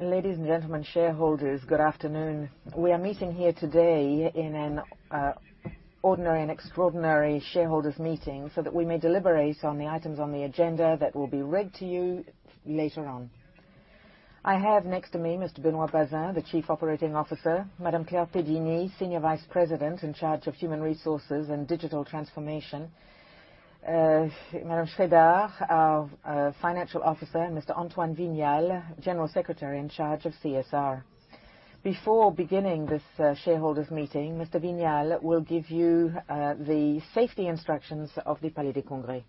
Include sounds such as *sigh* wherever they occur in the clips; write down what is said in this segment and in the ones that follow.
Ladies and gentlemen shareholders, good afternoon. We are meeting here today in an ordinary and extraordinary shareholders' meeting so that we may deliberate on the items on the agenda that will be read to you later on. I have next to me Mr. Benoit Bazin, the Chief Operating Officer; Madame Claire Pedini, Senior Vice President in charge of Human Resources and Digital Transformation; Mr. Sreedhar, our Financial Officer; and Mr. Antoine Vignial, General Secretary in charge of CSR. Before beginning this shareholders' meeting, Mr. Vignial will give you the safety instructions of the Palais des Congrès.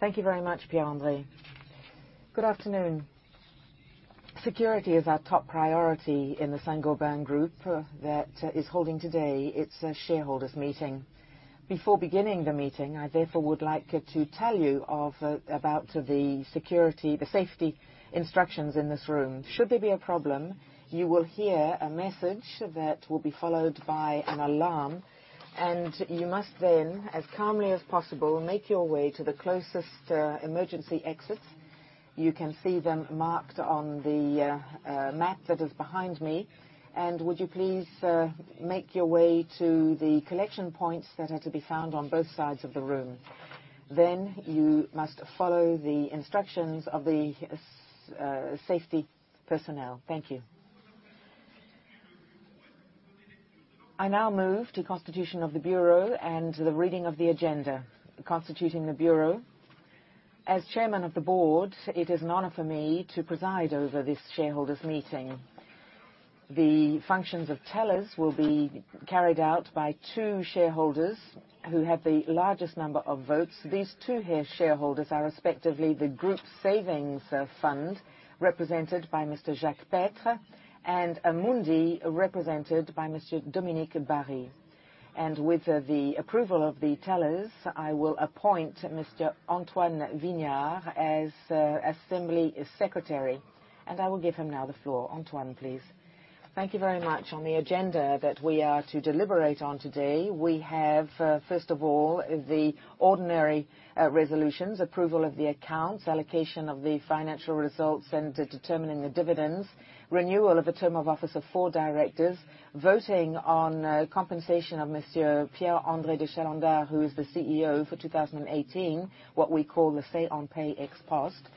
Thank you very much, Pierre-André. Good afternoon. Security is our top priority in the Saint-Gobain Group that is holding today its shareholders' meeting. Before beginning the meeting, I therefore would like to tell you about the safety instructions in this room. Should there be a problem, you will hear a message that will be followed by an alarm, and you must then, as calmly as possible, make your way to the closest emergency exits. You can see them marked on the map that is behind me. Please make your way to the collection points that are to be found on both sides of the room. You must follow the instructions of the safety personnel. Thank you. I now move to constitution of the bureau and the reading of the agenda. Constituting the bureau. As Chairman of the Board, it is an honor for me to preside over this shareholders' meeting. The functions of tellers will be carried out by two shareholders who have the largest number of votes. These two shareholders are respectively the Group Savings Fund, represented by Mr. Jacques Pestre, and Amundi, represented by Mr. Dominique Barry. With the approval of the tellers, I will appoint Mr. Antoine Vignial as Assembly Secretary, and I will give him now the floor. Antoine, please. Thank you very much. On the agenda that we are to deliberate on today, we have, first of all, the ordinary resolutions: approval of the accounts, allocation of the financial results and determining the dividends, renewal of the term of office of four directors, voting on compensation of Mr. Pierre-André de Chalendar, who is the CEO for 2018, what we call the Say-on-Pay ex-post,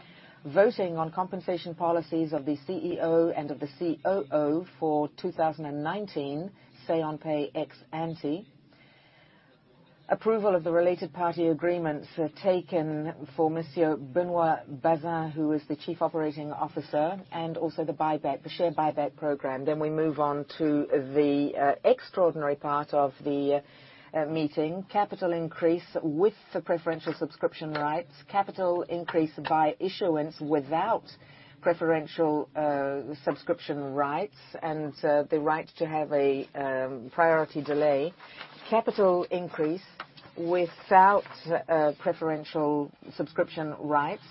voting on compensation policies of the CEO and of the COO for 2019, Say-on-Pay ex-ante, approval of the related party agreements taken for Mr. Benoit Bazin, who is the Chief Operating Officer, and also the share buyback program. We move on to the extraordinary part of the meeting: capital increase with preferential subscription rights, capital increase by issuance without preferential subscription rights, and the right to have a priority delay, capital increase without preferential subscription rights,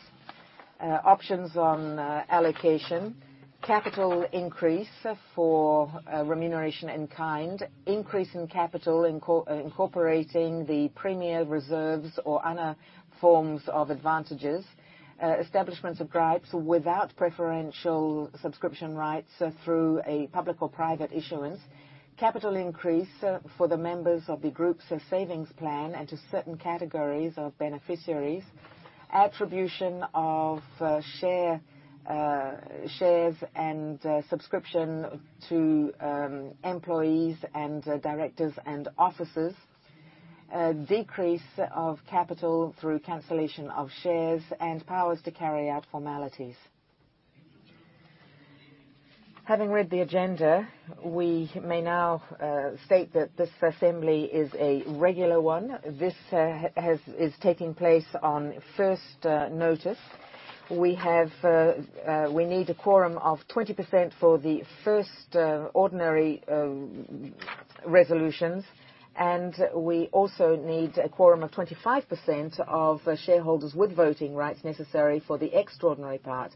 options on allocation, capital increase for remuneration in kind, increase in capital incorporating the premier reserves or other forms of advantages, establishment of gripes without preferential subscription rights through a public or private issuance, capital increase for the members of the Group Savings Plan and to certain categories of beneficiaries, attribution of shares and subscription to employees and directors and officers, decrease of capital through cancellation of shares, and powers to carry out formalities. Having read the agenda, we may now state that this assembly is a regular one. This is taking place on first notice. We need a quorum of 20% for the first ordinary resolutions, and we also need a quorum of 25% of shareholders with voting rights necessary for the extraordinary part.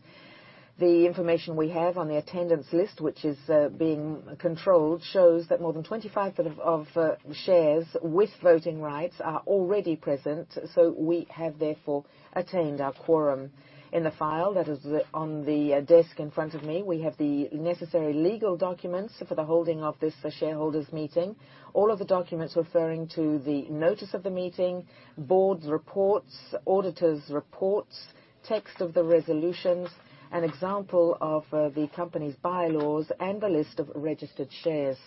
The information we have on the attendance list, which is being controlled, shows that more than 25% of shares with voting rights are already present, so we have therefore attained our quorum. In the file that is on the desk in front of me, we have the necessary legal documents for the holding of this shareholders' meeting, all of the documents referring to the notice of the meeting, board reports, auditors' reports, text of the resolutions, an example of the company's bylaws, and the list of registered shares.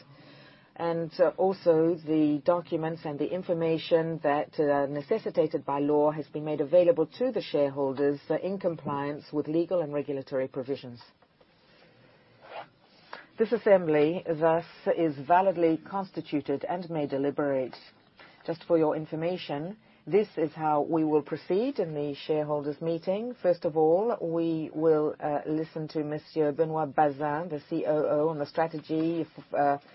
The documents and the information that are necessitated by law has been made available to the shareholders in compliance with legal and regulatory provisions. This assembly, thus, is validly constituted and may deliberate. Just for your information, this is how we will proceed in the shareholders' meeting. First of all, we will listen to Mr. Benoit Bazin, the COO, on the strategy, outlook, and transformation of the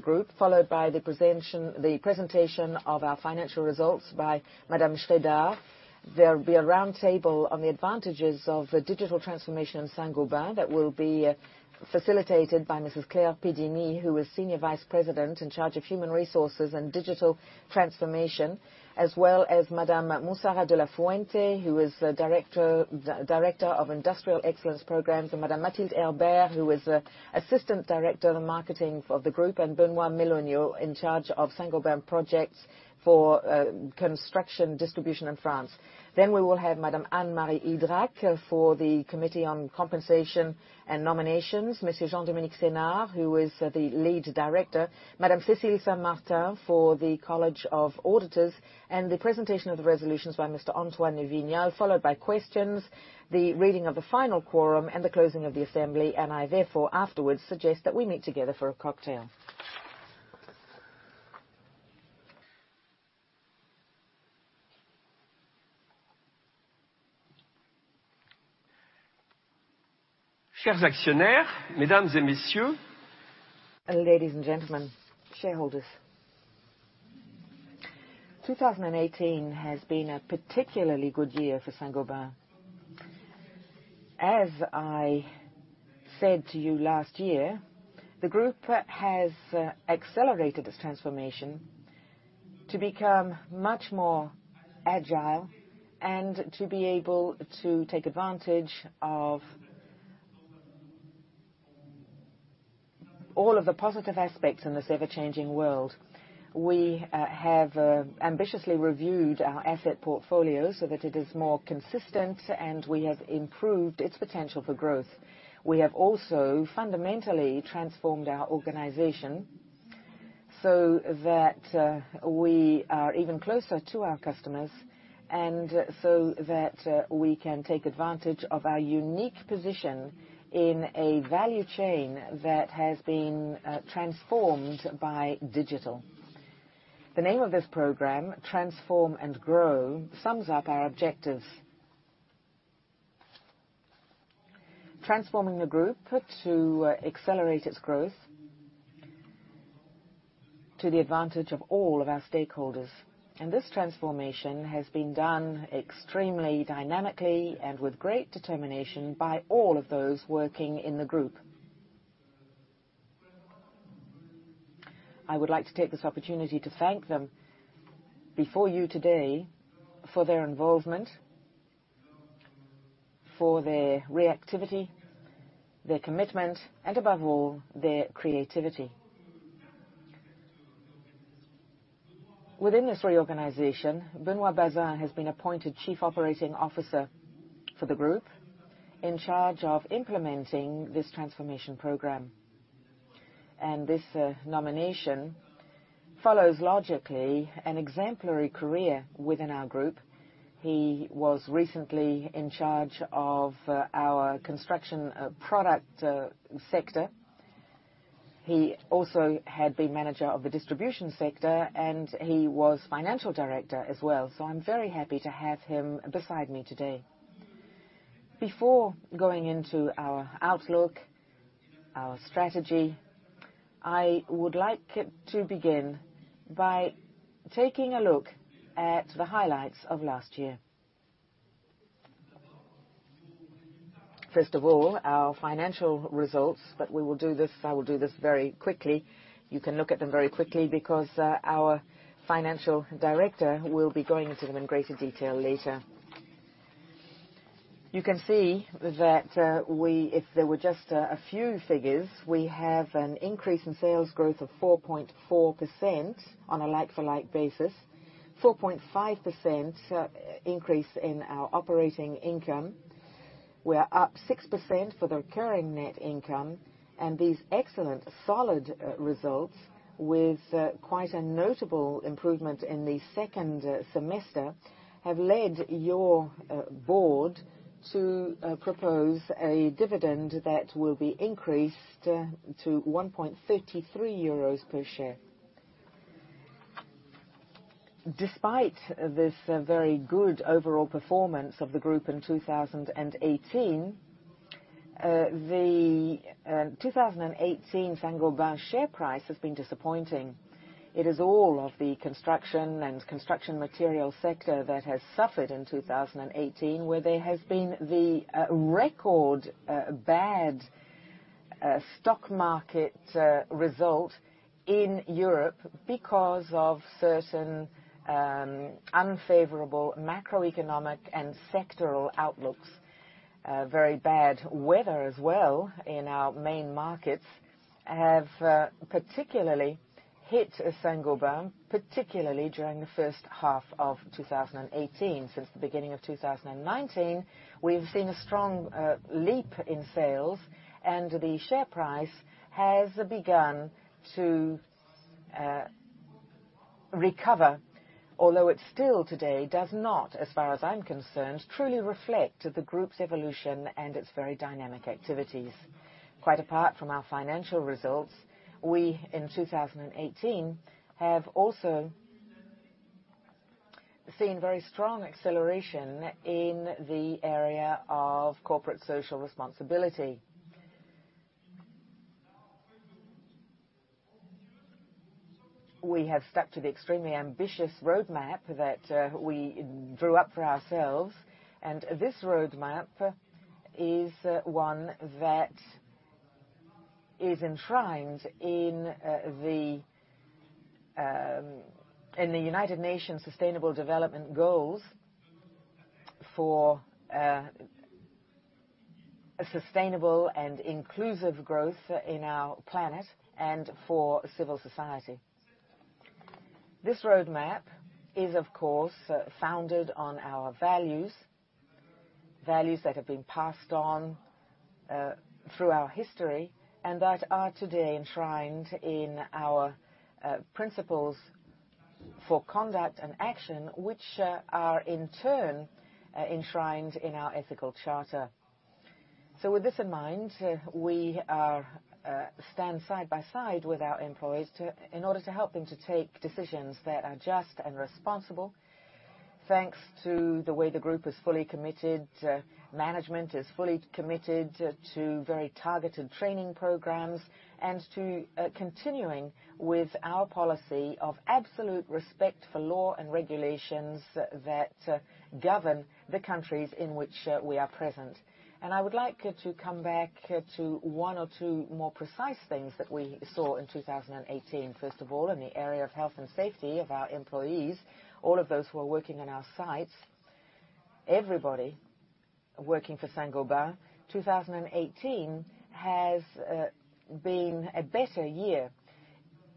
group, followed by the presentation of our financial results by *inaudible* Sreedhar There will be a roundtable on the advantages of digital transformation in Saint-Gobain that will be facilitated by Mrs. Claire Pedini, who is Senior Vice President in charge of Human Resources and Digital Transformation, as well as Madame Montserrat De La Fuente, who is Director of Industrial Excellence Programs, and Madame Mathilde Barthe, who is Assistant Director of Marketing for the group, and Benoit Melonio in charge of Saint-Gobain projects for construction distribution in France. We will have Madame Anne-Marie Idrac for the Committee on Compensation and Nominations, Monsieur Jean-Dominique Senard, who is the lead director, Madame Cécile Saint-Martin for the College of Auditors, and the presentation of the resolutions by Mr. Antoine Vignial, followed by questions, the reading of the final quorum, and the closing of the assembly. I therefore, afterwards, suggest that we meet together for a cocktail. Chers actionnaires, Mesdames et Messieurs. Ladies and gentlemen, shareholders. 2018 has been a particularly good year for Saint-Gobain. As I said to you last year, the group has accelerated its transformation to become much more agile and to be able to take advantage of all of the positive aspects in this ever-changing world. We have ambitiously reviewed our asset portfolio so that it is more consistent, and we have improved its potential for growth. We have also fundamentally transformed our organization so that we are even closer to our customers and so that we can take advantage of our unique position in a value chain that has been transformed by digital. The name of this program, Transform & Grow, sums up our objectives: transforming the group to accelerate its growth to the advantage of all of our stakeholders. This transformation has been done extremely dynamically and with great determination by all of those working in the group. I would like to take this opportunity to thank them before you today for their involvement, for their reactivity, their commitment, and above all, their creativity. Within this reorganization, Benoit Bazin has been appointed Chief Operating Officer for the group in charge of implementing this transformation program. This nomination follows logically an exemplary career within our group. He was recently in charge of our construction product sector. He also had been manager of the distribution sector, and he was Financial Director as well. I am very happy to have him beside me today. Before going into our outlook, our strategy, I would like to begin by taking a look at the highlights of last year. First of all, our financial results, but we will do this—I will do this very quickly. You can look at them very quickly because our financial director will be going into them in greater detail later. You can see that if there were just a few figures, we have an increase in sales growth of 4.4% on a like-for-like basis, 4.5% increase in our operating income. We are up 6% for the recurring net income. These excellent, solid results, with quite a notable improvement in the second semester, have led your board to propose a dividend that will be increased to 1.33 euros per share. Despite this very good overall performance of the group in 2018, the 2018 Saint-Gobain share price has been disappointing. It is all of the construction and construction materials sector that has suffered in 2018, where there has been the record bad stock market result in Europe because of certain unfavorable macroeconomic and sectoral outlooks. Very bad weather as well in our main markets have particularly hit Saint-Gobain, particularly during the first half of 2018. Since the beginning of 2019, we've seen a strong leap in sales, and the share price has begun to recover, although it still today does not, as far as I'm concerned, truly reflect the group's evolution and its very dynamic activities. Quite apart from our financial results, we in 2018 have also seen very strong acceleration in the area of corporate social responsibility. We have stuck to the extremely ambitious roadmap that we drew up for ourselves. This roadmap is one that is enshrined in the United Nations Sustainable Development Goals for sustainable and inclusive growth in our planet and for civil society. This roadmap is, of course, founded on our values, values that have been passed on through our history and that are today enshrined in our principles for conduct and action, which are in turn enshrined in our ethical charter. With this in mind, we stand side by side with our employees in order to help them to take decisions that are just and responsible, thanks to the way the group is fully committed, management is fully committed to very targeted training programs, and to continuing with our policy of absolute respect for law and regulations that govern the countries in which we are present. I would like to come back to one or two more precise things that we saw in 2018. First of all, in the area of health and safety of our employees, all of those who are working in our sites, everybody working for Saint-Gobain, 2018 has been a better year.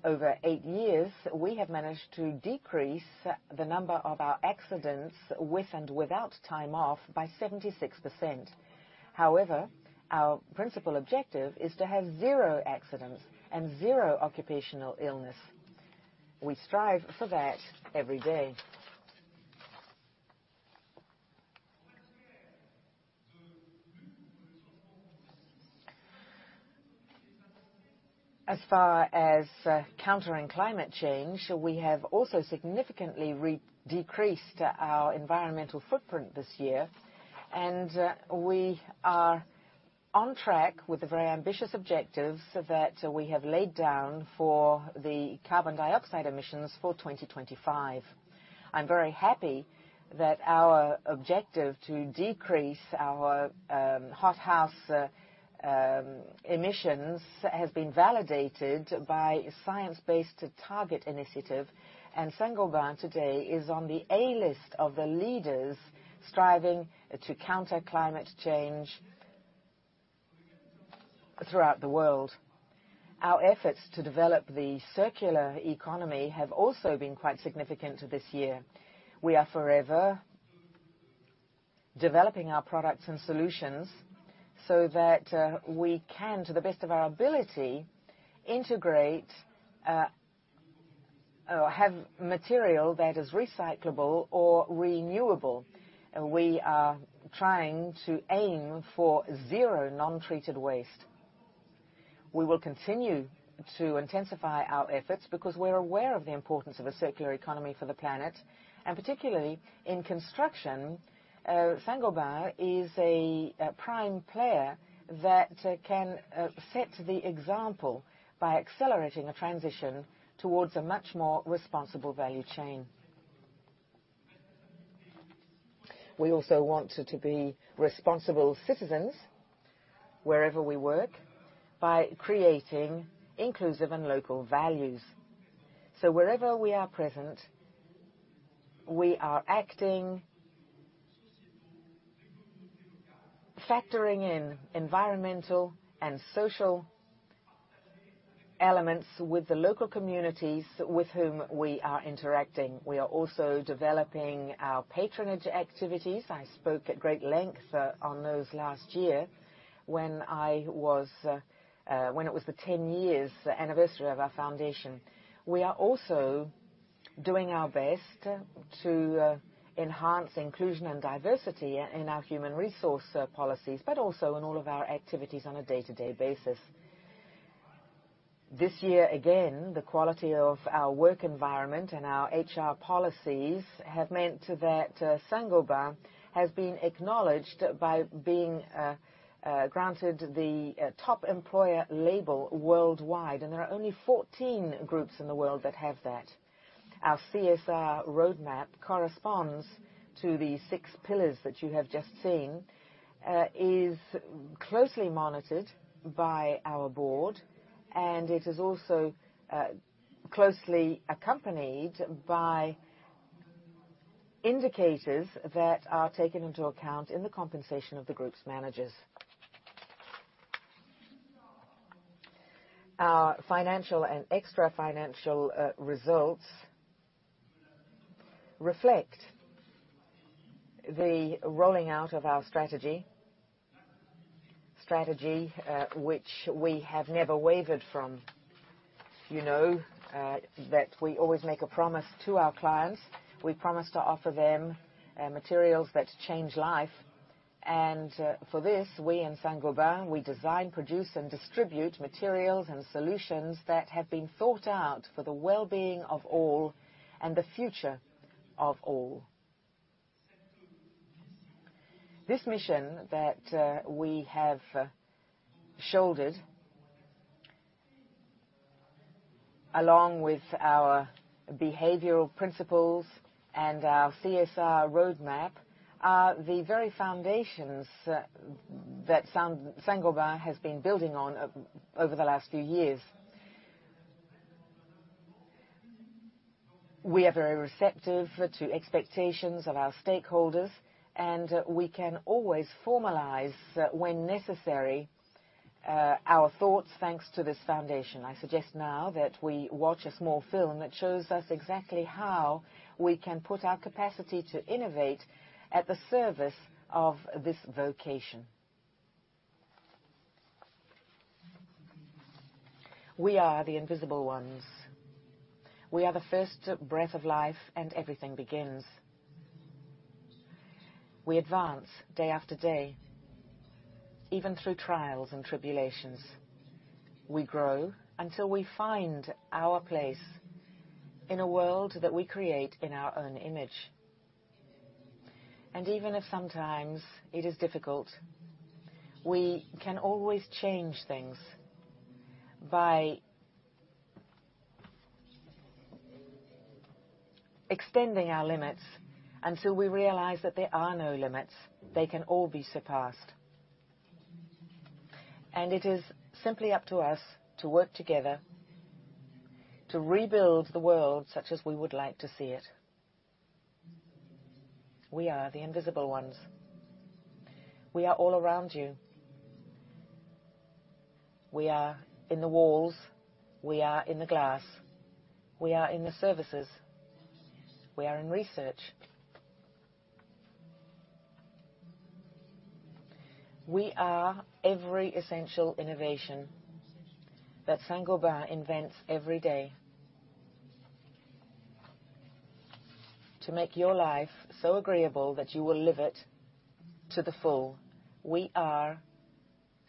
Over eight years, we have managed to decrease the number of our accidents with and without time off by 76%. However, our principal objective is to have zero accidents and zero occupational illness. We strive for that every day. As far as countering climate change, we have also significantly decreased our environmental footprint this year, and we are on track with the very ambitious objectives that we have laid down for the carbon dioxide emissions for 2025. I'm very happy that our objective to decrease our hothouse emissions has been validated by a science-based target initiative, and Saint-Gobain today is on the A-list of the leaders striving to counter climate change throughout the world. Our efforts to develop the circular economy have also been quite significant this year. We are forever developing our products and solutions so that we can, to the best of our ability, integrate or have material that is recyclable or renewable. We are trying to aim for zero non-treated waste. We will continue to intensify our efforts because we're aware of the importance of a circular economy for the planet, and particularly in construction, Saint-Gobain is a prime player that can set the example by accelerating a transition towards a much more responsible value chain. We also want to be responsible citizens wherever we work by creating inclusive and local values. Wherever we are present, we are acting, factoring in environmental and social elements with the local communities with whom we are interacting. We are also developing our patronage activities. I spoke at great length on those last year when it was the 10-year anniversary of our foundation. We are also doing our best to enhance inclusion and diversity in our human resource policies, but also in all of our activities on a day-to-day basis. This year, again, the quality of our work environment and our HR policies have meant that Saint-Gobain has been acknowledged by being granted the top employer label worldwide, and there are only 14 groups in the world that have that. Our CSR roadmap corresponds to the six pillars that you have just seen, is closely monitored by our board, and it is also closely accompanied by indicators that are taken into account in the compensation of the group's managers. Our financial and extra-financial results reflect the rolling out of our strategy, which we have never wavered from. You know that we always make a promise to our clients. We promise to offer them materials that change life. For this, we in Saint-Gobain, we design, produce, and distribute materials and solutions that have been thought out for the well-being of all and the future of all. This mission that we have shouldered, along with our behavioral principles and our CSR roadmap, are the very foundations that Saint-Gobain has been building on over the last few years. We are very receptive to expectations of our stakeholders, and we can always formalize, when necessary, our thoughts thanks to this foundation. I suggest now that we watch a small film that shows us exactly how we can put our capacity to innovate at the service of this vocation. We are the invisible ones. We are the first breath of life, and everything begins. We advance day after day, even through trials and tribulations. We grow until we find our place in a world that we create in our own image. Even if sometimes it is difficult, we can always change things by extending our limits until we realize that there are no limits; they can all be surpassed. It is simply up to us to work together to rebuild the world such as we would like to see it. We are the invisible ones. We are all around you. We are in the walls. We are in the glass. We are in the services. We are in research. We are every essential innovation that Saint-Gobain invents every day to make your life so agreeable that you will live it to the full. We are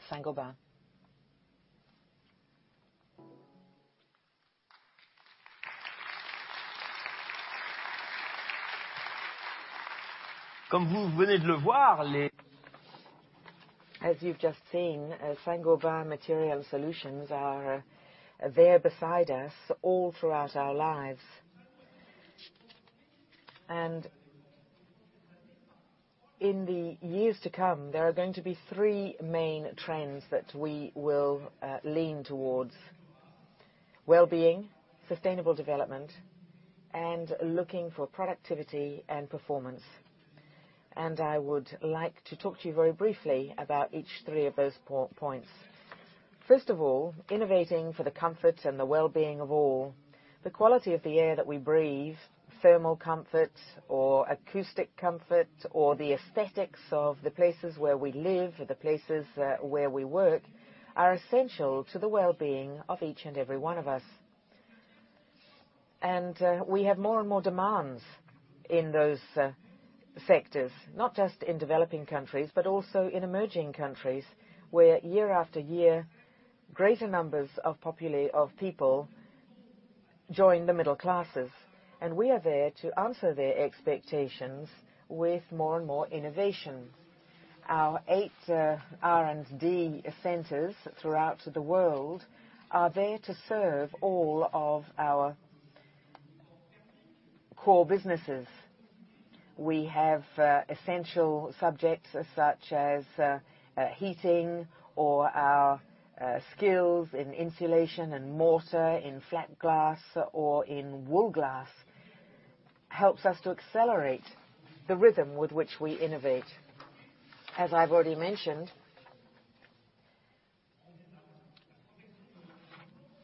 Saint-Gobain. Comme vous venez de le voir... As you've just seen, Saint-Gobain Material Solutions are there beside us all throughout our lives. In the years to come, there are going to be three main trends that we will lean towards: well-being, sustainable development, and looking for productivity and performance. I would like to talk to you very briefly about each three of those points. First of all, innovating for the comfort and the well-being of all, the quality of the air that we breathe, thermal comfort or acoustic comfort, or the aesthetics of the places where we live, the places where we work, are essential to the well-being of each and every one of us. We have more and more demands in those sectors, not just in developing countries, but also in emerging countries, where year after year, greater numbers of people join the middle classes. We are there to answer their expectations with more and more innovation. Our eight R&D centers throughout the world are there to serve all of our core businesses. We have essential subjects such as heating or our skills in insulation and mortar in flat glass or in wool glass helps us to accelerate the rhythm with which we innovate. As I've already mentioned,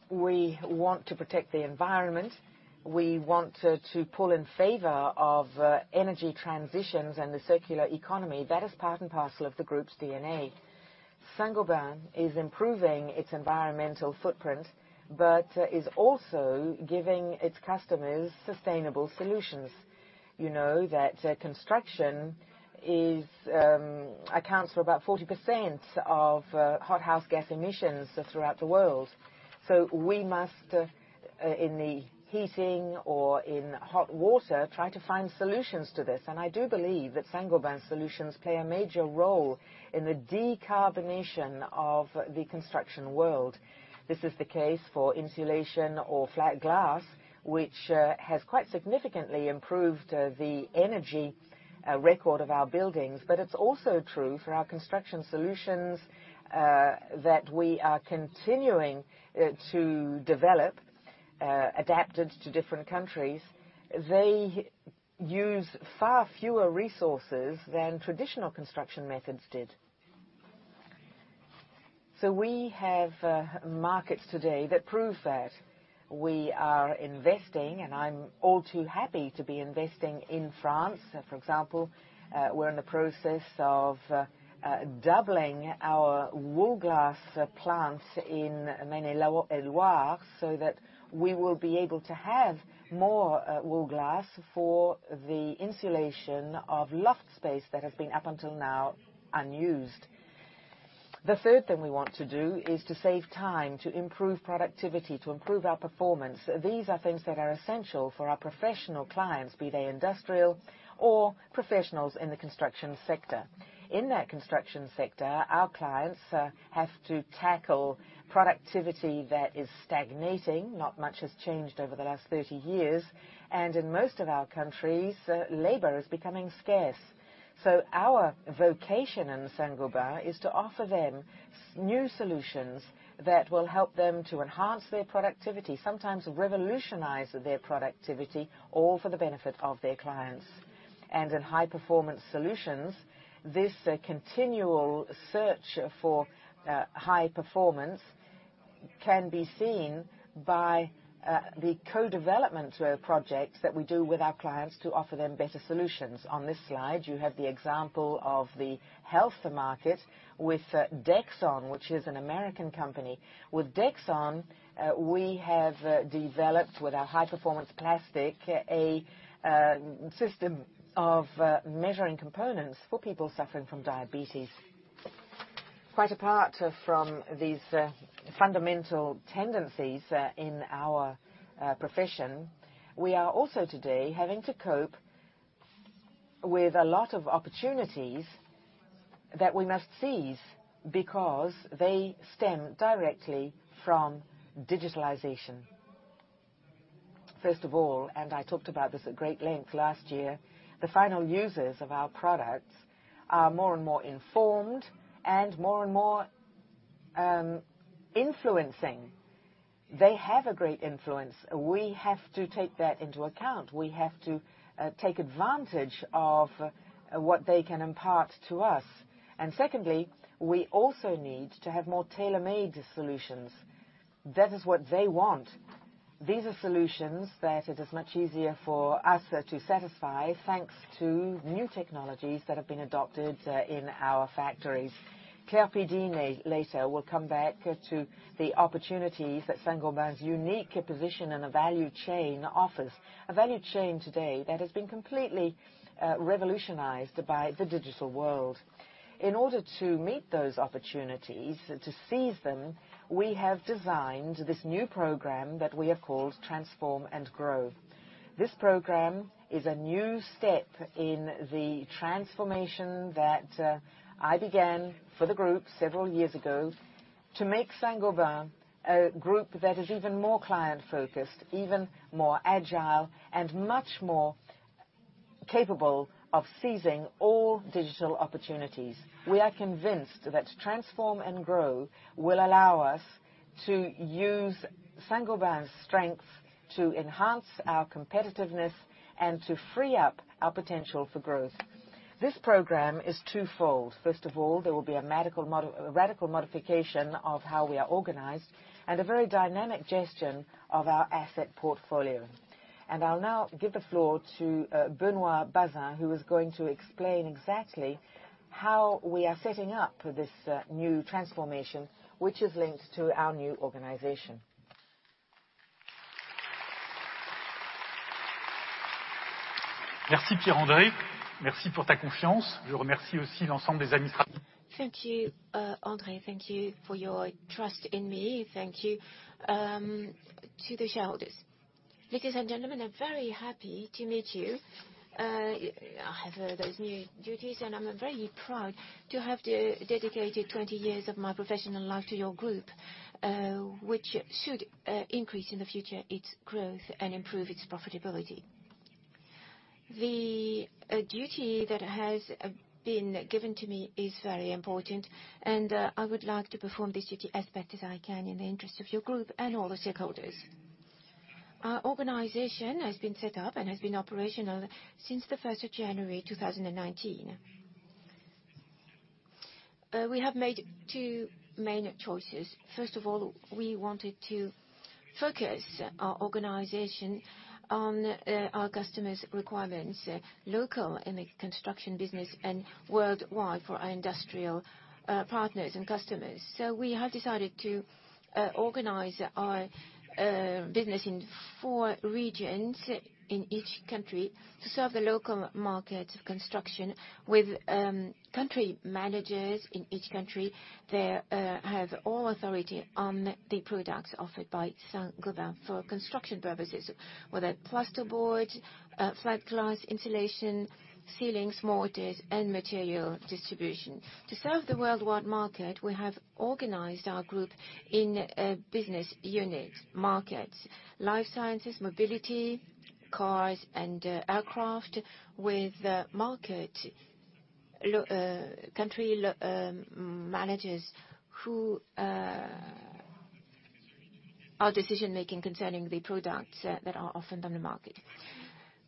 we want to protect the environment. We want to pull in favor of energy transitions and the circular economy. That is part and parcel of the group's DNA. Saint-Gobain is improving its environmental footprint but is also giving its customers sustainable solutions. You know that construction accounts for about 40% of hothouse gas emissions throughout the world. We must, in the heating or in hot water, try to find solutions to this. I do believe that Saint-Gobain's solutions play a major role in the decarbonation of the construction world. This is the case for insulation or flat glass, which has quite significantly improved the energy record of our buildings. It is also true for our construction solutions that we are continuing to develop, adapted to different countries. They use far fewer resources than traditional construction methods did. We have markets today that prove that. We are investing, and I'm all too happy to be investing in France. For example, we're in the process of doubling our wool glass plants in Maine-et-Loire so that we will be able to have more wool glass for the insulation of loft space that has been up until now unused. The third thing we want to do is to save time, to improve productivity, to improve our performance. These are things that are essential for our professional clients, be they industrial or professionals in the construction sector. In that construction sector, our clients have to tackle productivity that is stagnating. Not much has changed over the last 30 years, and in most of our countries, labor is becoming scarce. Our vocation in Saint-Gobain is to offer them new solutions that will help them to enhance their productivity, sometimes revolutionize their productivity, all for the benefit of their clients. In high-performance solutions, this continual search for high performance can be seen by the co-development projects that we do with our clients to offer them better solutions. On this slide, you have the example of the health market with Dexon, which is an American company. With Dexon, we have developed, with our high-performance plastic, a system of measuring components for people suffering from diabetes. Quite apart from these fundamental tendencies in our profession, we are also today having to cope with a lot of opportunities that we must seize because they stem directly from digitalization. First of all, and I talked about this at great length last year, the final users of our products are more and more informed and more and more influencing. They have a great influence. We have to take that into account. We have to take advantage of what they can impart to us. Secondly, we also need to have more tailor-made solutions. That is what they want. These are solutions that it is much easier for us to satisfy thanks to new technologies that have been adopted in our factories. Claire Pedini later will come back to the opportunities that Saint-Gobain's unique position and a value chain offers. A value chain today that has been completely revolutionized by the digital world. In order to meet those opportunities, to seize them, we have designed this new program that we have called Transform & Grow. This program is a new step in the transformation that I began for the group several years ago to make Saint-Gobain a group that is even more client-focused, even more agile, and much more capable of seizing all digital opportunities. We are convinced that Transform & Grow will allow us to use Saint-Gobain's strengths to enhance our competitiveness and to free up our potential for growth. This program is twofold. First of all, there will be a radical modification of how we are organized and a very dynamic gestion of our asset portfolio. I'll now give the floor to Benoit Bazin, who is going to explain exactly how we are setting up this new transformation, which is linked to our new organization. Merci, Pierre-André. Merci pour ta confiance. Je remercie aussi l'ensemble des. Thank you, André. Thank you for your trust in me. Thank you to the shareholders. Ladies and gentlemen, I'm very happy to meet you. I have those new duties, and I'm very proud to have dedicated 20 years of my professional life to your group, which should increase in the future its growth and improve its profitability. The duty that has been given to me is very important, and I would like to perform this duty as best as I can in the interest of your group and all the stakeholders. Our organization has been set up and has been operational since the 1st of January 2019. We have made two main choices. First of all, we wanted to focus our organization on our customers' requirements, local in the construction business and worldwide for our industrial partners and customers. We have decided to organize our business in four regions in each country to serve the local markets of construction with country managers in each country that have all authority on the products offered by Saint-Gobain for construction purposes, whether plasterboards, flat glass, insulation, ceilings, mortars, and material distribution. To serve the worldwide market, we have organized our group in business units, markets, life sciences, mobility, cars, and aircraft with market country managers who are decision-making concerning the products that are offered on the market.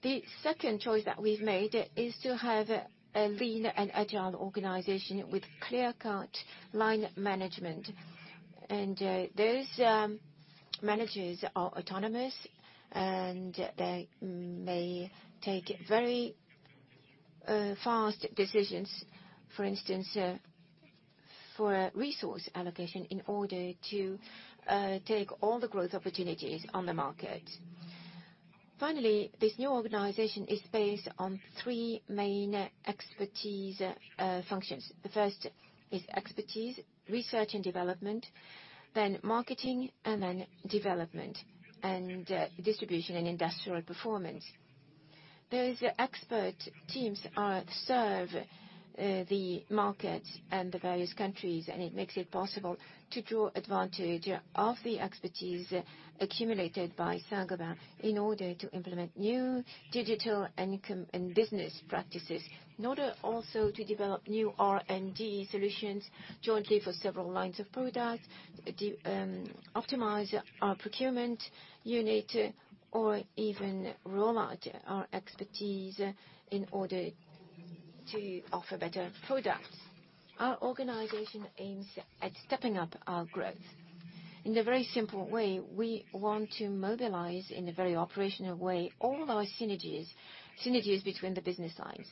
The second choice that we've made is to have a lean and agile organization with clear-cut line management. Those managers are autonomous, and they may take very fast decisions, for instance, for resource allocation in order to take all the growth opportunities on the market. Finally, this new organization is based on three main expertise functions. The first is expertise, research and development, then marketing, and then development and distribution and industrial performance. Those expert teams serve the markets and the various countries, and it makes it possible to draw advantage of the expertise accumulated by Saint-Gobain in order to implement new digital and business practices, in order also to develop new R&D solutions jointly for several lines of product, optimize our procurement unit, or even roll out our expertise in order to offer better products. Our organization aims at stepping up our growth. In a very simple way, we want to mobilize in a very operational way all our synergies between the business lines.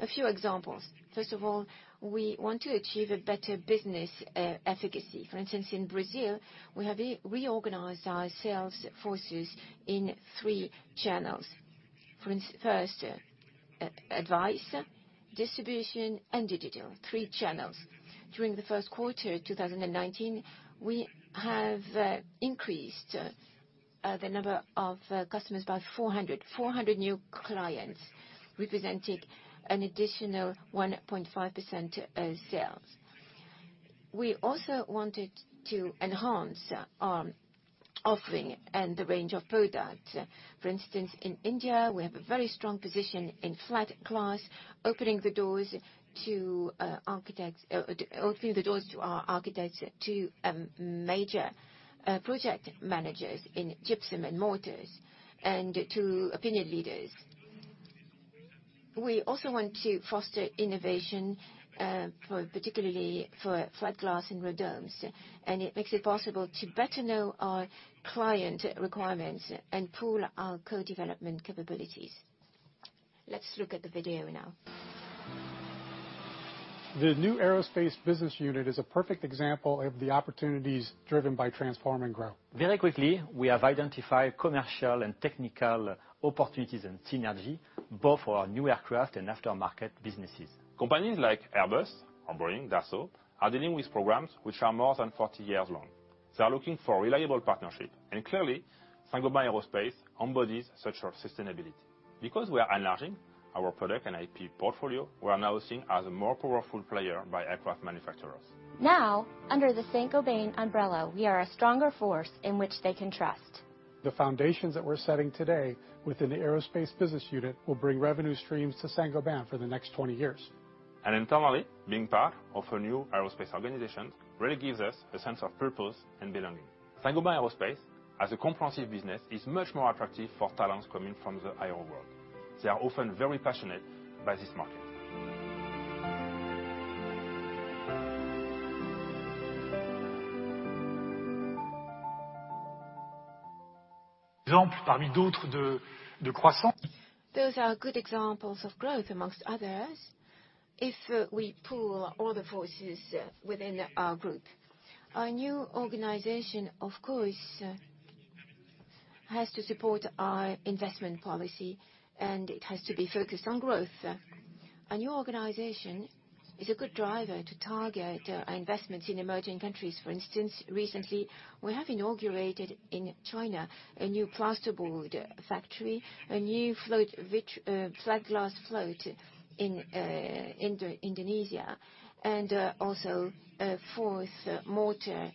A few examples. First of all, we want to achieve better business efficacy. For instance, in Brazil, we have reorganized our sales forces in three channels. First, advice, distribution, and digital. Three channels. During the first quarter of 2019, we have increased the number of customers by 400. 400 new clients representing an additional 1.5% sales. We also wanted to enhance our offering and the range of products. For instance, in India, we have a very strong position in flat glass, opening the doors to our architects to major project managers in gypsum and mortars and to opinion leaders. We also want to foster innovation, particularly for flat glass and road domes, and it makes it possible to better know our client requirements and pool our co-development capabilities. Let's look at the video now. The new aerospace business unit is a perfect example of the opportunities driven by Transform & Grow. Very quickly, we have identified commercial and technical opportunities and synergies both for our new aircraft and aftermarket businesses. Companies like Airbus, Embraer, and Dassault are dealing with programs which are more than 40 years long. They are looking for reliable partnerships, and clearly, Saint-Gobain Aerospace embodies such sustainability. Because we are enlarging our product and IP portfolio, we are now seen as a more powerful player by aircraft manufacturers. Now, under the Saint-Gobain umbrella, we are a stronger force in which they can trust. The foundations that we're setting today within the aerospace business unit will bring revenue streams to Saint-Gobain for the next 20 years. Internally, being part of a new aerospace organization really gives us a sense of purpose and belonging. Saint-Gobain Aerospace, as a comprehensive business, is much more attractive for talents coming from the aero world. They are often very passionate about this market. Parmi d'autres de croissance. Those are good examples of growth amongst others if we pool all the forces within our group. Our new organization, of course, has to support our investment policy, and it has to be focused on growth. A new organization is a good driver to target investments in emerging countries. For instance, recently, we have inaugurated in China a new plasterboard factory, a new flat glass float in Indonesia, and also a fourth mortar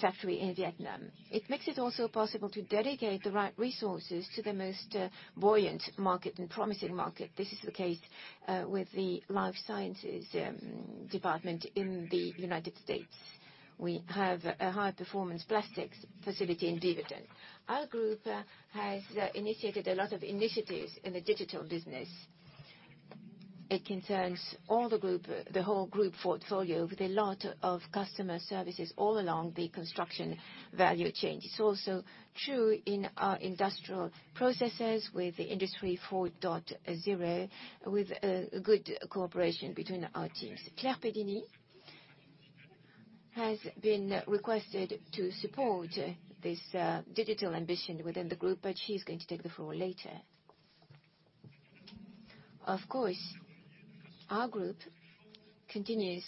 factory in Vietnam. It makes it also possible to dedicate the right resources to the most buoyant market and promising market. This is the case with the life sciences department in the United States. We have a high-performance plastics facility in Dividend. Our group has initiated a lot of initiatives in the digital business. It concerns the whole group portfolio with a lot of customer services all along the construction value chain. It's also true in our industrial processes with the Industry 4.0, with good cooperation between our teams. Claire Pedini has been requested to support this digital ambition within the group, but she's going to take the floor later. Of course, our group continues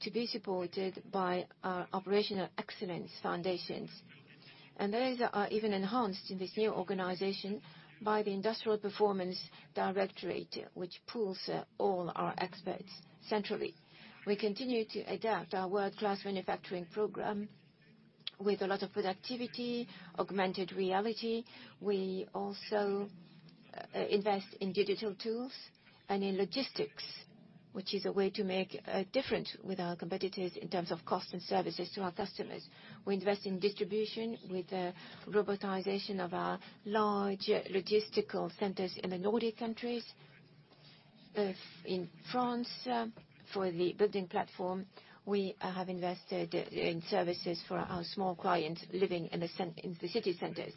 to be supported by our operational excellence foundations, and those are even enhanced in this new organization by the Industrial Performance Directorate, which pools all our experts centrally. We continue to adapt our world-class manufacturing program with a lot of productivity, augmented reality. We also invest in digital tools and in logistics, which is a way to make a difference with our competitors in terms of cost and services to our customers. We invest in distribution with the robotization of our large logistical centers in the Nordic countries. In France, for the building platform, we have invested in services for our small clients living in the city centers.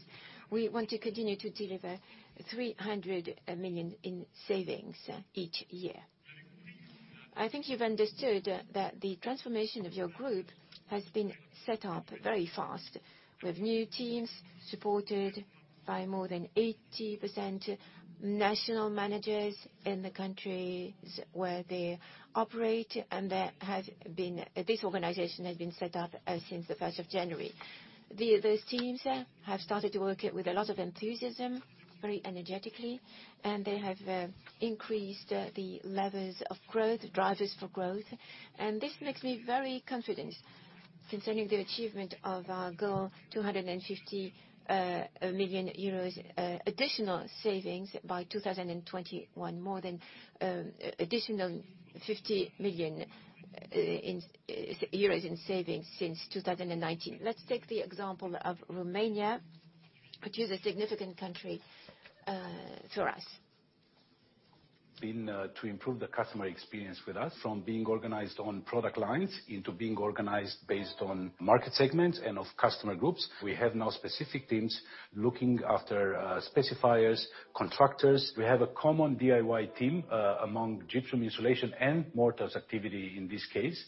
We want to continue to deliver 300 million in savings each year. I think you've understood that the transformation of your group has been set up very fast, with new teams supported by more than 80% national managers in the countries where they operate, and this organization has been set up since the 1st of January. Those teams have started to work with a lot of enthusiasm, very energetically, and they have increased the levels of growth, drivers for growth, and this makes me very confident concerning the achievement of our goal: 250 million euros additional savings by 2021, more than additional 50 million euros in savings since 2019. Let's take the example of Romania, which is a significant country for us. To improve the customer experience with us from being organized on product lines into being organized based on market segments and of customer groups, we have now specific teams looking after specifiers, contractors. We have a common DIY team among gypsum insulation and mortar activity in this case,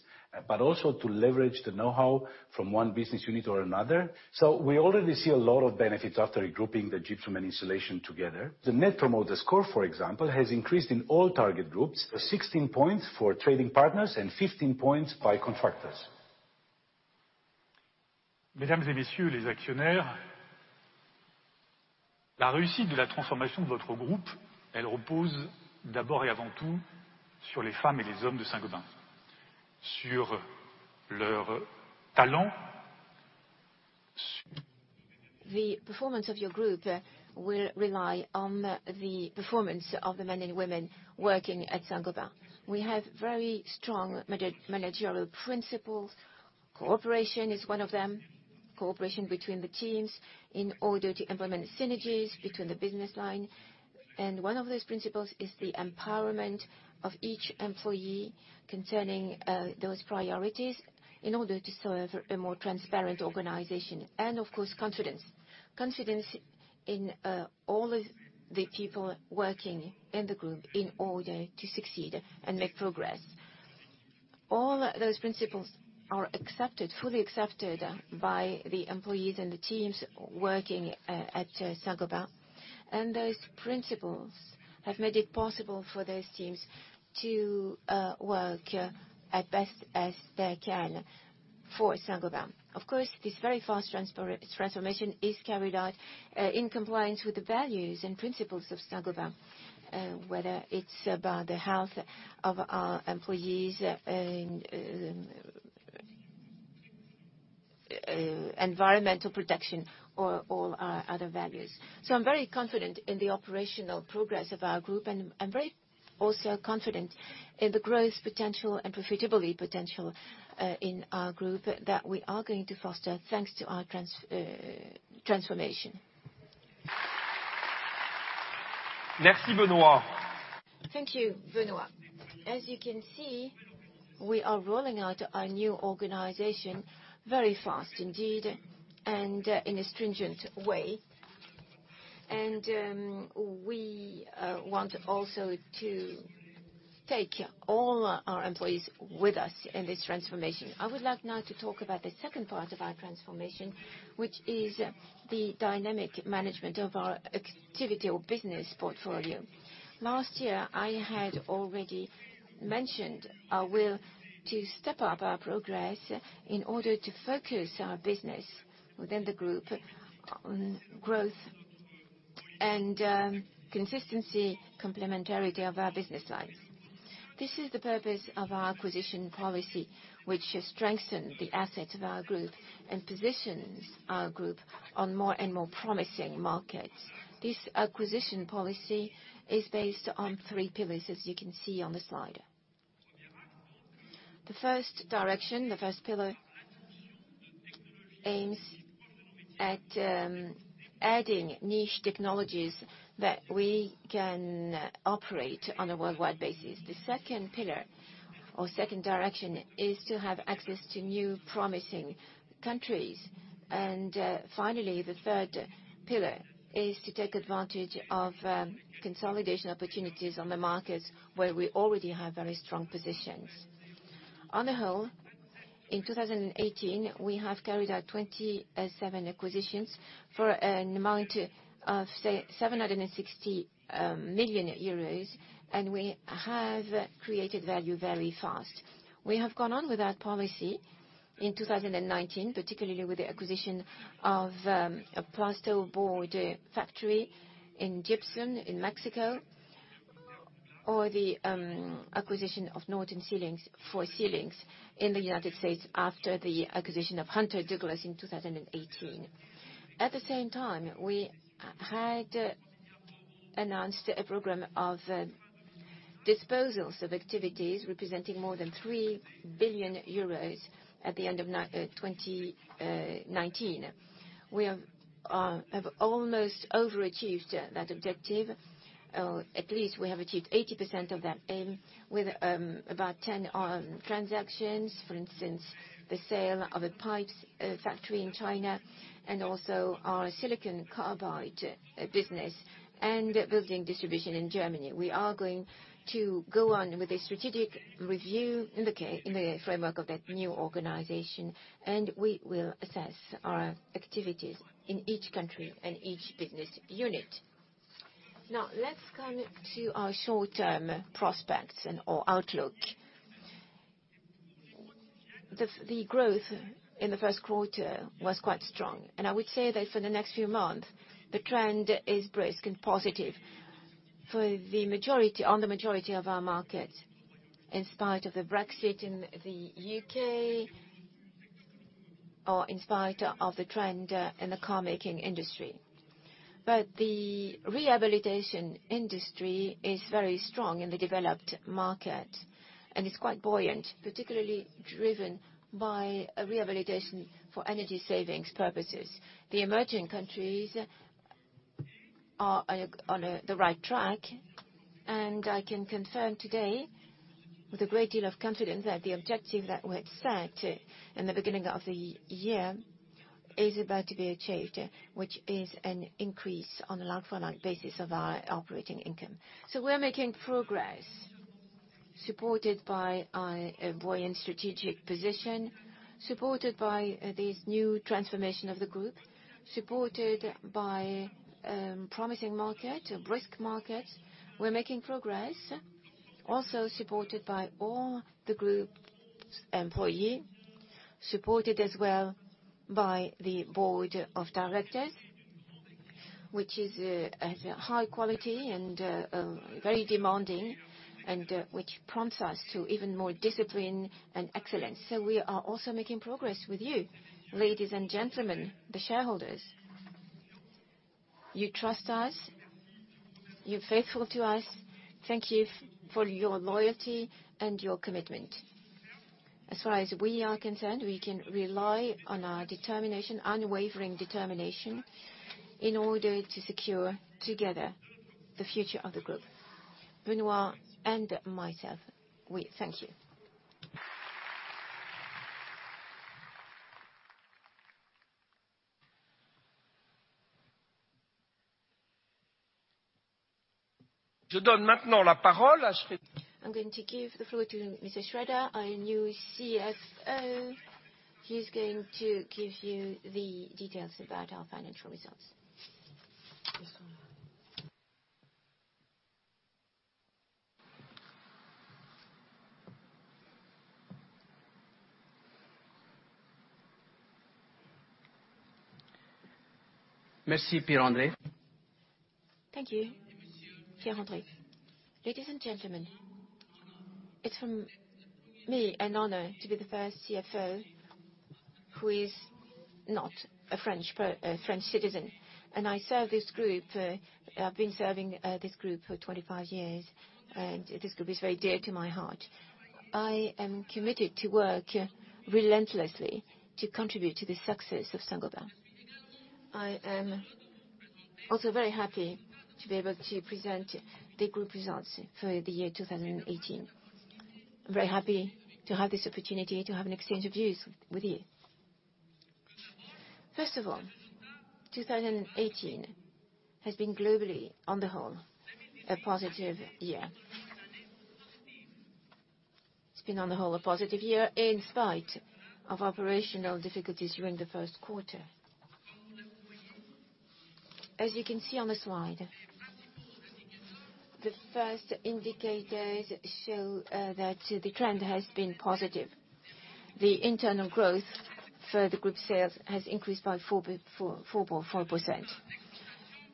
but also to leverage the know-how from one business unit or another. We already see a lot of benefits after grouping the gypsum and insulation together. The Net Promoter Score, for example, has increased in all target groups: 16 points for trading partners and 15 points by contractors. Mesdames et messieurs les actionnaires, la réussite de la transformation de votre groupe, elle repose d'abord et avant tout sur les femmes et les hommes de Saint-Gobain, sur leur talent. The performance of your group will rely on the performance of the men and women working at Saint-Gobain. We have very strong managerial principles. Cooperation is one of them, cooperation between the teams in order to implement synergies between the business line. One of those principles is the empowerment of each employee concerning those priorities in order to serve a more transparent organization. Of course, confidence, confidence in all of the people working in the group in order to succeed and make progress. All those principles are accepted, fully accepted by the employees and the teams working at Saint-Gobain. Those principles have made it possible for those teams to work as best as they can for Saint-Gobain. Of course, this very fast transformation is carried out in compliance with the values and principles of Saint-Gobain, whether it's about the health of our employees, environmental protection, or all our other values. I am very confident in the operational progress of our group, and I am also very confident in the growth potential and profitability potential in our group that we are going to foster thanks to our transformation. Merci, Benoit. Thank you, Benoit. As you can see, we are rolling out our new organization very fast indeed and in a stringent way. We want also to take all our employees with us in this transformation. I would like now to talk about the second part of our transformation, which is the dynamic management of our activity or business portfolio. Last year, I had already mentioned our will to step up our progress in order to focus our business within the group on growth and consistency, complementarity of our business lines. This is the purpose of our acquisition policy, which strengthens the assets of our group and positions our group on more and more promising markets. This acquisition policy is based on three pillars, as you can see on the slide. The first direction, the first pillar aims at adding niche technologies that we can operate on a worldwide basis. The second pillar or second direction is to have access to new promising countries. Finally, the third pillar is to take advantage of consolidation opportunities on the markets where we already have very strong positions. On the whole, in 2018, we have carried out 27 acquisitions for an amount of 760 million euros, and we have created value very fast. We have gone on with our policy in 2019, particularly with the acquisition of a plasterboard factory in gypsum in Mexico, or the acquisition of Norton Ceilings in the United States after the acquisition of Hunter Douglas in 2018. At the same time, we had announced a program of disposals of activities representing more than 3 billion euros at the end of 2019. We have almost overachieved that objective. At least we have achieved 80% of that aim with about 10 transactions, for instance, the sale of a pipes factory in China and also our silicon carbide business and building distribution in Germany. We are going to go on with a strategic review in the framework of that new organization, and we will assess our activities in each country and each business unit. Now, let's come to our short-term prospects and/or outlook. The growth in the first quarter was quite strong, and I would say that for the next few months, the trend is brisk and positive for the majority of our markets in spite of the Brexit in the U.K. or in spite of the trend in the carmaking industry. The rehabilitation industry is very strong in the developed market, and it's quite buoyant, particularly driven by rehabilitation for energy savings purposes. The emerging countries are on the right track, and I can confirm today with a great deal of confidence that the objective that we had set in the beginning of the year is about to be achieved, which is an increase on a lump-for-lump basis of our operating income. We're making progress supported by our buoyant strategic position, supported by this new transformation of the group, supported by promising markets, brisk markets. We're making progress also supported by all the group's employees, supported as well by the Board of Directors, which is high quality and very demanding, and which prompts us to even more discipline and excellence. We are also making progress with you, ladies and gentlemen, the shareholders. You trust us. You're faithful to us. Thank you for your loyalty and your commitment. As far as we are concerned, we can rely on our determination, unwavering determination in order to secure together the future of the group. Benoît and myself, we thank you. Je donne maintenant la parole à. I'm going to give the floor to Mr. Sreedhar, our new CFO. He's going to give you the details about our financial results. Merci, Pierre-André. Thank you, Pierre-André. Ladies and gentlemen, it's me an honor to be the first CFO who is not a French citizen. And I serve this group. I've been serving this group for 25 years, and this group is very dear to my heart. I am committed to work relentlessly to contribute to the success of Saint-Gobain. I am also very happy to be able to present the group results for the year 2018. I'm very happy to have this opportunity to have an exchange of views with you. First of all, 2018 has been globally, on the whole, a positive year. It's been, on the whole, a positive year in spite of operational difficulties during the first quarter. As you can see on the slide, the first indicators show that the trend has been positive. The internal growth for the group sales has increased by 4.4%.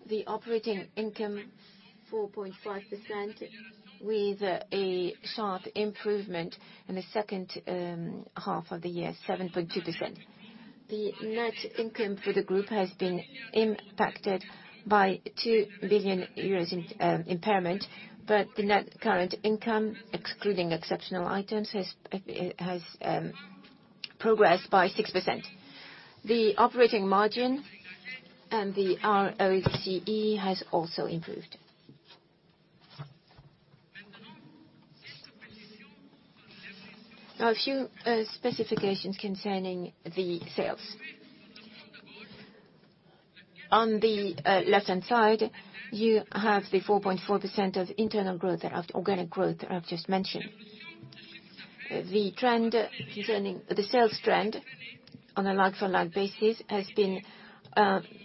The operating income, 4.5%, with a sharp improvement in the second half of the year, 7.2%. The net income for the group has been impacted by 2 billion euros in impairment, but the net current income, excluding exceptional items, has progressed by 6%. The operating margin and the ROCE have also improved. Now, a few specifications concerning the sales. On the left-hand side, you have the 4.4% of internal growth and organic growth I've just mentioned. The sales trend on a lump-for-lump basis has been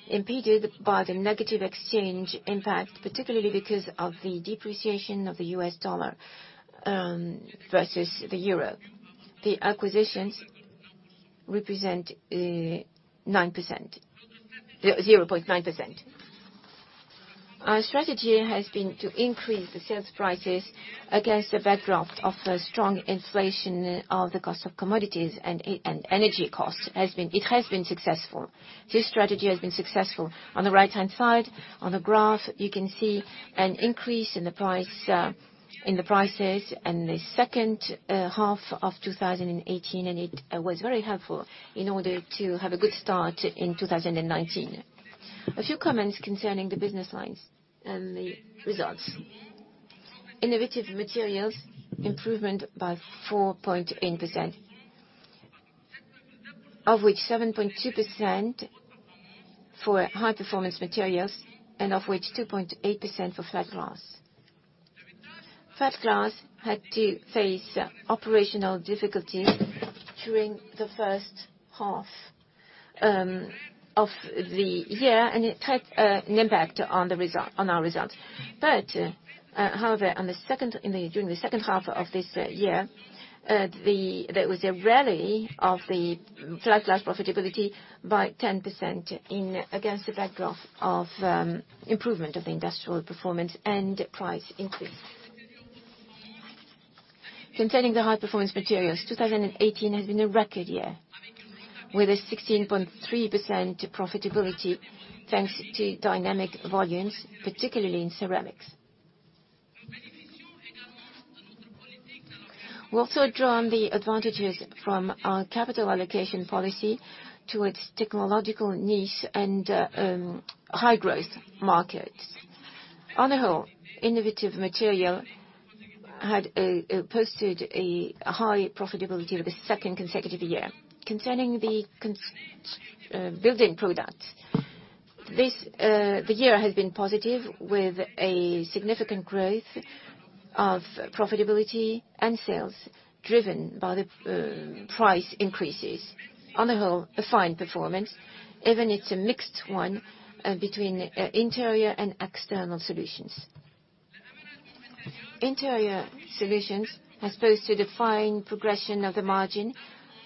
impeded by the negative exchange impact, particularly because of the depreciation of the U.S. dollar versus the euro. The acquisitions represent 0.9%. Our strategy has been to increase the sales prices against the backdrop of strong inflation of the cost of commodities and energy costs. It has been successful. This strategy has been successful. On the right-hand side, on the graph, you can see an increase in the prices in the second half of 2018, and it was very helpful in order to have a good start in 2019. A few comments concerning the business lines and the results. Innovative materials improvement by 4.8%, of which 7.2% for high-performance materials and of which 2.8% for flat glass. Flat glass had to face operational difficulties during the first half of the year, and it had an impact on our results. However, during the second half of this year, there was a rally of the flat glass profitability by 10% against the backdrop of improvement of the industrial performance and price increase. Concerning the high-performance materials, 2018 has been a record year with a 16.3% profitability thanks to dynamic volumes, particularly in ceramics. We also draw on the advantages from our capital allocation policy towards technological niche and high-growth markets. On the whole, innovative materials had posted a high profitability for the second consecutive year. Concerning the building products, the year has been positive with a significant growth of profitability and sales driven by the price increases. On the whole, a fine performance, even if it's a mixed one between interior and external solutions. Interior solutions have posted a fine progression of the margin,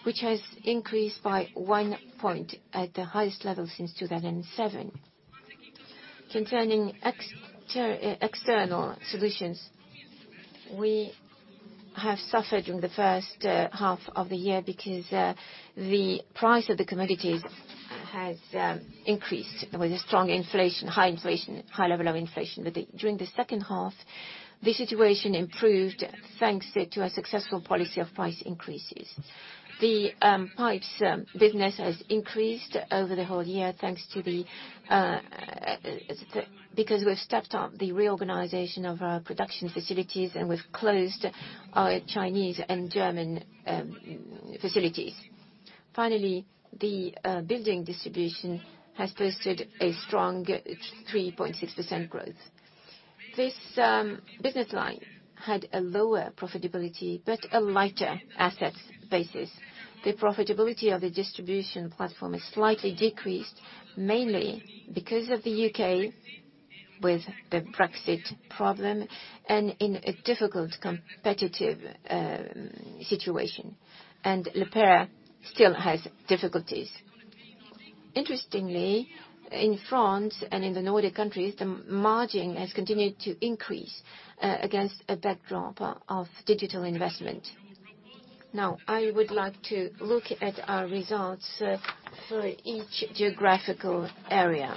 which has increased by one point at the highest level since 2007. Concerning external solutions, we have suffered during the first half of the year because the price of the commodities has increased with a strong inflation, high inflation, high level of inflation. During the second half, the situation improved thanks to a successful policy of price increases. The pipes business has increased over the whole year because we've stepped up the reorganization of our production facilities, and we've closed our Chinese and German facilities. Finally, the building distribution has posted a strong 3.6% growth. This business line had a lower profitability but a lighter assets basis. The profitability of the distribution platform has slightly decreased, mainly because of the U.K. with the Brexit problem and in a difficult competitive situation, and Le Perre still has difficulties. Interestingly, in France and in the Nordic countries, the margin has continued to increase against a backdrop of digital investment. Now, I would like to look at our results for each geographical area.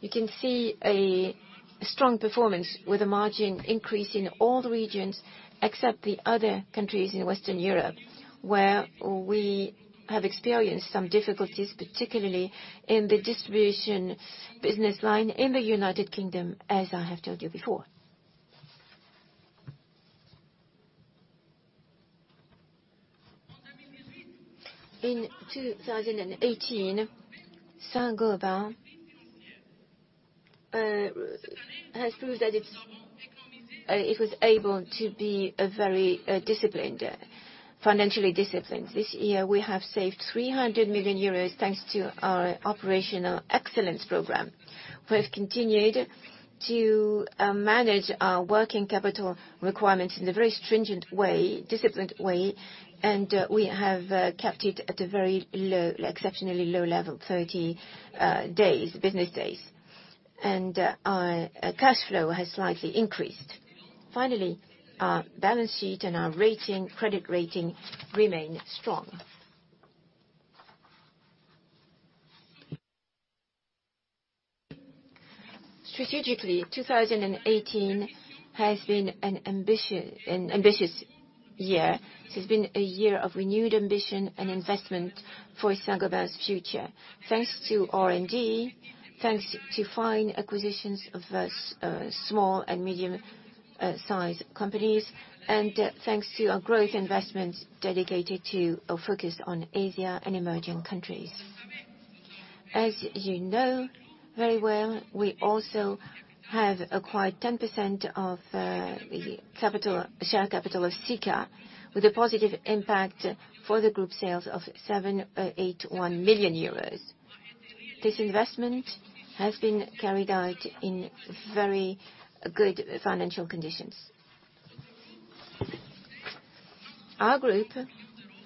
You can see a strong performance with a margin increase in all the regions except the other countries in Western Europe, where we have experienced some difficulties, particularly in the distribution business line in the United Kingdom, as I have told you before. In 2018, Saint-Gobain has proved that it was able to be very disciplined, financially disciplined. This year, we have saved 300 million euros thanks to our operational excellence program. We have continued to manage our working capital requirements in a very stringent way, disciplined way, and we have kept it at a very low, exceptionally low level, 30 business days. Our cash flow has slightly increased. Finally, our balance sheet and our credit rating remain strong. Strategically, 2018 has been an ambitious year. It has been a year of renewed ambition and investment for Saint-Gobain's future, thanks to R&D, thanks to fine acquisitions of small and medium-sized companies, and thanks to our growth investments dedicated to or focused on Asia and emerging countries. As you know very well, we also have acquired 10% of the share capital of Sika, with a positive impact for the group sales of 7.81 million euros. This investment has been carried out in very good financial conditions. Our group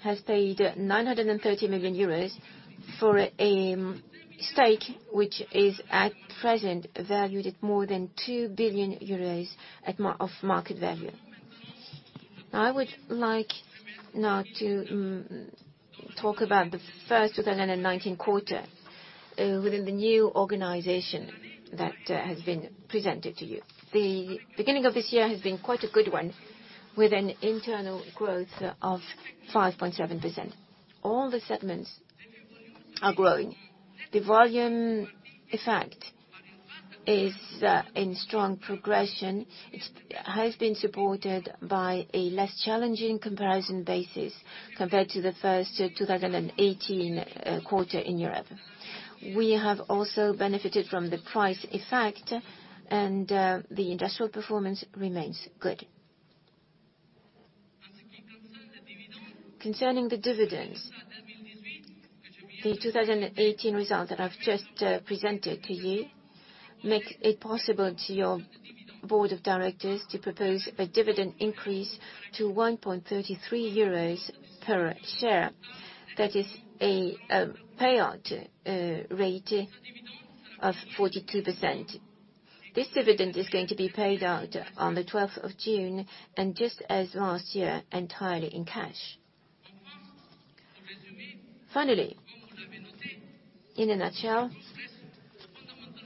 has paid 930 million euros for a stake, which is at present valued at more than 2 billion euros of market value. Now, I would like now to talk about the first 2019 quarter within the new organization that has been presented to you. The beginning of this year has been quite a good one with an internal growth of 5.7%. All the segments are growing. The volume effect is in strong progression. It has been supported by a less challenging comparison basis compared to the first 2018 quarter in Europe. We have also benefited from the price effect, and the industrial performance remains good. Concerning the dividends, the 2018 results that I've just presented to you make it possible to your board of directors to propose a dividend increase to 1.33 euros per share. That is a payout rate of 42%. This dividend is going to be paid out on the 12th of June and just as last year, entirely in cash. Finally, in a nutshell,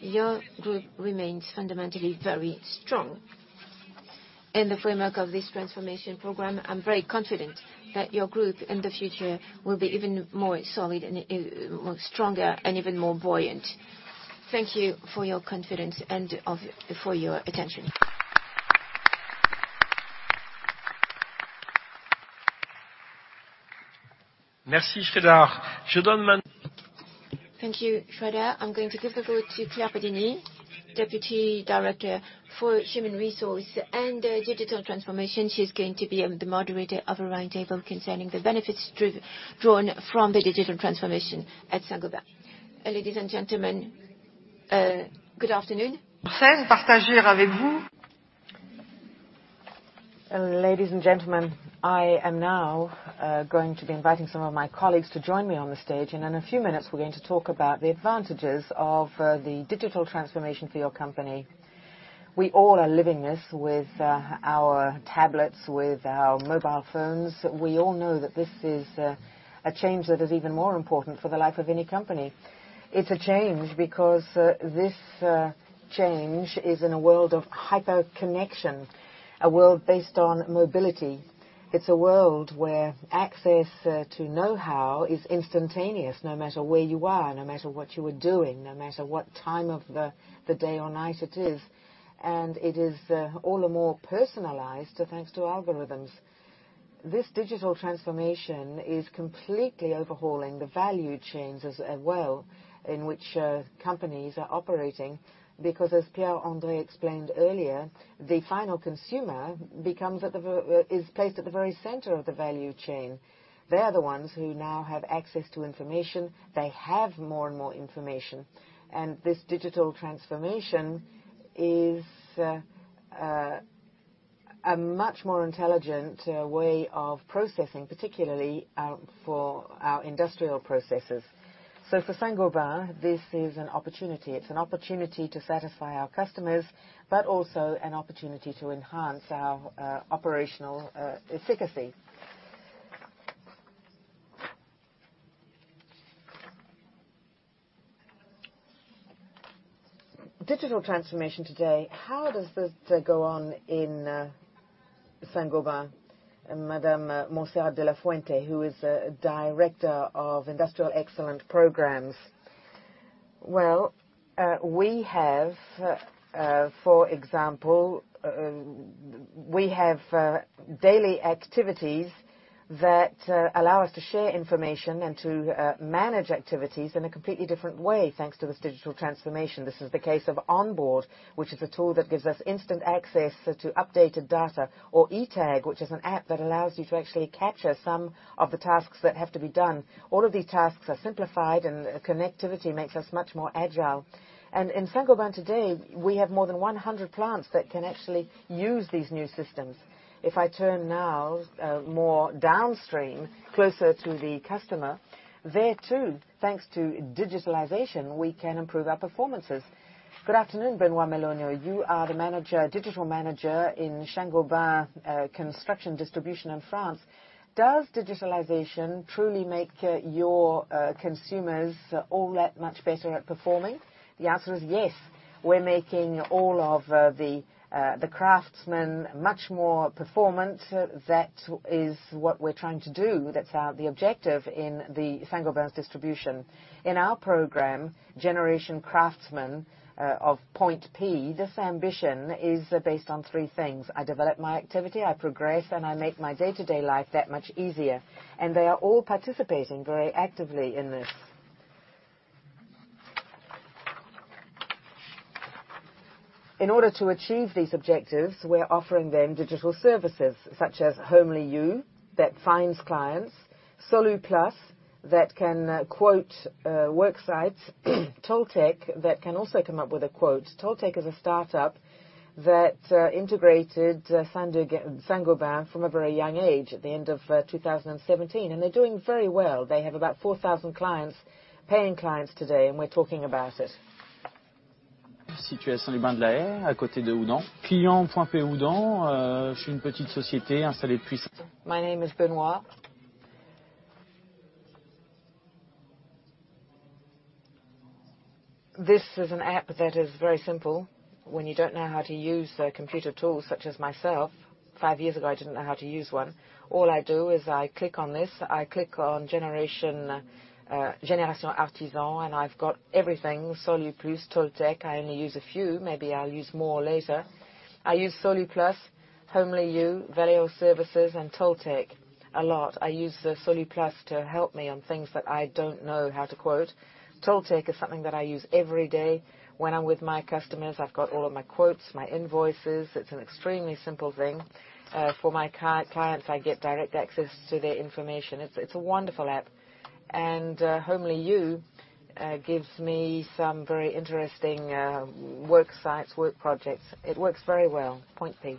your group remains fundamentally very strong. In the framework of this transformation program, I'm very confident that your group in the future will be even more solid, stronger, and even more buoyant. Thank you for your confidence and for your attention. Merci, Sreedhar. Thank you, Sreedhar. I'm going to give the floor to Claire Pedini, Deputy Director for Human Resources and Digital Transformation. She's going to be the moderator of a roundtable concerning the benefits drawn from the digital transformation at Saint-Gobain. Ladies and gentlemen, good afternoon. Partager avec vous. Ladies and gentlemen, I am now going to be inviting some of my colleagues to join me on the stage, and in a few minutes, we're going to talk about the advantages of the digital transformation for your company. We all are living this with our tablets, with our mobile phones. We all know that this is a change that is even more important for the life of any company. It's a change because this change is in a world of hyperconnection, a world based on mobility. It's a world where access to know-how is instantaneous, no matter where you are, no matter what you are doing, no matter what time of the day or night it is. It is all the more personalized thanks to algorithms. This digital transformation is completely overhauling the value chains as well in which companies are operating because, as Pierre-André explained earlier, the final consumer is placed at the very center of the value chain. They are the ones who now have access to information. They have more and more information. This digital transformation is a much more intelligent way of processing, particularly for our industrial processes. For Saint-Gobain, this is an opportunity. It's an opportunity to satisfy our customers, but also an opportunity to enhance our operational efficacy. Digital transformation today, how does this go on in Saint-Gobain? Madame Montserrat De La Fuente, who is a Director of Industrial Excellence Programs. For example, we have daily activities that allow us to share information and to manage activities in a completely different way thanks to this digital transformation. This is the case of Onboard, which is a tool that gives us instant access to updated data, or eTag, which is an app that allows you to actually capture some of the tasks that have to be done. All of these tasks are simplified, and connectivity makes us much more agile. In Saint-Gobain today, we have more than 100 plants that can actually use these new systems. If I turn now more downstream, closer to the customer, there too, thanks to digitalization, we can improve our performances. Good afternoon, Benoît Melonio. You are the Digital Manager in Saint-Gobain Construction Distribution in France. Does digitalization truly make your consumers all that much better at performing? The answer is yes. We're making all of the craftsmen much more performant. That is what we're trying to do. That's the objective in the Saint-Gobain's distribution. In our program, Generation Craftsmen of POINT.P, this ambition is based on three things. I develop my activity, I progress, and I make my day-to-day life that much easier. They are all participating very actively in this. In order to achieve these objectives, we're offering them digital services such as Homly You that finds clients, Solu+ that can quote worksites, Tolteck that can also come up with a quote. Tolteck is a startup that integrated Saint-Gobain from a very young age at the end of 2017, and they're doing very well. They have about 4,000 paying clients today, and we're talking about it. Situé à Saint-Gobain-de-la-Herre, à côté de Oudan. Client.pay Oudan, je suis une petite société installée depuis. My name is Benoit. This is an app that is very simple. When you don't know how to use computer tools such as myself, five years ago I didn't know how to use one. All I do is I click on this, I click on Génération Artisan, and I've got everything: Solu+, Tolteck. I only use a few; maybe I'll use more later. I use Solu+, Homly You, Valéo Services, and Tolteck a lot. I use Solu+ to help me on things that I don't know how to quote. Tolteck is something that I use every day. When I'm with my customers, I've got all of my quotes, my invoices. It's an extremely simple thing. For my clients, I get direct access to their information. It's a wonderful app. Homly You gives me some very interesting worksites, work projects. It works very well, POINT.P.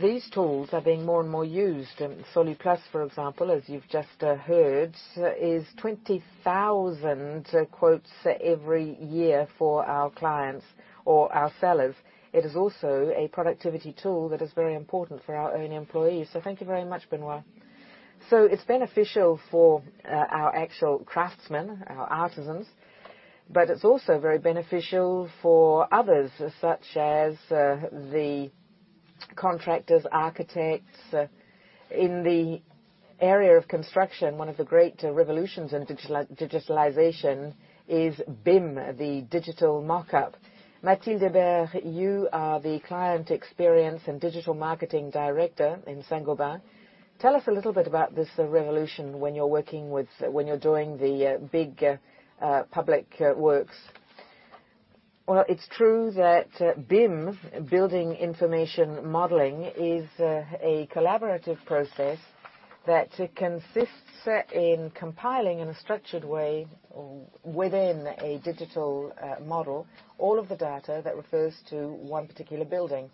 These tools are being more and more used. Solu+, for example, as you've just heard, is 20,000 quotes every year for our clients or our sellers. It is also a productivity tool that is very important for our own employees. Thank you very much, Benoit. It is beneficial for our actual craftsmen, our artisans, but it is also very beneficial for others such as the contractors, architects. In the area of construction, one of the great revolutions in digitalization is BIM, the digital mockup. Mathilde Barthe, you are the Client Experience and Digital Marketing Director in Saint-Gobain. Tell us a little bit about this revolution when you're working with when you're doing the big public works. BIM, Building Information Modeling, is a collaborative process that consists in compiling in a structured way within a digital model all of the data that refers to one particular building.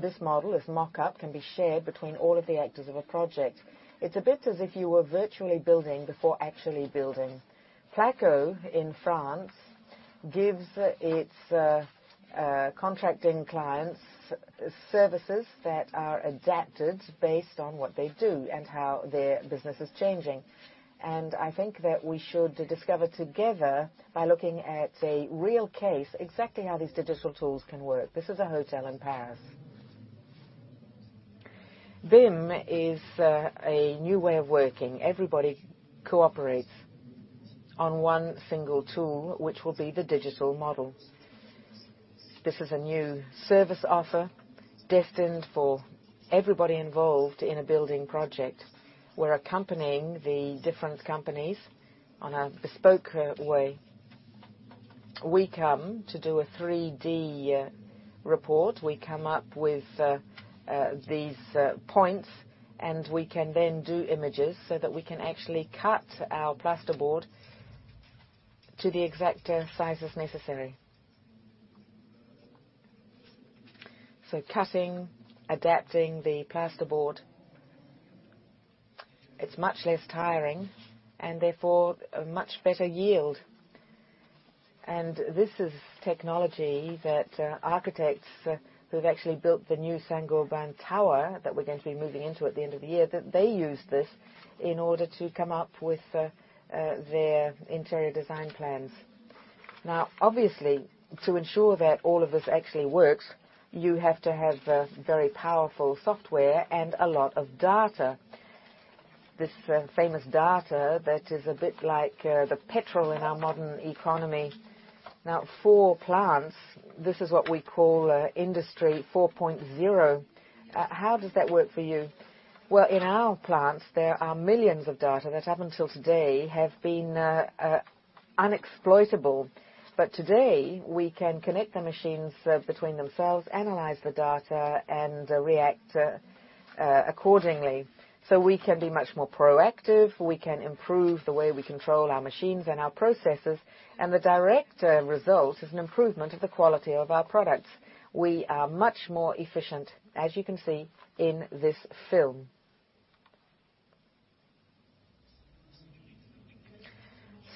This model, this mockup, can be shared between all of the actors of a project. It's a bit as if you were virtually building before actually building. Placo in France gives its contracting clients services that are adapted based on what they do and how their business is changing. I think that we should discover together by looking at a real case exactly how these digital tools can work. This is a hotel in Paris. BIM is a new way of working. Everybody cooperates on one single tool, which will be the digital model. This is a new service offer destined for everybody involved in a building project. We're accompanying the different companies on a bespoke way. We come to do a 3D report. We come up with these points, and we can then do images so that we can actually cut our plasterboard to the exact sizes necessary. Cutting, adapting the plasterboard, it's much less tiring and therefore a much better yield. This is technology that architects who have actually built the new Saint-Gobain Tower that we're going to be moving into at the end of the year, that they use this in order to come up with their interior design plans. Now, obviously, to ensure that all of this actually works, you have to have very powerful software and a lot of data. This famous data that is a bit like the petrol in our modern economy. Now, for plants, this is what we call Industry 4.0. How does that work for you? In our plants, there are millions of data that up until today have been unexploitable. Today, we can connect the machines between themselves, analyze the data, and react accordingly. We can be much more proactive. We can improve the way we control our machines and our processes. The direct result is an improvement of the quality of our products. We are much more efficient, as you can see in this film.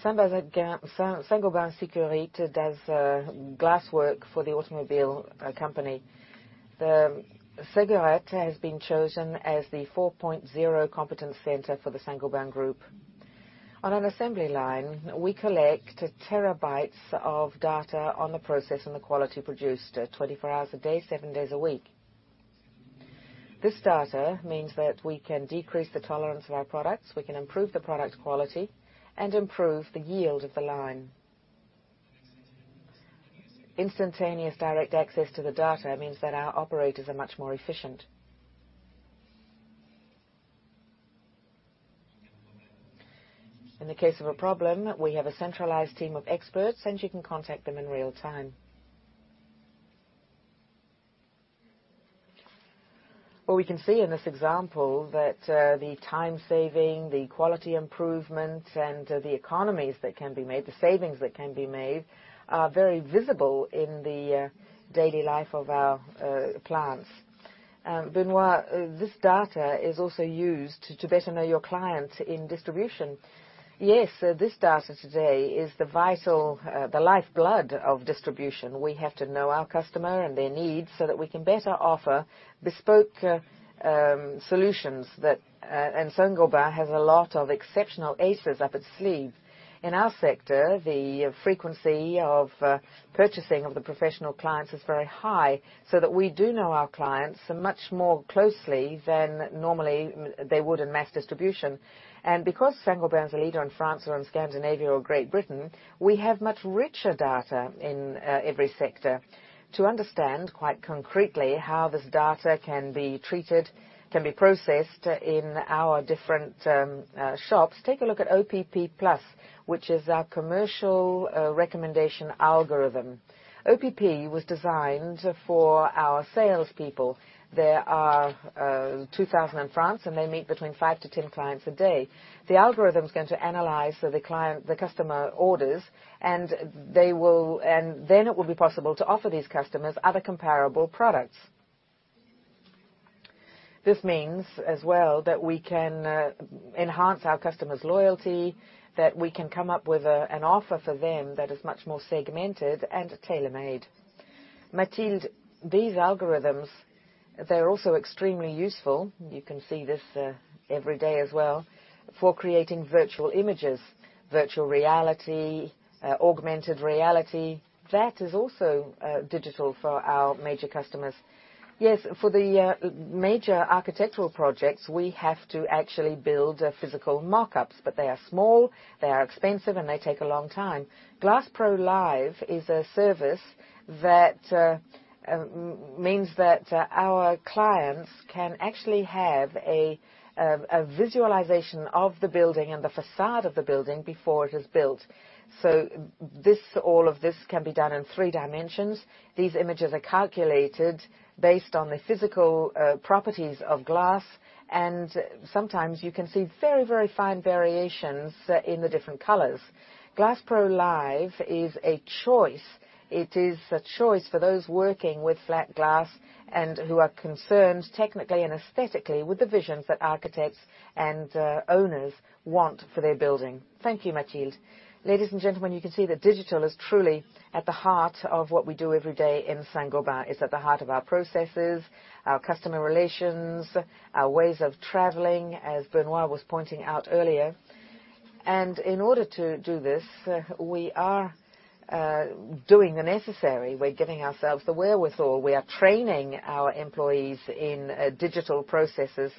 Saint-Gobain Sekurit does glass work for the automobile company. Sekurit has been chosen as the 4.0 competence center for the Saint-Gobain Group. On an assembly line, we collect TB of data on the process and the quality produced 24 hours a day, 7 days a week. This data means that we can decrease the tolerance of our products, we can improve the product quality, and improve the yield of the line. Instantaneous direct access to the data means that our operators are much more efficient. In the case of a problem, we have a centralized team of experts, and you can contact them in real time. We can see in this example that the time saving, the quality improvement, and the economies that can be made, the savings that can be made, are very visible in the daily life of our plants. Benoit, this data is also used to better know your clients in distribution. Yes, this data today is the vital lifeblood of distribution. We have to know our customer and their needs so that we can better offer bespoke solutions. Saint-Gobain has a lot of exceptional aces up its sleeve. In our sector, the frequency of purchasing of the professional clients is very high so that we do know our clients much more closely than normally they would in mass distribution. Because Saint-Gobain is a leader in France, or in Scandinavia, or Great Britain, we have much richer data in every sector. To understand quite concretely how this data can be treated, can be processed in our different shops, take a look at OPP Plus, which is our commercial recommendation algorithm. OPP was designed for our salespeople. There are 2,000 in France, and they meet between five to 10 clients a day. The algorithm is going to analyze the customer orders, and then it will be possible to offer these customers other comparable products. This means as well that we can enhance our customers' loyalty, that we can come up with an offer for them that is much more segmented and tailor-made. Mathilde, these algorithms, they're also extremely useful. You can see this every day as well for creating virtual images, virtual reality, augmented reality. That is also digital for our major customers. Yes, for the major architectural projects, we have to actually build physical mockups, but they are small, they are expensive, and they take a long time. GlassPro Live is a service that means that our clients can actually have a visualization of the building and the façade of the building before it is built. All of this can be done in three dimensions. These images are calculated based on the physical properties of glass, and sometimes you can see very, very fine variations in the different colors. GlassPro Live is a choice. It is a choice for those working with flat glass and who are concerned technically and aesthetically with the visions that architects and owners want for their building. Thank you, Mathilde. Ladies and gentlemen, you can see that digital is truly at the heart of what we do every day in Saint-Gobain. It is at the heart of our processes, our customer relations, our ways of traveliing, as Benoit was pointing out earlier. In order to do this, we are doing the necessary. We are giving ourselves the wherewithal. We are training our employees in digital processes.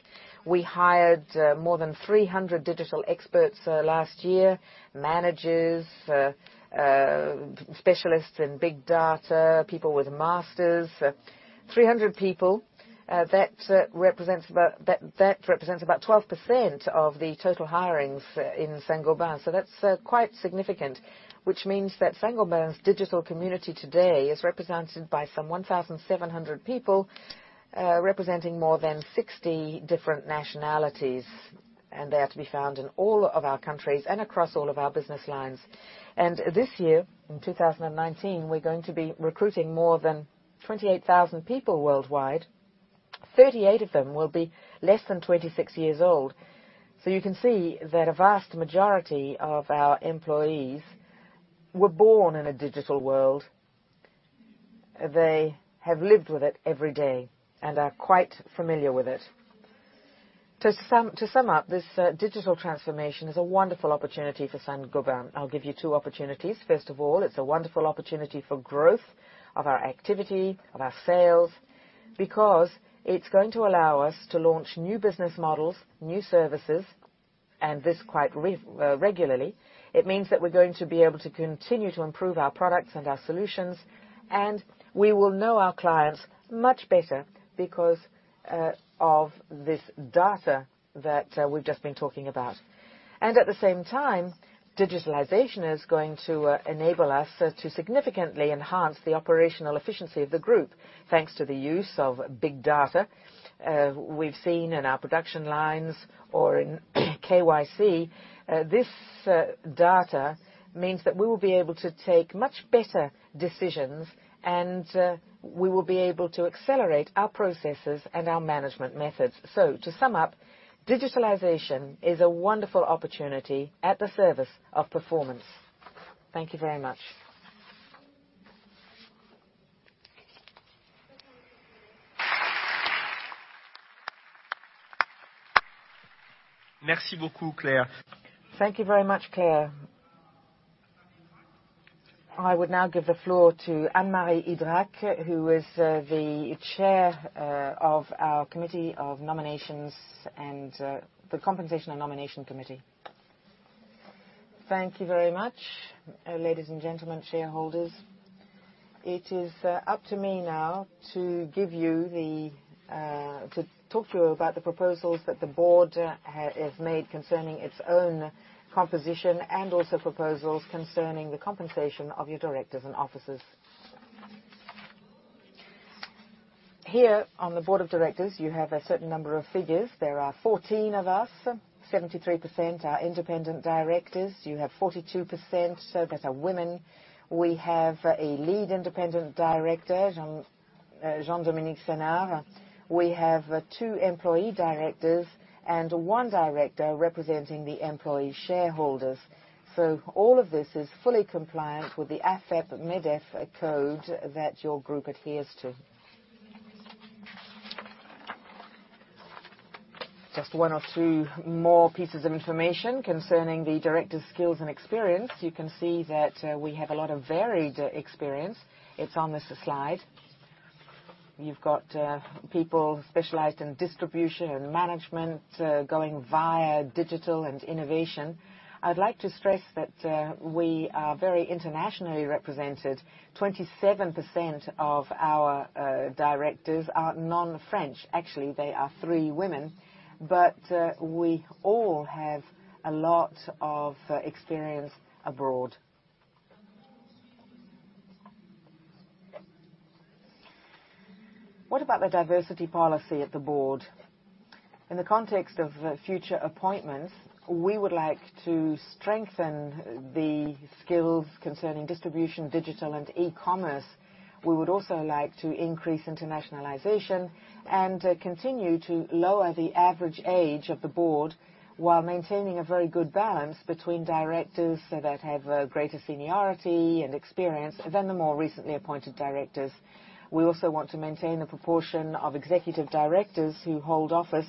We hired more than 300 digital experts last year, managers, specialists in big data, people with masters, 300 people. That represents about 12% of the total hirings in Saint-Gobain. That is quite significant, which means that Saint-Gobain's digital community today is represented by some 1,700 people representing more than 60 different nationalities, and they are to be found in all of our countries and across all of our business lines. This year, in 2019, we are going to be recruiting more than 28,000 people worldwide. Thirty-eight of them will be less than 26 years old. You can see that a vast majority of our employees were born in a digital world. They have lived with it every day and are quite familiar with it. To sum up, this digital transformation is a wonderful opportunity for Saint-Gobain. I'll give you two opportunities. First of all, it is a wonderful opportunity for growth of our activity, of our sales, because it is going to allow us to launch new business models, new services, and this quite regularly. It means that we're going to be able to continue to improve our products and our solutions, and we will know our clients much better because of this data that we've just been talking about. At the same time, digitalization is going to enable us to significantly enhance the operational efficiency of the group thanks to the use of big data. We've seen in our production lines or in KYC, this data means that we will be able to take much better decisions, and we will be able to accelerate our processes and our management methods. To sum up, digitalization is a wonderful opportunity at the service of performance. Thank you very much. Merci beaucoup, Claire. Thank you very much, Claire. I would now give the floor to Anne-Marie Idrac, who is the Chair of our Committee of Nominations and the Compensation and Nomination Committee. Thank you very much, ladies and gentlemen, shareholders. It is up to me now to give you the—to talk to you about the proposals that the board has made concerning its own composition and also proposals concerning the compensation of your directors and officers. Here on the board of directors, you have a certain number of figures. There are 14 of us. 73% are independent directors. You have 42% that are women. We have a lead independent director, Jean-Dominique Sénard. We have two employee directors and one director representing the employee shareholders. All of this is fully compliant with the AFEP-MEDEF code that your group adheres to. Just one or two more pieces of information concerning the director's skills and experience. You can see that we have a lot of varied experience. It's on this slide. You've got people specialized in distribution and management going via digital and innovation. I'd like to stress that we are very internationally represented. 27% of our directors are non-French. Actually, they are three women, but we all have a lot of experience abroad. What about the diversity policy at the board? In the context of future appointments, we would like to strengthen the skills concerning distribution, digital, and e-commerce. We would also like to increase internationalization and continue to lower the average age of the board while maintaining a very good balance between directors that have greater seniority and experience than the more recently appointed directors. We also want to maintain the proportion of executive directors who hold office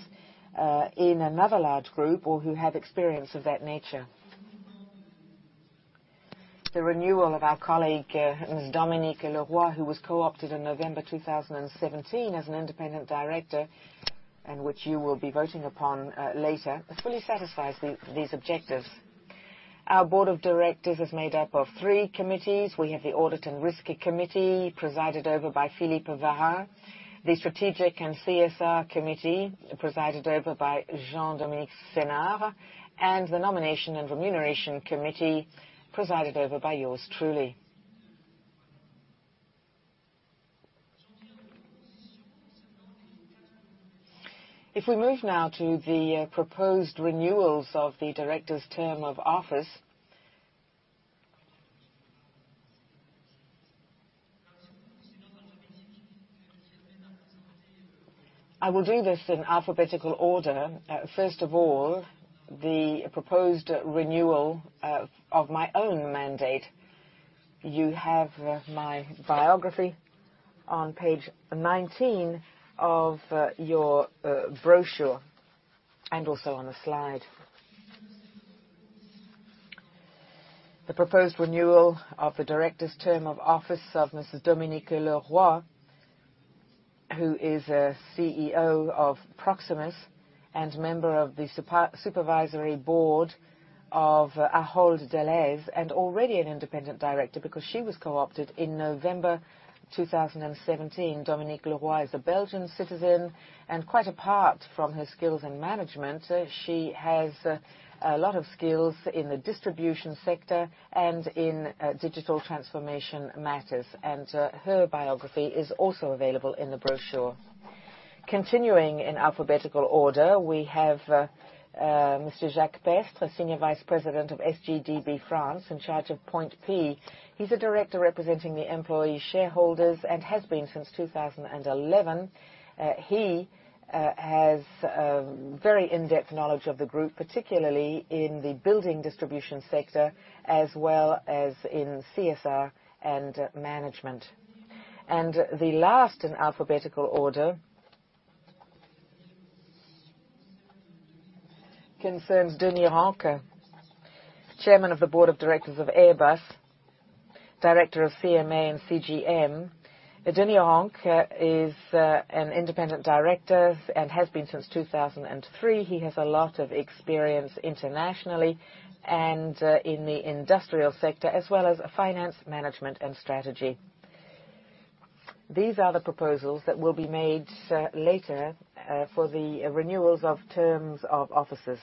in another large group or who have experience of that nature. The renewal of our colleague, Ms. Dominique Leroy, who was co-opted in November 2017 as an independent director, and which you will be voting upon later, fully satisfies these objectives. Our board of directors is made up of three committees. We have the Audit and Risk Committee, presided over by Philippe Varin. The Strategic and CSR Committee, presided over by Jean-Dominique Sénard, and the Nomination and Remuneration Committee, presided over by yours truly. If we move now to the proposed renewals of the director's term of office, I will do this in alphabetical order. First of all, the proposed renewal of my own mandate. You have my biography on page 19 of your brochure and also on the slide. The proposed renewal of the director's term of office of Mrs. Dominique Leroy, who is CEO of Proximus and member of the supervisory board of Ahold Delhaize, and already an independent director because she was co-opted in November 2017. Dominique Leroy is a Belgian citizen and quite apart from her skills in management. She has a lot of skills in the distribution sector and in digital transformation matters, and her biography is also available in the brochure. Continuing in alphabetical order, we have Mr. Jacques Pestre, Senior Vice President of SGDB France, in charge of POINT.P. He's a director representing the employee shareholders and has been since 2011. He has very in-depth knowledge of the group, particularly in the building distribution sector, as well as in CSR and management. The last in alphabetical order concerns Denis Ranque, Chairman of the Board of Directors of Airbus, Director of CMA CGM. Denis Ranque is an independent director and has been since 2003. He has a lot of experience internationally and in the industrial sector, as well as finance, management, and strategy. These are the proposals that will be made later for the renewals of terms of offices.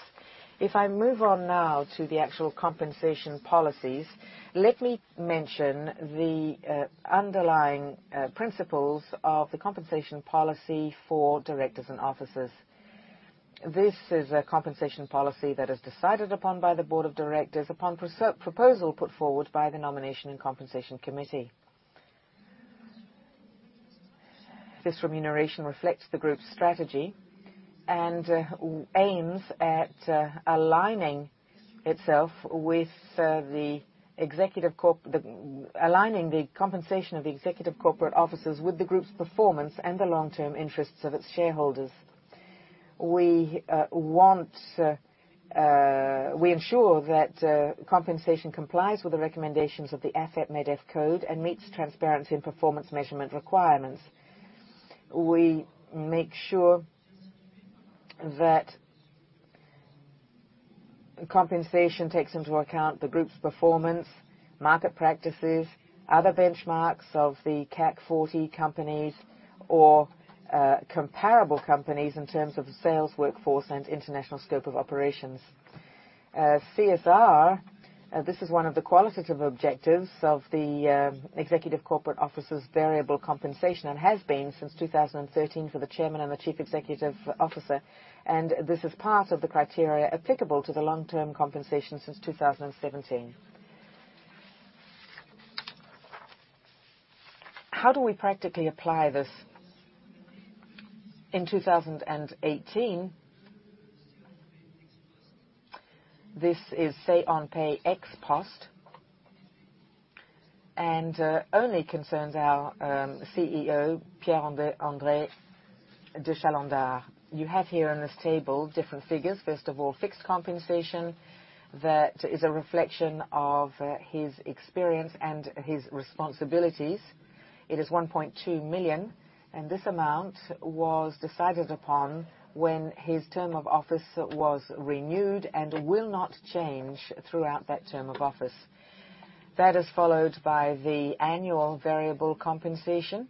If I move on now to the actual compensation policies, let me mention the underlying principles of the compensation policy for directors and officers. This is a compensation policy that is decided upon by the board of directors upon proposal put forward by the Nomination and Compensation Committee. This remuneration reflects the group's strategy and aims at aligning itself with the compensation of the executive corporate officers with the group's performance and the long-term interests of its shareholders. We ensure that compensation complies with the recommendations of the AFEP-MEDEF code and meets transparency and performance measurement requirements. We make sure that compensation takes into account the group's performance, market practices, other benchmarks of the CAC 40 companies, or comparable companies in terms of sales, workforce, and international scope of operations. CSR, this is one of the qualitative objectives of the executive corporate officers' variable compensation and has been since 2013 for the Chairman and the Chief Executive Officer, and this is part of the criteria applicable to the long-term compensation since 2017. How do we practically apply this? In 2018, this is Say-on-Pay ex post, and only concerns our CEO, Pierre-André de Chalendar. You have here on this table different figures. First of all, fixed compensation that is a reflection of his experience and his responsibilities. It is 1.2 million, and this amount was decided upon when his term of office was renewed and will not change throughout that term of office. That is followed by the annual variable compensation,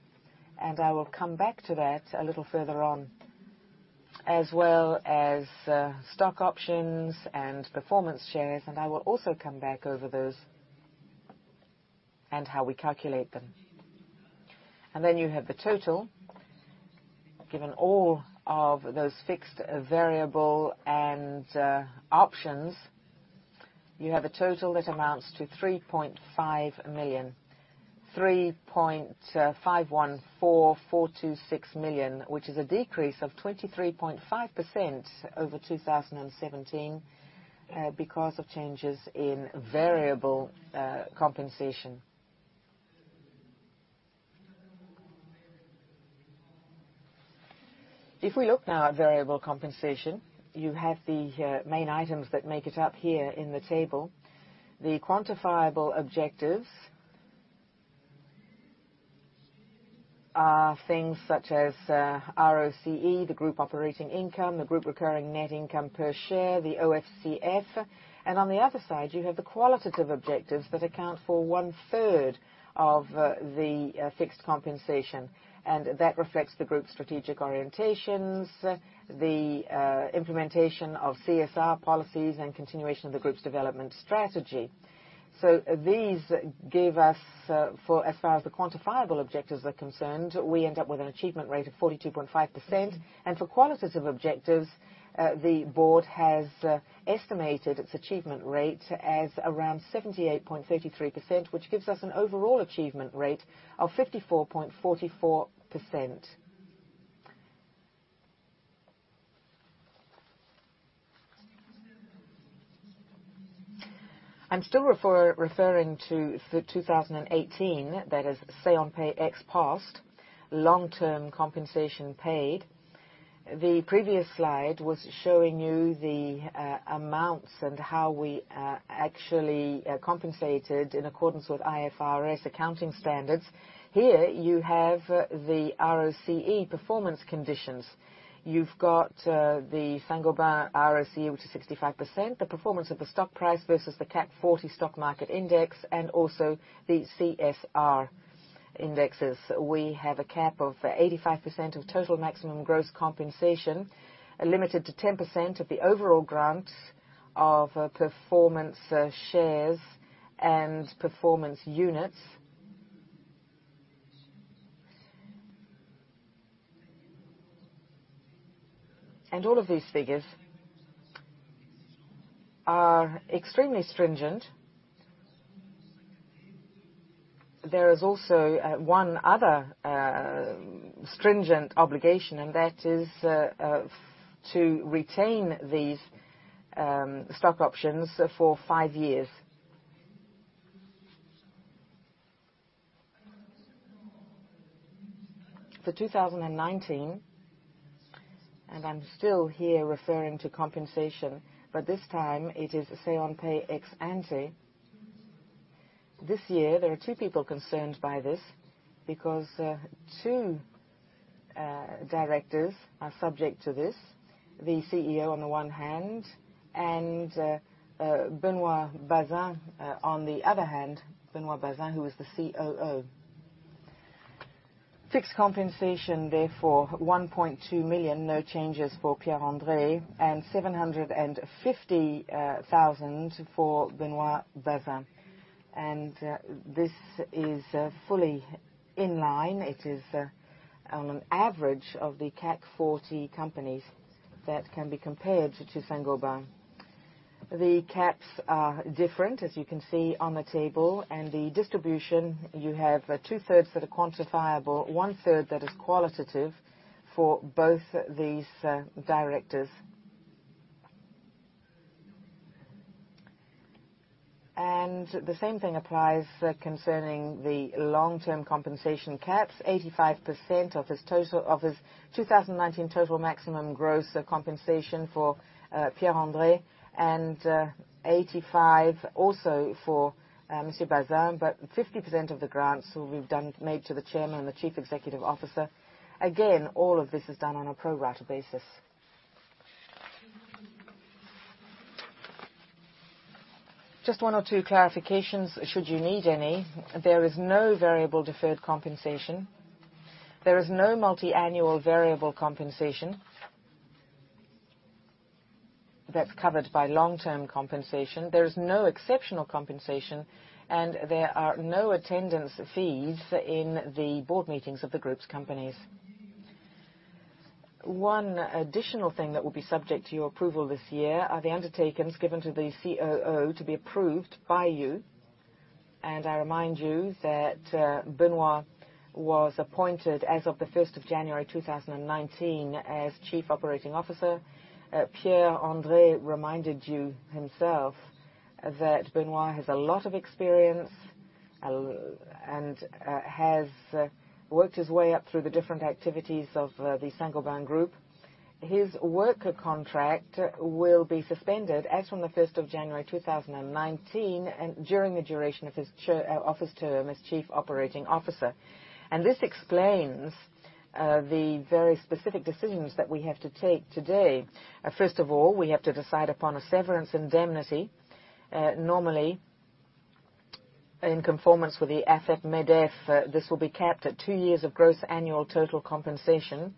and I will come back to that a little further on, as well as stock options and performance shares, and I will also come back over those and how we calculate them. You have the total. Given all of those fixed, variable, and options, you have a total that amounts to 3.5 million, 3.514426 million, which is a decrease of 23.5% over 2017 because of changes in variable compensation. If we look now at variable compensation, you have the main items that make it up here in the table. The quantifiable objectives are things such as ROCE, the group operating income, the group recurring net income per share, the OFCF, and on the other side, you have the qualitative objectives that account for one-third of the fixed compensation, and that reflects the group's strategic orientations, the implementation of CSR policies, and continuation of the group's development strategy. These give us, as far as the quantifiable objectives are concerned, we end up with an achievement rate of 42.5%, and for qualitative objectives, the board has estimated its achievement rate as around 78.33%, which gives us an overall achievement rate of 54.44%. I'm still referring to 2018, that is Say-On-Pay ex post, long-term compensation paid. The previous slide was showing you the amounts and how we actually compensated in accordance with IFRS accounting standards. Here you have the ROCE performance conditions. You've got the Saint-Gobain ROCE, which is 65%, the performance of the stock price versus the CAC 40 stock market index, and also the CSR indexes. We have a cap of 85% of total maximum gross compensation, limited to 10% of the overall grant of performance shares and performance units. All of these figures are extremely stringent. There is also one other stringent obligation, and that is to retain these stock options for five years. For 2019, and I'm still here referring to compensation, but this time it is Say-On-Pay ex ante. This year, there are two people concerned by this because two directors are subject to this: the CEO on the one hand and Benoit Bazin on the other hand, Benoit Bazin, who is the COO. Fixed compensation, therefore, 1.2 million, no changes for Pierre-André, and 750,000 for Benoit Bazin. This is fully in line. It is on an average of the CAC 40 companies that can be compared to Saint-Gobain. The caps are different, as you can see on the table, and the distribution, you have two-thirds that are quantifiable, one-third that is qualitative for both these directors. The same thing applies concerning the long-term compensation caps: 85% of his 2019 total maximum gross compensation for Pierre-André, and 85% also for Monsieur Bazin, but 50% of the grants will be made to the Chairman and the Chief Executive Officer. Again, all of this is done on a pro rata basis. Just one or two clarifications, should you need any. There is no variable deferred compensation. There is no multi-annual variable compensation that's covered by long-term compensation. There is no exceptional compensation, and there are no attendance fees in the board meetings of the group's companies. One additional thing that will be subject to your approval this year are the undertakings given to the COO to be approved by you, and I remind you that Benoit was appointed as of the 1st of January 2019 as Chief Operating Officer. Pierre-André reminded you himself that Benoit has a lot of experience and has worked his way up through the different activities of the Saint-Gobain group. His work contract will be suspended as from the 1st of January 2019 during the duration of his office term as Chief Operating Officer, and this explains the very specific decisions that we have to take today. First of all, we have to decide upon a severance indemnity. Normally, in conformance with the AFEP-MEDEF, this will be capped at two years of gross annual total compensation,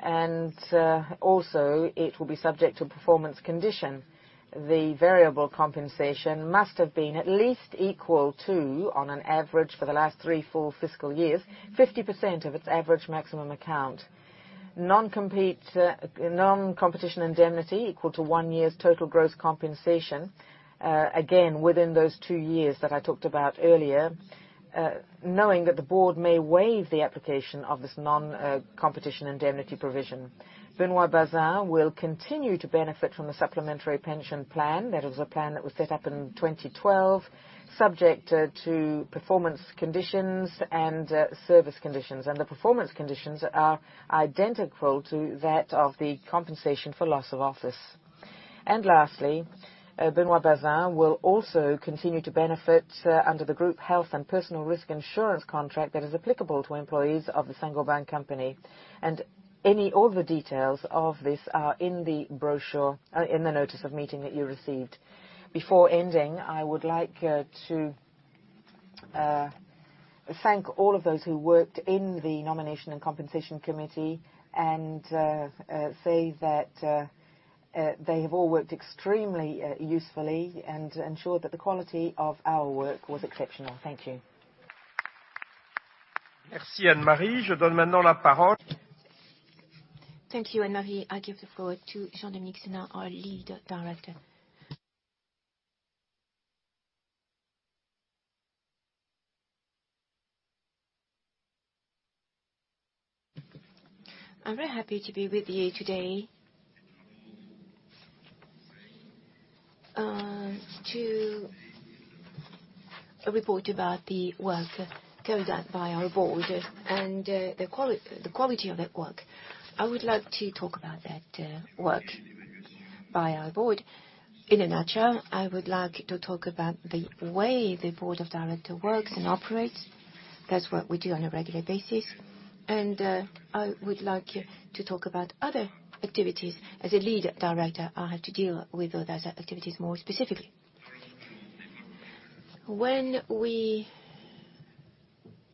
and also it will be subject to performance condition. The variable compensation must have been at least equal to, on an average for the last three, four fiscal years, 50% of its average maximum account. Non-competition indemnity equal to one year's total gross compensation, again within those two years that I talked about earlier, knowing that the board may waive the application of this non-competition indemnity provision. Benoit Bazin will continue to benefit from the supplementary pension plan. That is a plan that was set up in 2012, subject to performance conditions and service conditions, and the performance conditions are identical to that of the compensation for loss of office. Lastly, Benoit Bazin will also continue to benefit under the group health and personal risk insurance contract that is applicable to employees of the Saint-Gobain company, and all the details of this are in the brochure, in the notice of meeting that you received. Before ending, I would like to thank all of those who worked in the Nomination and Compensation Committee and say that they have all worked extremely usefully and ensured that the quality of our work was exceptional. Thank you. Merci, Anne-Marie. Je donne maintenant la parole. Thank you, Anne-Marie. I give the floor to Dominique Sénard, our lead director. I'm very happy to be with you today to report about the work carried out by our board and the quality of that work. I would like to talk about that work by our board. In a nutshell, I would like to talk about the way the board of directors works and operates. That's what we do on a regular basis, and I would like to talk about other activities. As a lead director, I have to deal with those activities more specifically. When we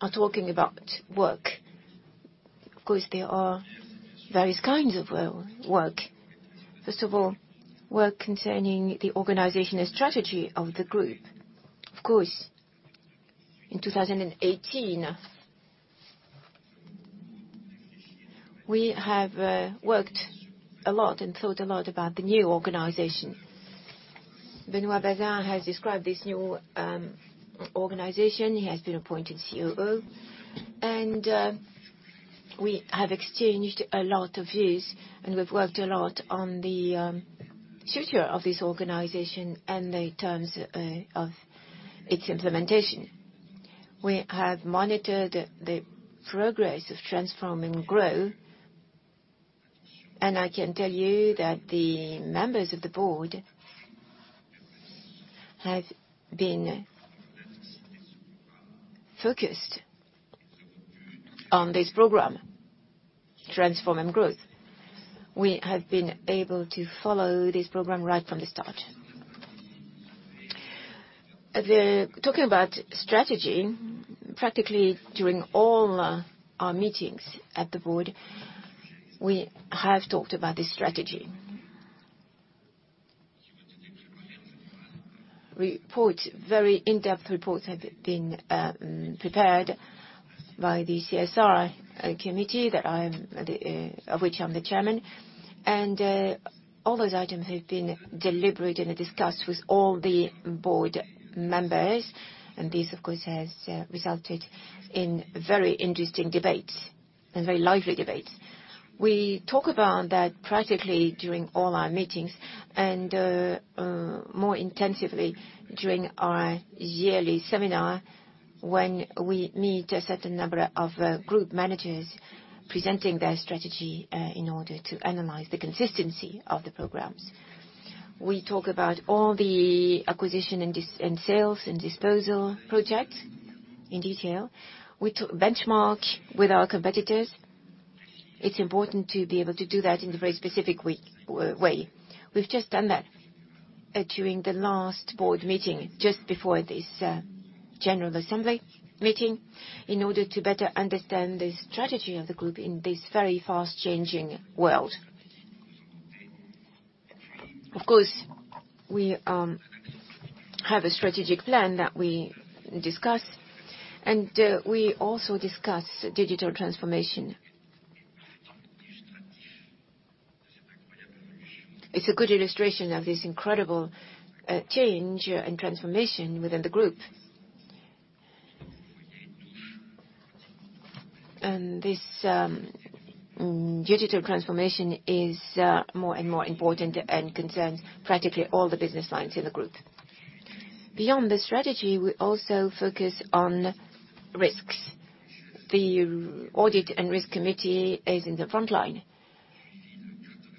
are talking about work, of course, there are various kinds of work. First of all, work concerning the organization and strategy of the group. Of course, in 2018, we have worked a lot and thought a lot about the new organization. Benoit Bazin has described this new organization. He has been appointed COO, and we have exchanged a lot of views, and we've worked a lot on the future of this organization and the terms of its implementation. We have monitored the progress of Transform & Grow, and I can tell you that the members of the board have been focused on this program, Transform & Grow. We have been able to follow this program right from the start. Talking about strategy, practically during all our meetings at the board, we have talked about the strategy. Reports, very in-depth reports, have been prepared by the CSR committee of which I'm the chairman, and all those items have been deliberated and discussed with all the board members, and this, of course, has resulted in very interesting debates and very lively debates. We talk about that practically during all our meetings and more intensively during our yearly seminar when we meet a certain number of group managers presenting their strategy in order to analyze the consistency of the programs. We talk about all the acquisition and sales and disposal projects in detail. We benchmark with our competitors. It's important to be able to do that in a very specific way. We've just done that during the last board meeting, just before this general assembly meeting, in order to better understand the strategy of the group in this very fast-changing world. Of course, we have a strategic plan that we discuss, and we also discuss digital transformation. It's a good illustration of this incredible change and transformation within the group, and this digital transformation is more and more important and concerns practically all the business lines in the group. Beyond the strategy, we also focus on risks. The Audit and Risk Committee is in the front line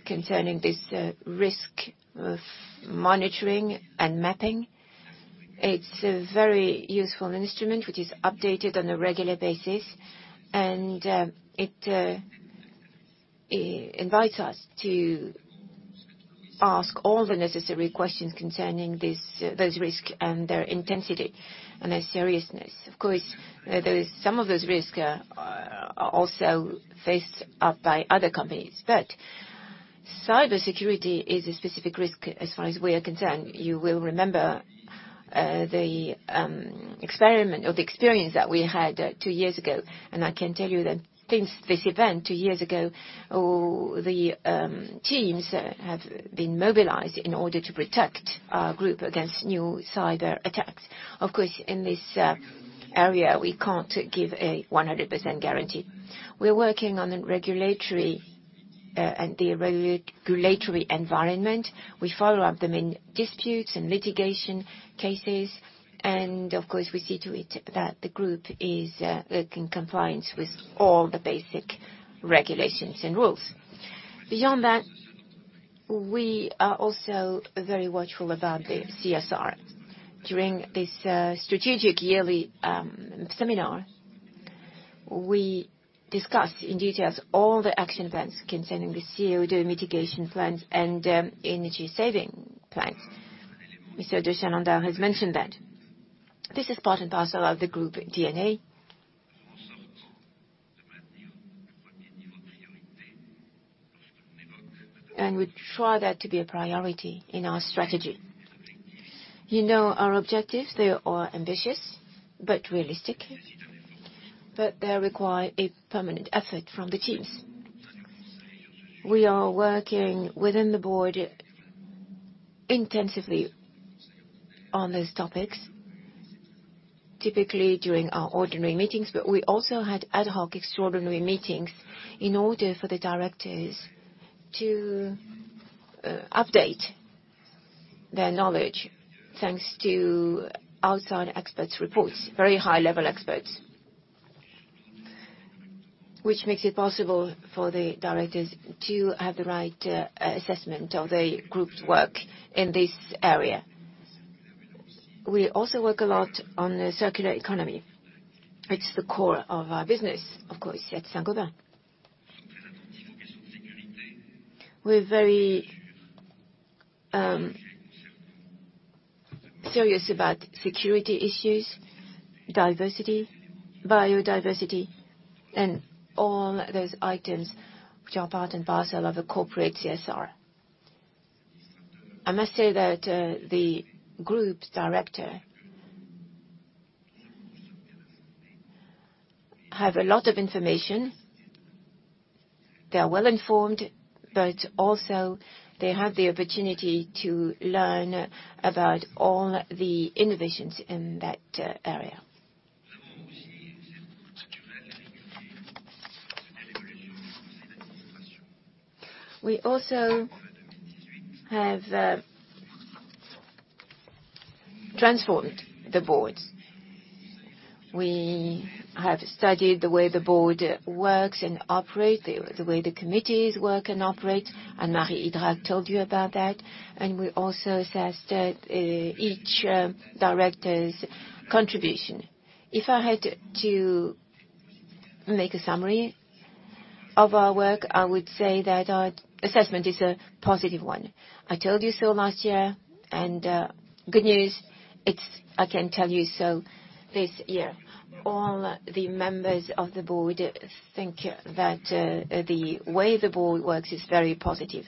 concerning this risk monitoring and mapping. It's a very useful instrument which is updated on a regular basis, and it invites us to ask all the necessary questions concerning those risks and their intensity and their seriousness. Of course, some of those risks are also faced up by other companies, but cybersecurity is a specific risk as far as we are concerned. You will remember the experiment or the experience that we had two years ago, and I can tell you that since this event two years ago, the teams have been mobilized in order to protect our group against new cyber attacks. Of course, in this area, we can't give a 100% guarantee. We're working on the regulatory environment. We follow up the main disputes and litigation cases, and of course, we see to it that the group is in compliance with all the basic regulations and rules. Beyond that, we are also very watchful about the CSR. During this strategic yearly seminar, we discuss in detail all the action plans concerning the CO2 mitigation plans and energy saving plans. Mr. de Chalendar has mentioned that. This is part and parcel of the group DNA, and we try that to be a priority in our strategy. Our objectives, they are ambitious but realistic, but they require a permanent effort from the teams. We are working within the board intensively on those topics, typically during our ordinary meetings. We also had ad hoc extraordinary meetings in order for the directors to update their knowledge thanks to outside experts' reports, very high-level experts, which makes it possible for the directors to have the right assessment of the group's work in this area. We also work a lot on the circular economy. It's the core of our business, of course, at Saint-Gobain. We're very serious about security issues, diversity, biodiversity, and all those items which are part and parcel of a corporate CSR. I must say that the group's directors have a lot of information. They are well informed, but also they have the opportunity to learn about all the innovations in that area. We also have transformed the boards. We have studied the way the board works and operates, the way the committees work and operate. Anne-Marie Idrac told you about that, and we also assessed each director's contribution. If I had to make a summary of our work, I would say that our assessment is a positive one. I told you so last year, and good news, I can tell you so this year. All the members of the board think that the way the board works is very positive.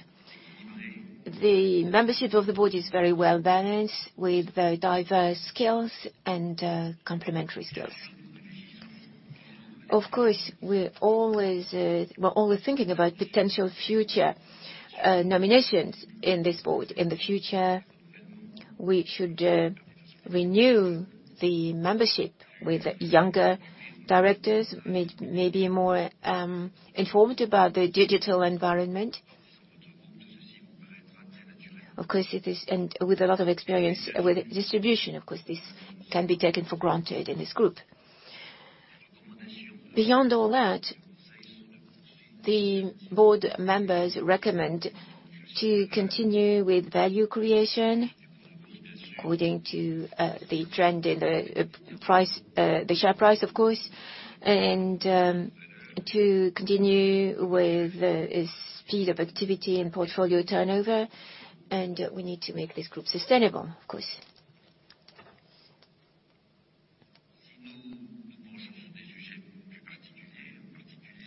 The membership of the board is very well balanced with diverse skills and complementary skills. Of course, we're always thinking about potential future nominations in this board. In the future, we should renew the membership with younger directors, maybe more informed about the digital environment. Of course, it is, and with a lot of experience with distribution, of course, this can be taken for granted in this group. Beyond all that, the board members recommend to continue with value creation according to the trend in the share price, of course, and to continue with the speed of activity and portfolio turnover, and we need to make this group sustainable, of course.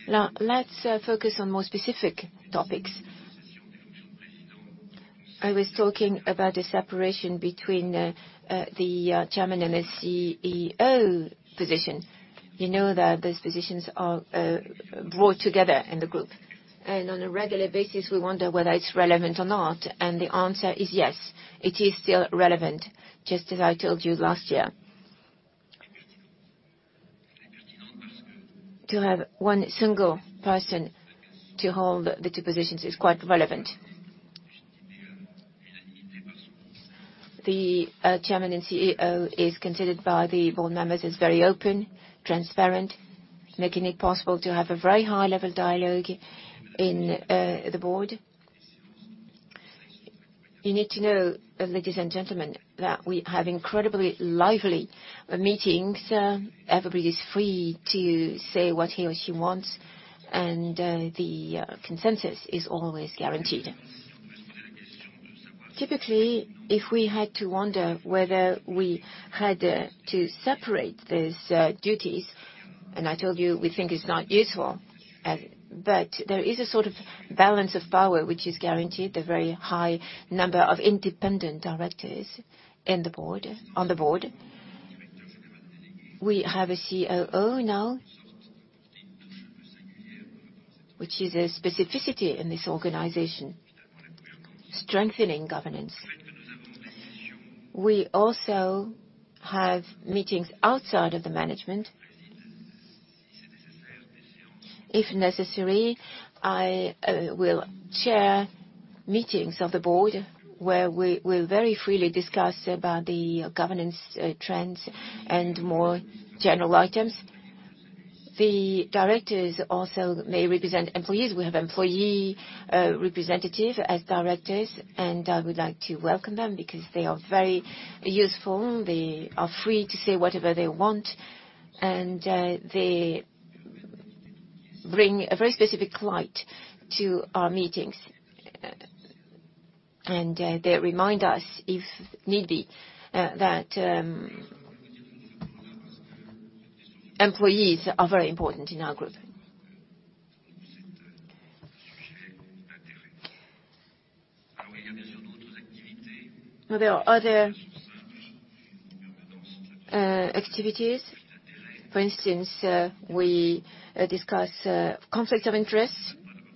Let's focus on more specific topics. I was talking about the separation between the Chairman and the CEO position. You know that those positions are brought together in the group, and on a regular basis, we wonder whether it's relevant or not, and the answer is yes. It is still relevant, just as I told you last year. To have one single person to hold the two positions is quite relevant. The Chairman and CEO is considered by the board members as very open, transparent, making it possible to have a very high-level dialogue in the board. You need to know, ladies and gentlemen, that we have incredibly lively meetings. Everybody is free to say what he or she wants, and the consensus is always guaranteed. Typically, if we had to wonder whether we had to separate these duties, and I told you we think it's not useful, but there is a sort of balance of power which is guaranteed, the very high number of independent directors on the board. We have a COO now, which is a specificity in this organization, strengthening governance. We also have meetings outside of the management. If necessary, I will chair meetings of the board where we will very freely discuss about the governance trends and more general items. The directors also may represent employees. We have employee representatives as directors, and I would like to welcome them because they are very useful. They are free to say whatever they want, and they bring a very specific light to our meetings, and they remind us, if need be, that employees are very important in our group. There are other activities. For instance, we discuss conflicts of interest,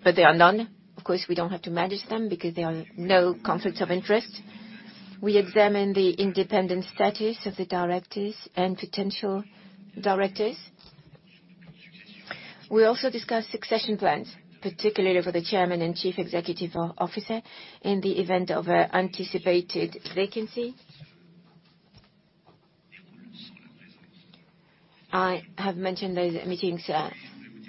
but there are none. Of course, we do not have to manage them because there are no conflicts of interest. We examine the independent status of the directors and potential directors. We also discuss succession plans, particularly for the Chairman and Chief Executive Officer in the event of an anticipated vacancy. I have mentioned those meetings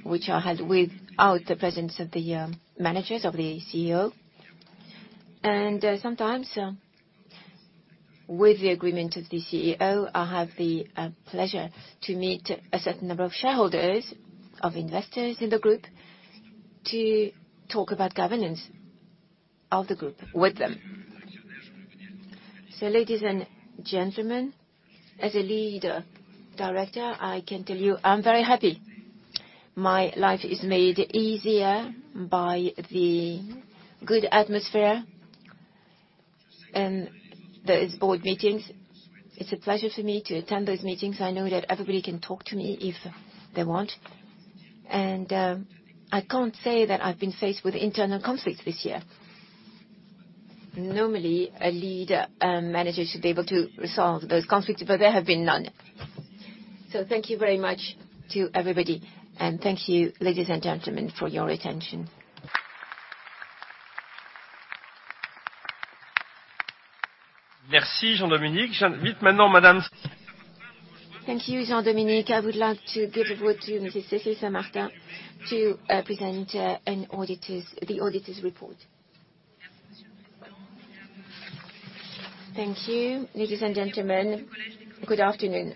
which are held without the presence of the managers, of the CEO, and sometimes, with the agreement of the CEO, I have the pleasure to meet a certain number of shareholders, of investors in the group, to talk about governance of the group with them. Ladies and gentlemen, as a lead director, I can tell you I'm very happy. My life is made easier by the good atmosphere and those board meetings. It's a pleasure for me to attend those meetings. I know that everybody can talk to me if they want, and I can't say that I've been faced with internal conflicts this year. Normally, a lead manager should be able to resolve those conflicts, but there have been none. Thank you very much to everybody, and thank you, ladies and gentlemen, for your attention. Merci, Jean-Dominique. J'invite maintenant Madame. Thank you, Jean-Dominique. I would like to give the word to Monsieur Cécile Saint-Martin to present the auditor's report. Thank you, ladies and gentlemen. Good afternoon.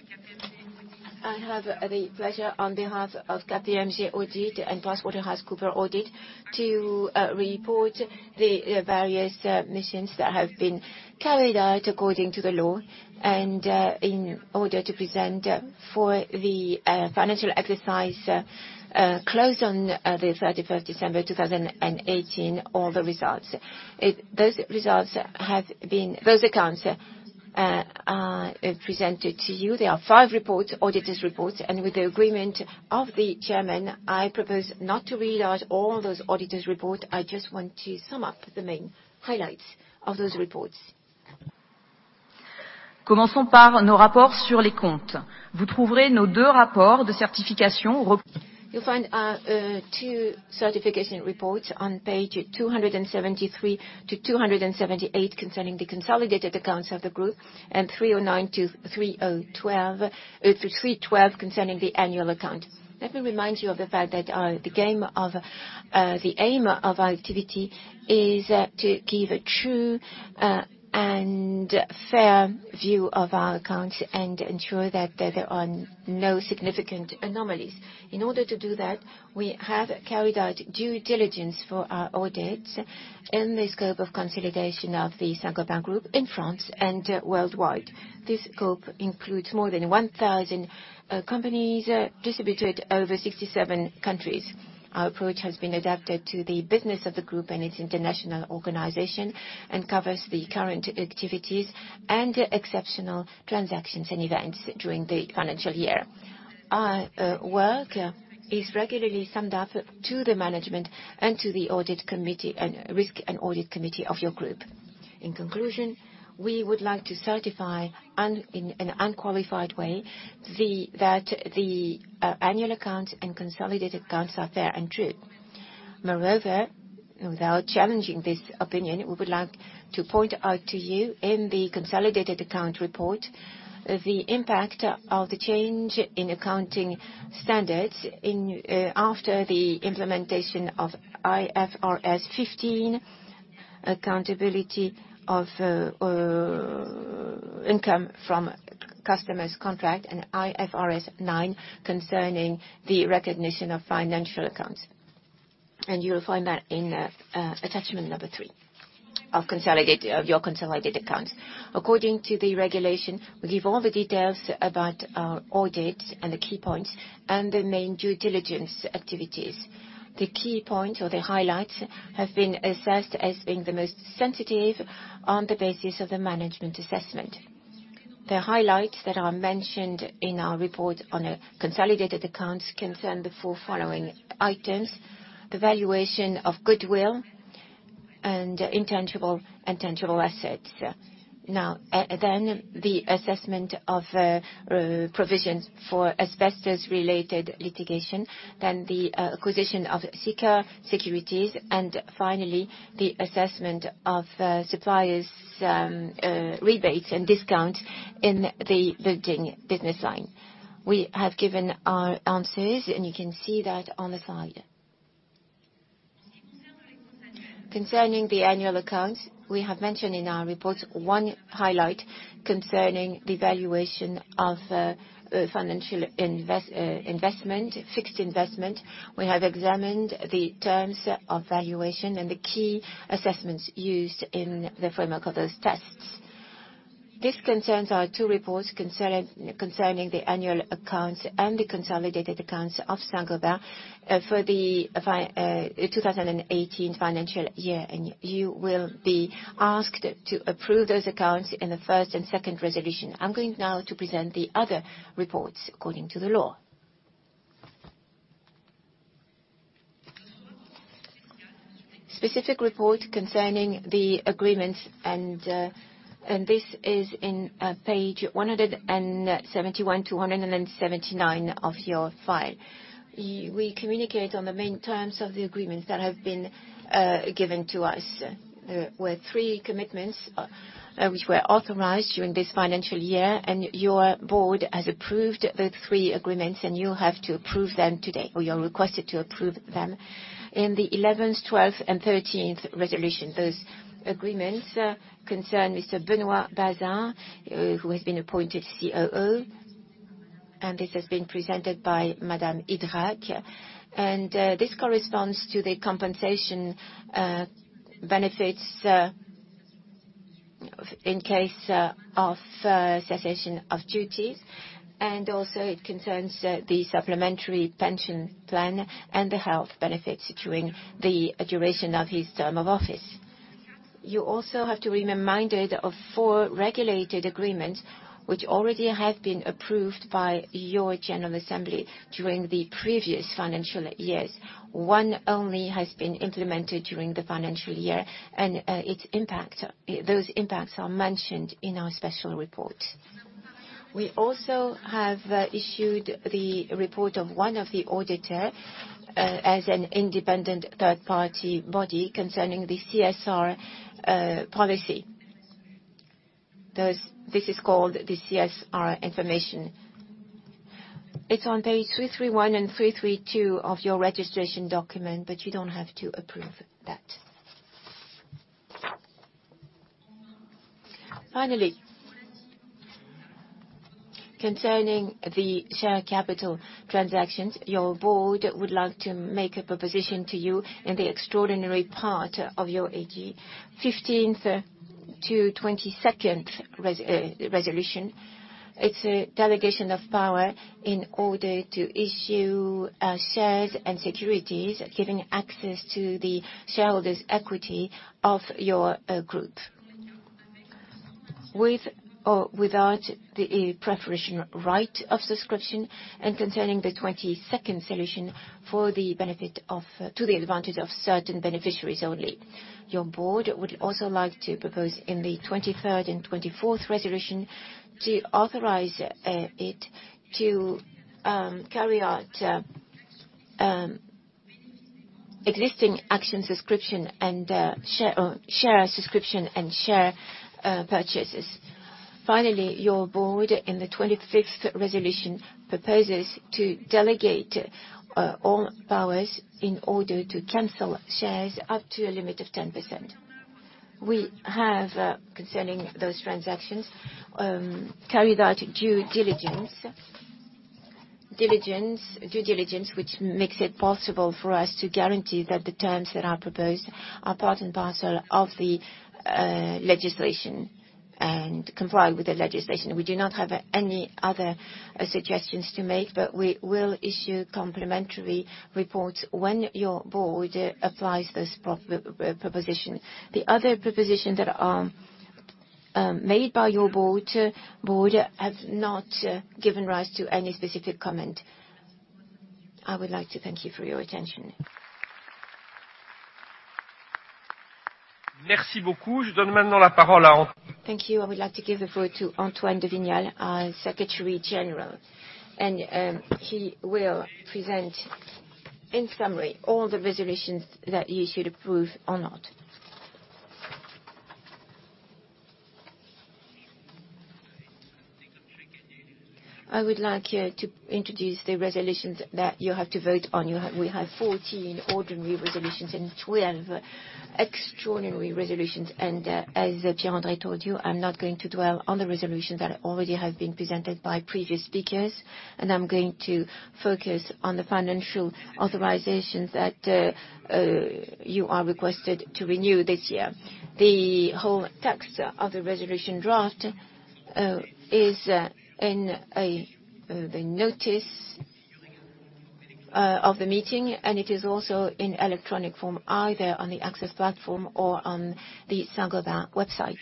I have the pleasure, on behalf of KPMG Audit and PricewaterhouseCoopers Audit, to report the various missions that have been carried out according to the law and in order to present for the financial exercise closed on the 31st of December 2018, all the results. Those results have been—those accounts are presented to you. There are five reports, auditor's reports, and with the agreement of the chairman, I propose not to read out all those auditor's reports. I just want to sum up the main highlights of those reports. Commençons par nos rapports sur les comptes. Vous trouverez nos deux rapports de certification. You'll find two certification reports on page 273 to 278 concerning the consolidated accounts of the group and 309 to 312 concerning the annual account. Let me remind you of the fact that the aim of our activity is to give a true and fair view of our accounts and ensure that there are no significant anomalies. In order to do that, we have carried out due diligence for our audits in the scope of consolidation of the Saint-Gobain group in France and worldwide. This scope includes more than 1,000 companies distributed over 67 countries. Our approach has been adapted to the business of the group and its international organization and covers the current activities and exceptional transactions and events during the financial year. Our work is regularly summed up to the management and to the risk and audit committee of your group. In conclusion, we would like to certify in an unqualified way that the annual accounts and consolidated accounts are fair and true. Moreover, without challenging this opinion, we would like to point out to you in the consolidated account report the impact of the change in accounting standards after the implementation of IFRS 15, accountability of income from customers' contract, and IFRS 9 concerning the recognition of financial accounts. You will find that in attachment number three of your consolidated accounts. According to the regulation, we give all the details about our audits and the key points and the main due diligence activities. The key points or the highlights have been assessed as being the most sensitive on the basis of the management assessment. The highlights that are mentioned in our report on consolidated accounts concern the following items: the valuation of goodwill and intangible assets. Now, then the assessment of provisions for asbestos-related litigation, then the acquisition of Sika securities, and finally, the assessment of suppliers' rebates and discounts in the building business line. We have given our answers, and you can see that on the slide. Concerning the annual accounts, we have mentioned in our report one highlight concerning the valuation of financial investment, fixed investment. We have examined the terms of valuation and the key assessments used in the FOIMACO those tests. This concerns our two reports concerning the annual accounts and the consolidated accounts of Saint-Gobain for the 2018 financial year, and you will be asked to approve those accounts in the first and second resolution. I'm going now to present the other reports according to the law. Specific report concerning the agreements, and this is in page 171-179 of your file. We communicate on the main terms of the agreements that have been given to us. There were three commitments which were authorized during this financial year, and your board has approved the three agreements, and you have to approve them today, or you're requested to approve them in the 11th, 12th, and 13th resolution. Those agreements concern Mr. Benoit Bazin, who has been appointed COO, and this has been presented by Madame Idrac, and this corresponds to the compensation benefits in case of cessation of duties, and also it concerns the supplementary pension plan and the health benefits during the duration of his term of office. You also have to be reminded of four regulated agreements which already have been approved by your general assembly during the previous financial years. One only has been implemented during the financial year, and those impacts are mentioned in our special report. We also have issued the report of one of the auditors as an independent third-party body concerning the CSR policy. This is called the CSR information. It's on page 331 and 332 of your registration document, but you don't have to approve that. Finally, concerning the share capital transactions, your board would like to make a proposition to you in the extraordinary part of your 15th-22nd resolution. It's a delegation of power in order to issue shares and securities, giving access to the shareholders' equity of your group, with or without the preferential right of subscription, and concerning the 22nd resolution for the benefit of certain beneficiaries only. Your board would also like to propose in the 23rd and 24th resolution to authorize it to carry out existing action subscription and share subscription and share purchases. Finally, your board in the 25th resolution proposes to delegate all powers in order to cancel shares up to a limit of 10%. We have, concerning those transactions, carried out due diligence, due diligence which makes it possible for us to guarantee that the terms that are proposed are part and parcel of the legislation and comply with the legislation. We do not have any other suggestions to make, but we will issue complimentary reports when your board applies those propositions. The other propositions that are made by your board have not given rise to any specific comment. I would like to thank you for your attention. Merci beaucoup. Je donne maintenant la parole à. Thank you. I would like to give the floor to Antoine Vignial, our Secretary General, and he will present, in summary, all the resolutions that he should approve or not. I would like to introduce the resolutions that you have to vote on. We have 14 ordinary resolutions and 12 extraordinary resolutions, and as Pierre-André told you, I'm not going to dwell on the resolutions that already have been presented by previous speakers, and I'm going to focus on the financial authorizations that you are requested to renew this year. The whole text of the resolution draft is in the notice of the meeting, and it is also in electronic form either on the Access platform or on the Saint-Gobain website.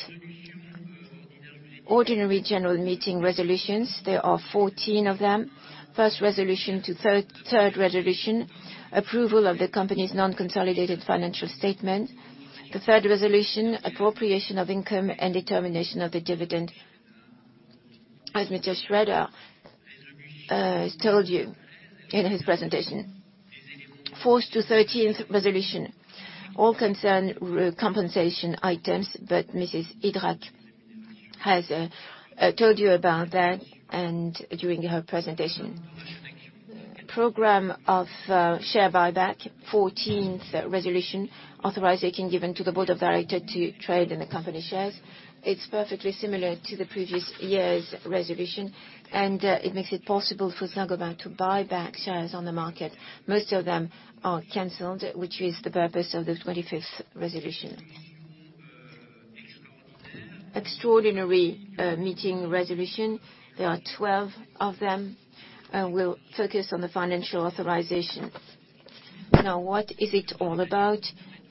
Ordinary general meeting resolutions, there are 14 of them. First resolution to third resolution, approval of the company's non-consolidated financial statement. The third resolution, appropriation of income and determination of the dividend, as Mr. Sreedhar has told you in his presentation. Fourth to 13th resolution, all concern compensation items, but Mrs. Idrac has told you about that during her presentation. Program of share buyback, 14th resolution, authorization given to the board of directors to trade in the company shares. It's perfectly similar to the previous year's resolution, and it makes it possible for Saint-Gobain to buy back shares on the market. Most of them are canceled, which is the purpose of the 25th resolution. Extraordinary meeting resolution, there are 12 of them. We'll focus on the financial authorization. Now, what is it all about?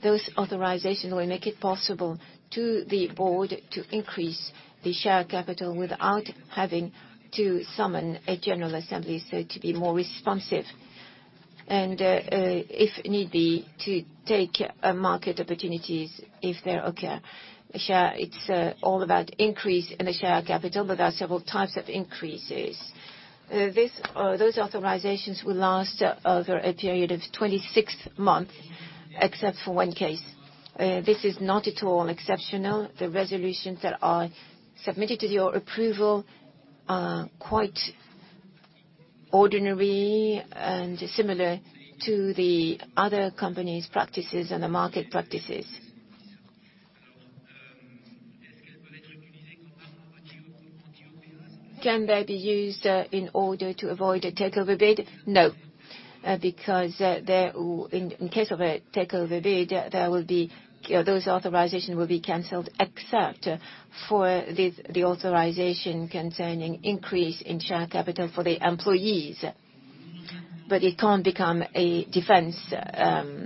Those authorizations will make it possible to the board to increase the share capital without having to summon a general assembly so to be more responsive and, if need be, to take market opportunities if there occur. It's all about increase in the share capital, but there are several types of increases. Those authorizations will last over a period of 26 months, except for one case. This is not at all exceptional. The resolutions that are submitted to your approval are quite ordinary and similar to the other companies' practices and the market practices. Can they be used in order to avoid a takeover bid? No, because in case of a takeover bid, those authorizations will be canceled, except for the authorization concerning increase in share capital for the employees, but it can't become a defense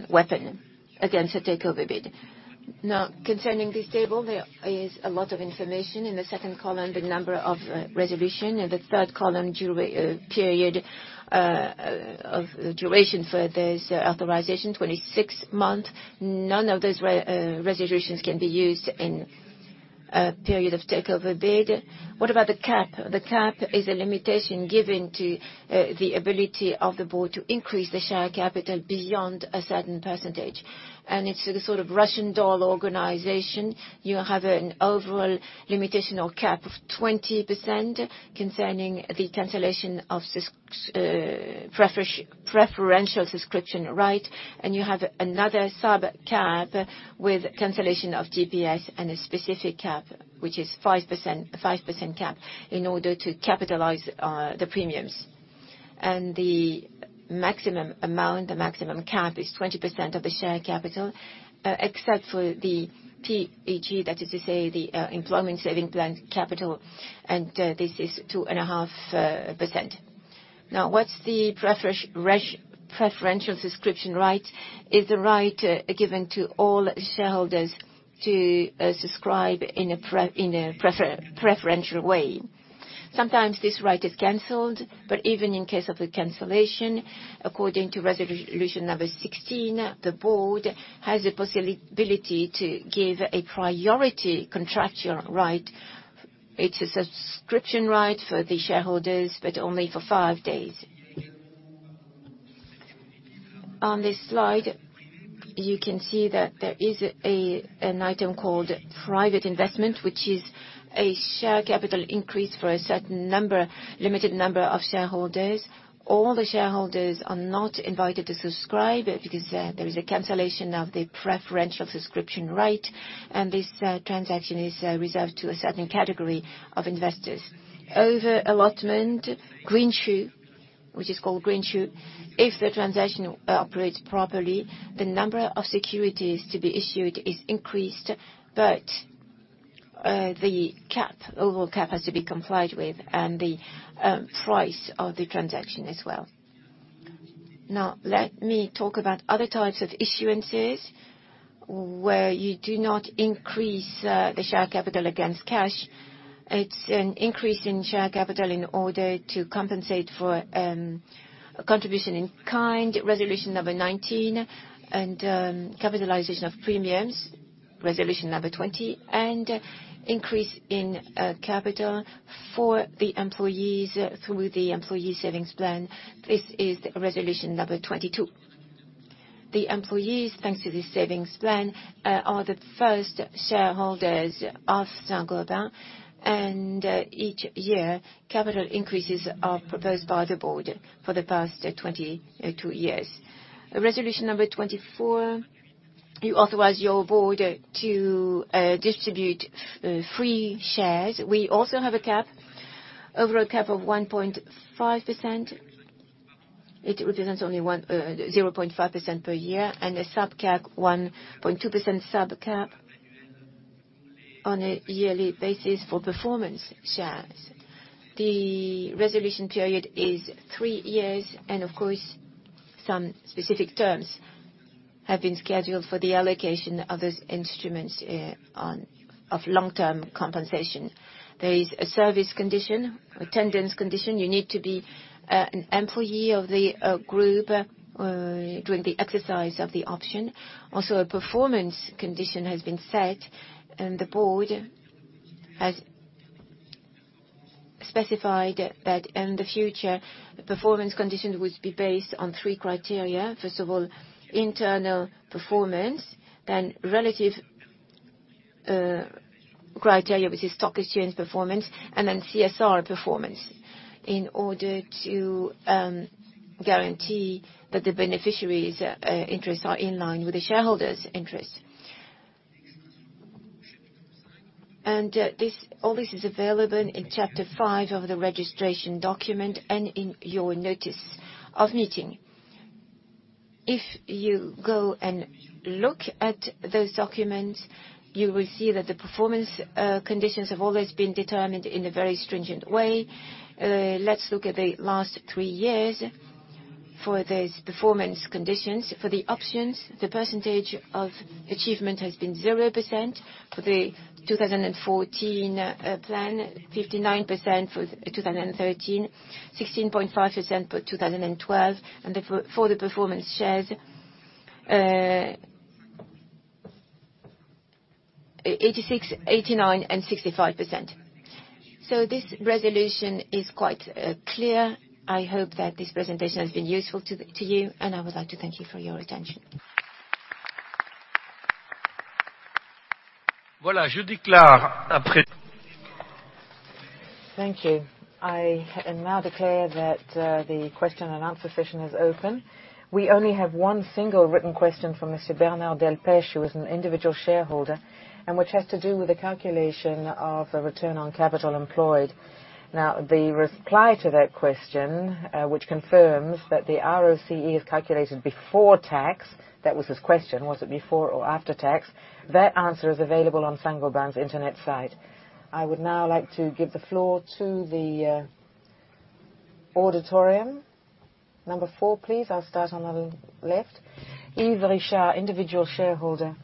weapon against a takeover bid. Now, concerning this table, there is a lot of information. In the second column, the number of resolutions. In the third column, period of duration for those authorizations, 26 months. None of those resolutions can be used in a period of takeover bid. What about the cap? The cap is a limitation given to the ability of the board to increase the share capital beyond a certain percentage, and it's a sort of Russian doll organization. You have an overall limitation or cap of 20% concerning the cancellation of preferential subscription right, and you have another sub-cap with cancellation of GPS and a specific cap, which is 5% cap, in order to capitalize the premiums. The maximum amount, the maximum cap, is 20% of the share capital, except for the PEG, that is to say the employment saving plan capital, and this is 2.5%. Now, what's the preferential subscription right? It's a right given to all shareholders to subscribe in a preferential way. Sometimes this right is canceled, but even in case of a cancellation, according to resolution number 16, the board has the possibility to give a priority contractual right. It's a subscription right for the shareholders, but only for five days. On this slide, you can see that there is an item called private investment, which is a share capital increase for a certain limited number of shareholders. All the shareholders are not invited to subscribe because there is a cancellation of the preferential subscription right, and this transaction is reserved to a certain category of investors. Over allotment, green shoe, which is called green shoe, if the transaction operates properly, the number of securities to be issued is increased, but the overall cap has to be complied with and the price of the transaction as well. Now, let me talk about other types of issuances where you do not increase the share capital against cash. It's an increase in share capital in order to compensate for contribution in kind, resolution number 19, and capitalization of premiums, resolution number 20, and increase in capital for the employees through the employee savings plan. This is resolution number 22. The employees, thanks to this savings plan, are the first shareholders of Saint-Gobain, and each year, capital increases are proposed by the board for the past 22 years. Resolution number 24, you authorize your board to distribute free shares. We also have a cap, overall cap of 1.5%. It represents only 0.5% per year and a sub-cap, 1.2% sub-cap on a yearly basis for performance shares. The resolution period is three years, and of course, some specific terms have been scheduled for the allocation of those instruments of long-term compensation. There is a service condition, attendance condition. You need to be an employee of the group during the exercise of the option. Also, a performance condition has been set, and the board has specified that in the future, performance conditions would be based on three criteria. First of all, internal performance, then relative criteria, which is stock exchange performance, and then CSR performance in order to guarantee that the beneficiary's interests are in line with the shareholders' interests. All this is available in chapter five of the registration document and in your notice of meeting. If you go and look at those documents, you will see that the performance conditions have always been determined in a very stringent way. Let's look at the last three years for those performance conditions. For the options, the percentage of achievement has been 0% for the 2014 plan, 59% for 2013, 16.5% for 2012, and for the performance shares, 89% and 65%. This resolution is quite clear. I hope that this presentation has been useful to you, and I would like to thank you for your attention. Voilà, je déclare après. Thank you. I now declare that the question and answer session is open. We only have one single written question from Mr. Bernard Delpech, who is an individual shareholder, and which has to do with the calculation of a return on capital employed. Now, the reply to that question, which confirms that the ROCE is calculated before tax, that was his question, was it before or after tax, that answer is available on Saint-Gobain's internet site. I would now like to give the floor to the auditorium. Number four, please. I'll start on the left. Yves Richard, individual shareholder.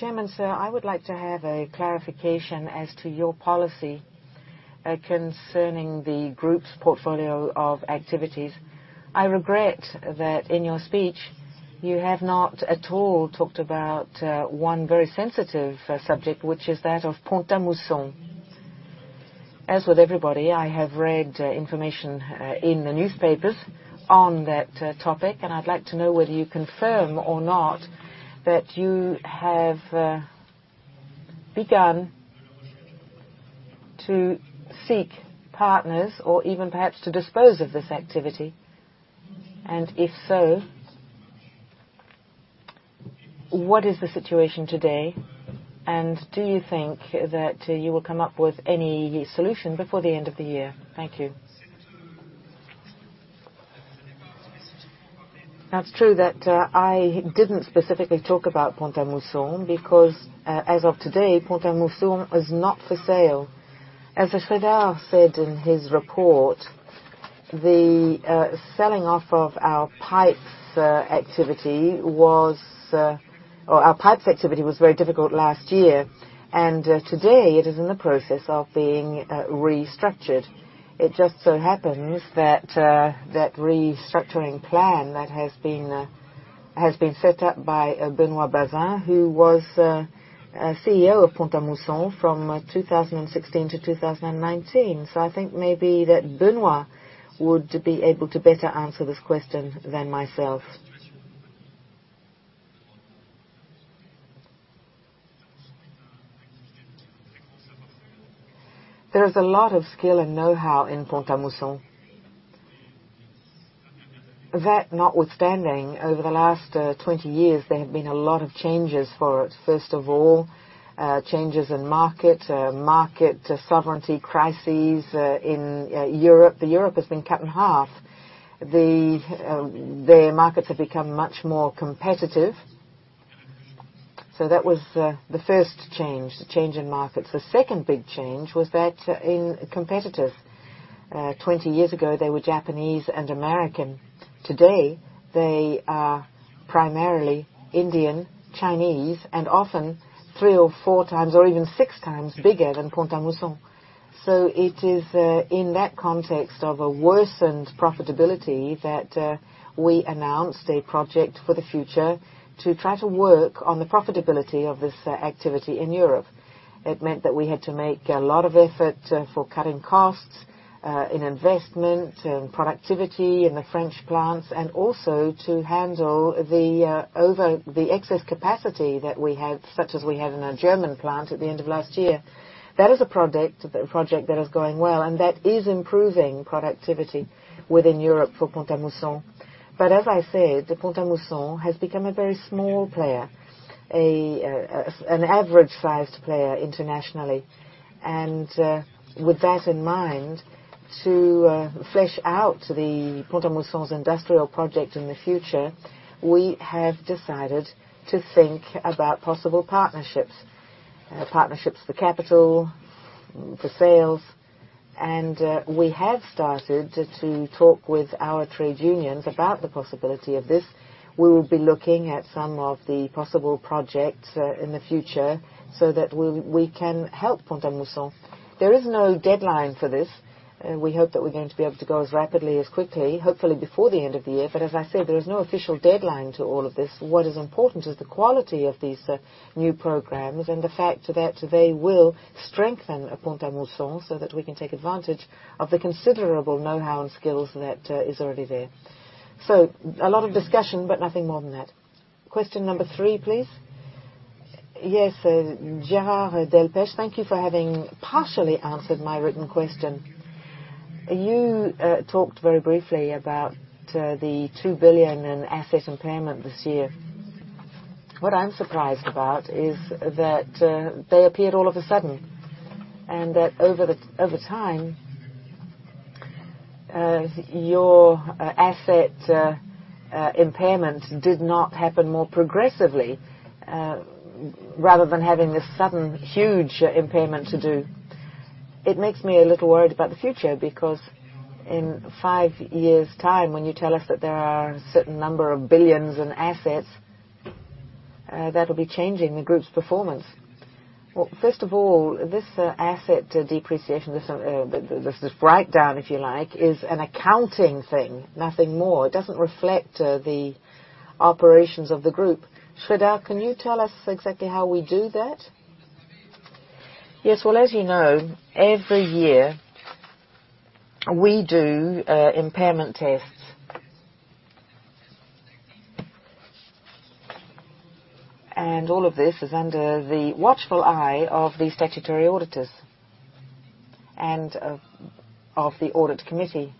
Chairman, sir, I would like to have a clarification as to your policy concerning the group's portfolio of activities. I regret that in your speech, you have not at all talked about one very sensitive subject, which is that of Pont-à-Mousson. As with everybody, I have read information in the newspapers on that topic, and I'd like to know whether you confirm or not that you have begun to seek partners or even perhaps to dispose of this activity. If so, what is the situation today, and do you think that you will come up with any solution before the end of the year? Thank you. Now, it's true that I didn't specifically talk about Pont-à-Mousson because, as of today, Pont-à-Mousson is not for sale. As Sreedhar said in his report, the selling off of our pipes activity was, or our pipes activity was very difficult last year, and today it is in the process of being restructured. It just so happens that that restructuring plan that has been set up by Benoit Bazin, who was CEO of Pont-à-Mousson from 2016 to 2019. I think maybe that Benoit would be able to better answer this question than myself. There is a lot of skill and know-how in Pont-à-Mousson. That notwithstanding, over the last 20 years, there have been a lot of changes for it. First of all, changes in market, market sovereignty crises in Europe. Europe has been cut in half. The markets have become much more competitive. That was the first change, the change in markets. The second big change was that in competitors, 20 years ago, they were Japanese and American. Today, they are primarily Indian, Chinese, and often three or four times or even six times bigger than Pont-à-Mousson. It is in that context of a worsened profitability that we announced a project for the future to try to work on the profitability of this activity in Europe. It meant that we had to make a lot of effort for cutting costs in investment and productivity in the French plants and also to handle the excess capacity that we had, such as we had in a German plant at the end of last year. That is a project that is going well, and that is improving productivity within Europe for Pont-à-Mousson. As I said, Pont-à-Mousson has become a very small player, an average-sized player internationally. With that in mind, to flesh out Pont-à-Mousson's industrial project in the future, we have decided to think about possible partnerships, partnerships for capital, for sales. We have started to talk with our trade unions about the possibility of this. We will be looking at some of the possible projects in the future so that we can help Pont-à-Mousson. There is no deadline for this. We hope that we're going to be able to go as rapidly as quickly, hopefully before the end of the year. As I said, there is no official deadline to all of this. What is important is the quality of these new programs and the fact that they will strengthen Pont-à-Mousson so that we can take advantage of the considerable know-how and skills that are already there. A lot of discussion, but nothing more than that. Question number three, please. Yes, Gérard Delpech, thank you for having partially answered my written question. You talked very briefly about the 2 billion in asset impairment this year. What I'm surprised about is that they appeared all of a sudden and that over time, your asset impairment did not happen more progressively rather than having this sudden, huge impairment to do. It makes me a little worried about the future because in five years' time, when you tell us that there are a certain number of billions in assets, that will be changing the group's performance. First of all, this asset depreciation, this breakdown, if you like, is an accounting thing, nothing more. It doesn't reflect the operations of the group. Sreedhar, can you tell us exactly how we do that? Yes. As you know, every year, we do impairment tests. All of this is under the watchful eye of the statutory auditors and of the audit committee.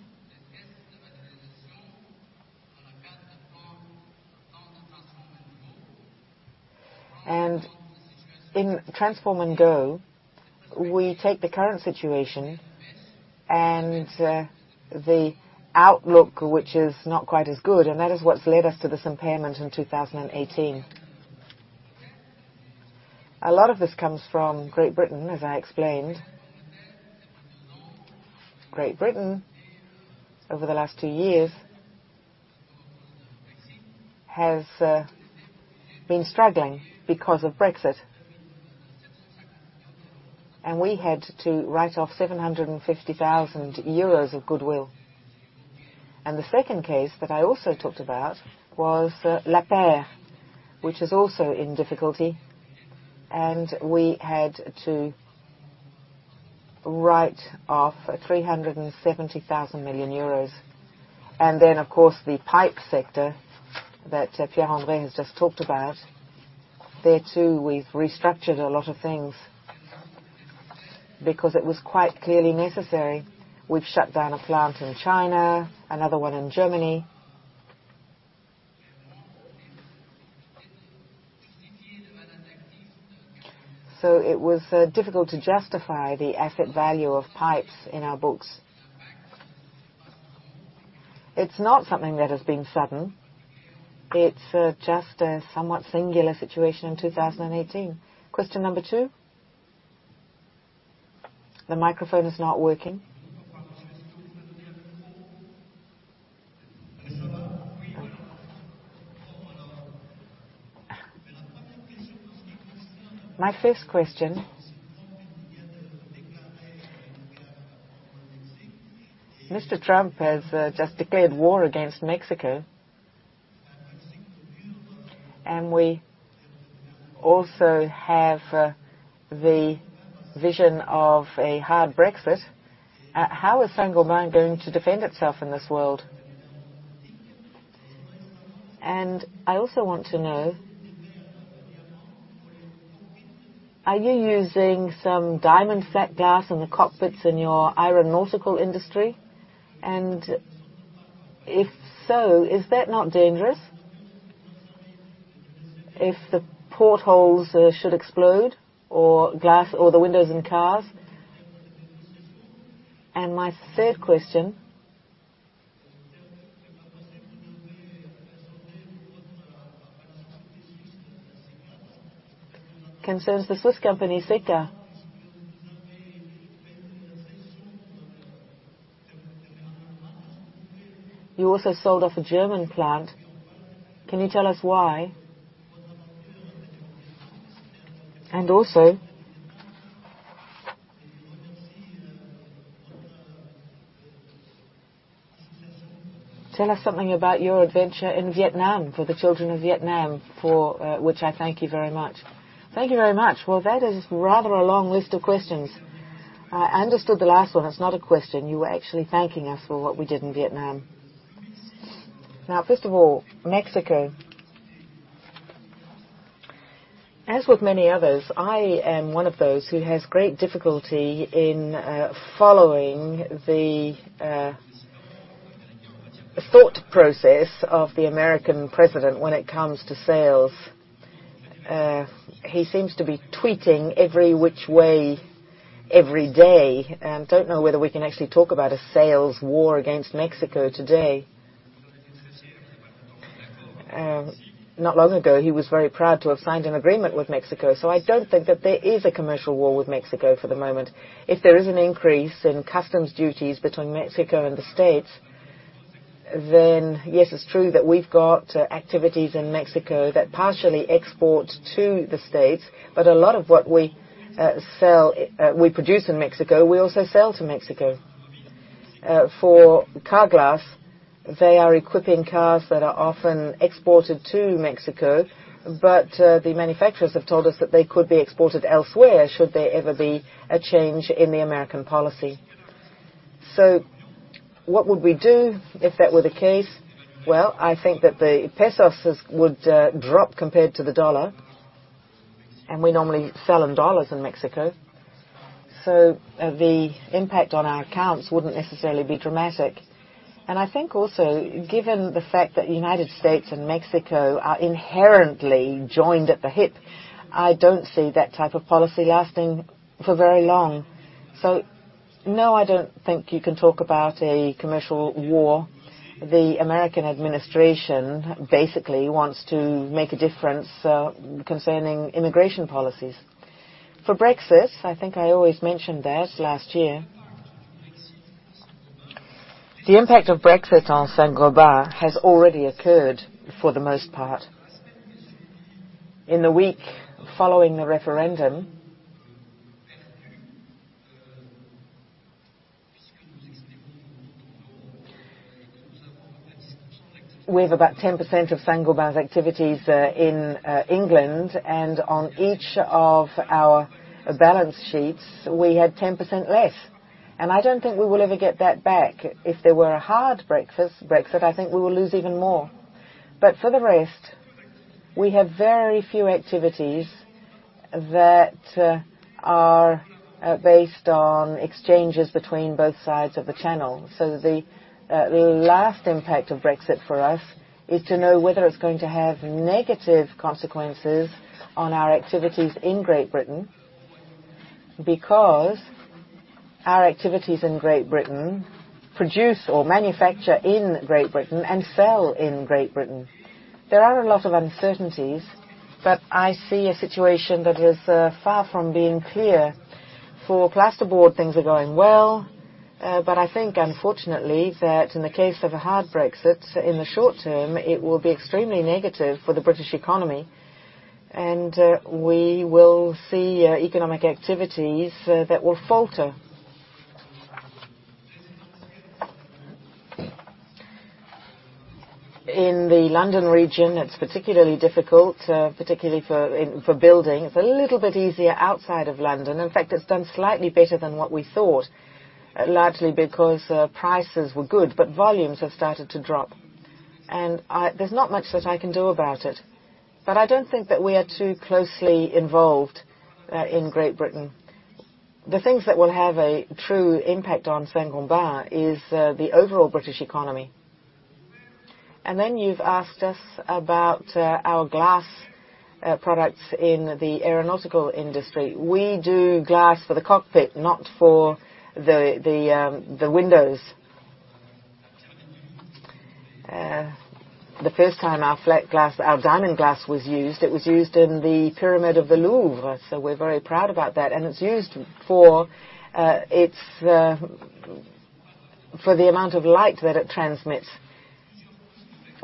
In Transform & Grow, we take the current situation and the outlook, which is not quite as good, and that is what has led us to this impairment in 2018. A lot of this comes from Great Britain, as I explained. Great Britain, over the last two years, has been struggling because of Brexit. We had to write off 750,000 euros of goodwill. The second case that I also talked about was La Paire, which is also in difficulty. We had to write off 370 million euros. Of course, the pipe sector that Pierre-Henri has just talked about. There too, we have restructured a lot of things because it was quite clearly necessary. We have shut down a plant in China, another one in Germany. It was difficult to justify the asset value of pipes in our books. It's not something that has been sudden. It's just a somewhat singular situation in 2018. Question number two. The microphone is not working. My first question. Mr. Trump has just declared war against Mexico. We also have the vision of a hard Brexit. How is Saint-Gobain going to defend itself in this world? I also want to know, are you using some diamond flat glass in the cockpits in your iron nautical industry? If so, is that not dangerous if the portholes should explode or the windows in cars? My third question concerns the Swiss company Sika. You also sold off a German plant. Can you tell us why? Also, tell us something about your adventure in Vietnam for the children of Vietnam, for which I thank you very much. Thank you very much. That is rather a long list of questions. I understood the last one. It's not a question. You were actually thanking us for what we did in Vietnam. First of all, Mexico. As with many others, I am one of those who has great difficulty in following the thought process of the American president when it comes to sales. He seems to be tweeting every which way every day. I don't know whether we can actually talk about a sales war against Mexico today. Not long ago, he was very proud to have signed an agreement with Mexico. I don't think that there is a commercial war with Mexico for the moment. If there is an increase in customs duties between Mexico and the States, yes, it's true that we've got activities in Mexico that partially export to the States, but a lot of what we produce in Mexico, we also sell to Mexico. For car glass, they are equipping cars that are often exported to Mexico, but the manufacturers have told us that they could be exported elsewhere should there ever be a change in the American policy. What would we do if that were the case? I think that the pesos would drop compared to the dollar, and we normally sell in dollars in Mexico. The impact on our accounts wouldn't necessarily be dramatic. I think also, given the fact that the United States and Mexico are inherently joined at the hip, I don't see that type of policy lasting for very long. No, I don't think you can talk about a commercial war. The American administration basically wants to make a difference concerning immigration policies. For Brexit, I think I always mentioned that last year. The impact of Brexit on Saint-Gobain has already occurred for the most part. In the week following the referendum, we have about 10% of Saint-Gobain's activities in England, and on each of our balance sheets, we had 10% less. I don't think we will ever get that back. If there were a hard Brexit, I think we will lose even more. For the rest, we have very few activities that are based on exchanges between both sides of the channel. The last impact of Brexit for us is to know whether it's going to have negative consequences on our activities in Great Britain because our activities in Great Britain produce or manufacture in Great Britain and sell in Great Britain. There are a lot of uncertainties, but I see a situation that is far from being clear. For plasterboard, things are going well, but I think, unfortunately, that in the case of a hard Brexit, in the short term, it will be extremely negative for the British economy, and we will see economic activities that will falter. In the London region, it's particularly difficult, particularly for building. It's a little bit easier outside of London. In fact, it's done slightly better than what we thought, largely because prices were good, but volumes have started to drop. There is not much that I can do about it, but I do not think that we are too closely involved in Great Britain. The things that will have a true impact on Saint-Gobain is the overall British economy. You have asked us about our glass products in the aeronautical industry. We do glass for the cockpit, not for the windows. The first time our diamond glass was used, it was used in the Pyramid of the Louvre. We are very proud about that. It is used for the amount of light that it transmits.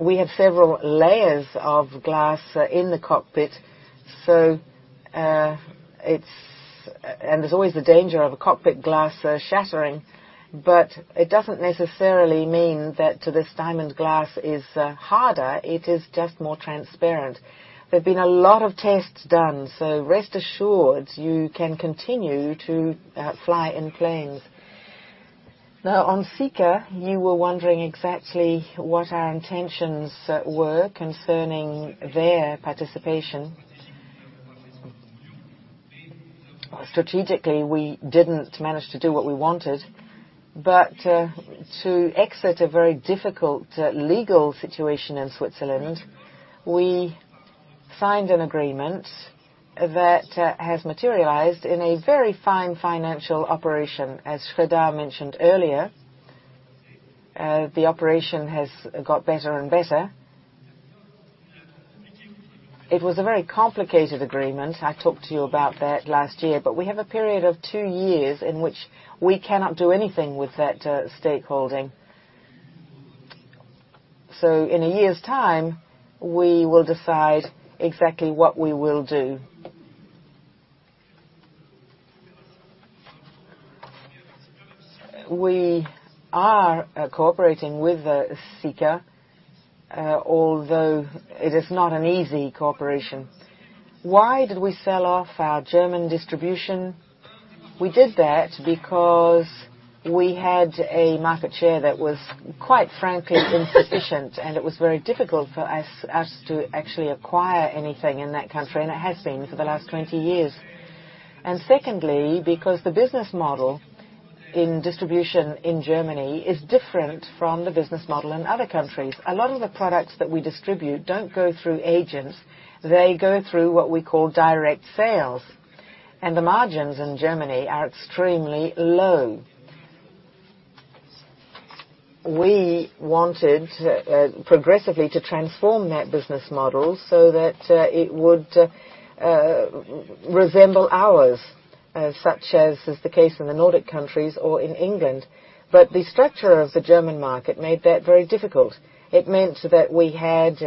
We have several layers of glass in the cockpit, and there is always the danger of a cockpit glass shattering, but it does not necessarily mean that this diamond glass is harder. It is just more transparent. There have been a lot of tests done, so rest assured you can continue to fly in planes. Now, on Sika, you were wondering exactly what our intentions were concerning their participation. Strategically, we did not manage to do what we wanted, but to exit a very difficult legal situation in Switzerland, we signed an agreement that has materialized in a very fine financial operation. As Sreedhar mentioned earlier, the operation has got better and better. It was a very complicated agreement. I talked to you about that last year, but we have a period of two years in which we cannot do anything with that stakeholding. In a year's time, we will decide exactly what we will do. We are cooperating with Sika, although it is not an easy cooperation. Why did we sell off our German distribution? We did that because we had a market share that was, quite frankly, insufficient, and it was very difficult for us to actually acquire anything in that country, and it has been for the last 20 years. Secondly, because the business model in distribution in Germany is different from the business model in other countries. A lot of the products that we distribute do not go through agents. They go through what we call direct sales, and the margins in Germany are extremely low. We wanted progressively to transform that business model so that it would resemble ours, such as is the case in the Nordic countries or in England. The structure of the German market made that very difficult. It meant that we had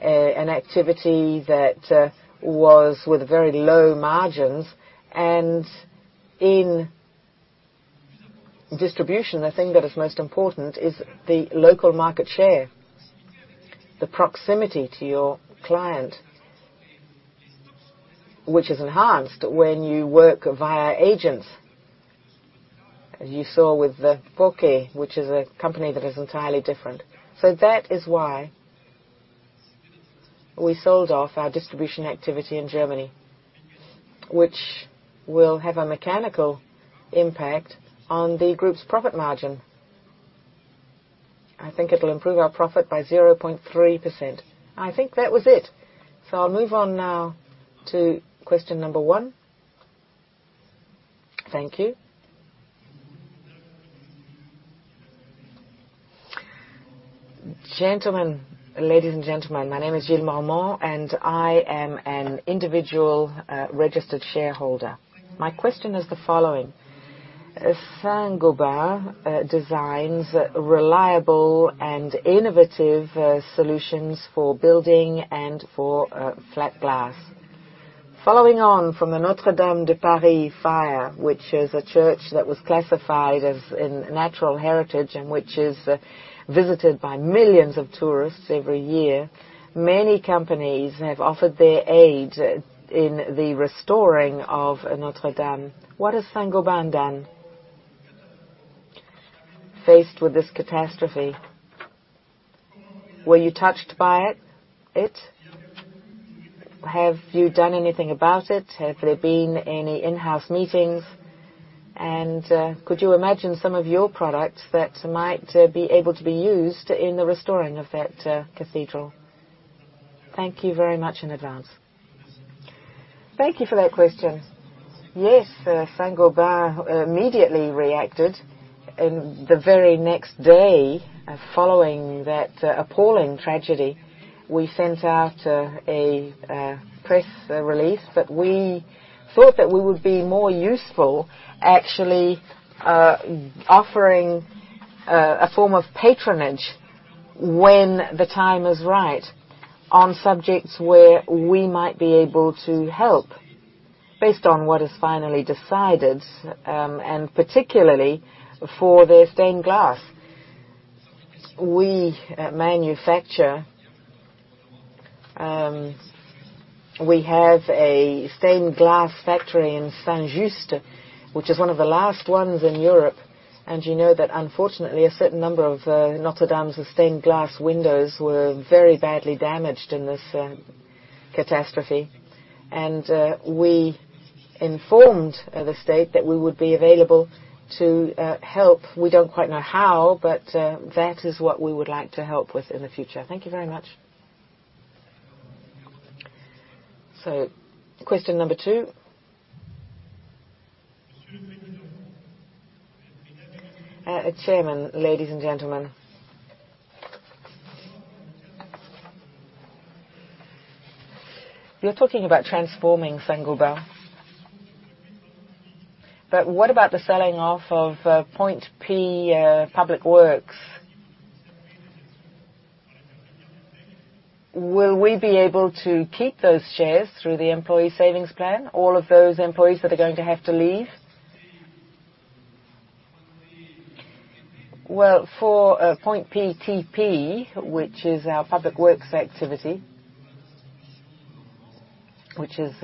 an activity that was with very low margins. In distribution, the thing that is most important is the local market share, the proximity to your client, which is enhanced when you work via agents, as you saw with the Portier, which is a company that is entirely different. That is why we sold off our distribution activity in Germany, which will have a mechanical impact on the group's profit margin. I think it'll improve our profit by 0.3%. I think that was it. I'll move on now to question number one. Thank you. Ladies and gentlemen, my name is Gilles Marmont, and I am an individual registered shareholder. My question is the following. Saint-Gobain designs reliable and innovative solutions for building and for flat glass. Following on from the Notre-Dame de Paris fire, which is a church that was classified as in natural heritage and which is visited by millions of tourists every year, many companies have offered their aid in the restoring of Notre-Dame. What has Saint-Gobain done faced with this catastrophe? Were you touched by it? Have you done anything about it? Have there been any in-house meetings? Could you imagine some of your products that might be able to be used in the restoring of that cathedral? Thank you very much in advance. Thank you for that question. Yes, Saint-Gobain immediately reacted. The very next day following that appalling tragedy, we sent out a press release that we thought that we would be more useful actually offering a form of patronage when the time is right on subjects where we might be able to help based on what is finally decided, and particularly for their stained glass. We manufacture. We have a stained glass factory in Saint-Just, which is one of the last ones in Europe. You know that, unfortunately, a certain number of Notre-Dame's stained glass windows were very badly damaged in this catastrophe. We informed the state that we would be available to help. We do not quite know how, but that is what we would like to help with in the future. Thank you very much. Question number two. Chairman, ladies and gentlemen, you are talking about transforming Saint-Gobain. What about the selling off of POINT.P Public Works? Will we be able to keep those shares through the employee savings plan, all of those employees that are going to have to leave? For POINT.PTP, which is our public works activity, which is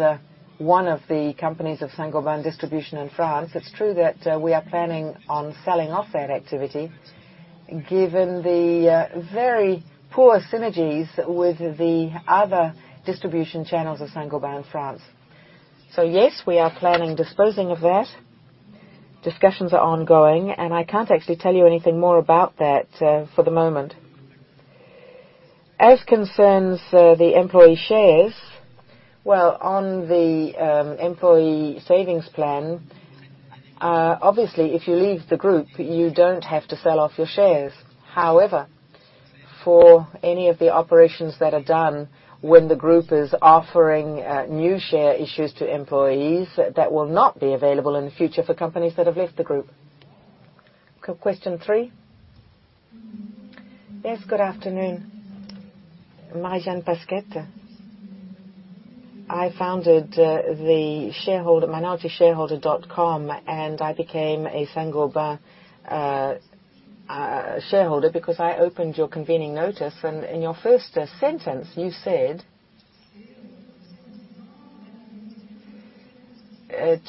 one of the companies of Saint-Gobain Distribution in France, it is true that we are planning on selling off that activity given the very poor synergies with the other distribution channels of Saint-Gobain in France. Yes, we are planning disposing of that. Discussions are ongoing, and I cannot actually tell you anything more about that for the moment. As concerns the employee shares, on the employee savings plan, obviously, if you leave the group, you do not have to sell off your shares. However, for any of the operations that are done when the group is offering new share issues to employees, that will not be available in the future for companies that have left the group. Question three. Yes, good afternoon. Marjane Pasquet. I founded the shareholder minority shareholder.com, and I became a Saint-Gobain shareholder because I opened your convening notice. In your first sentence, you said,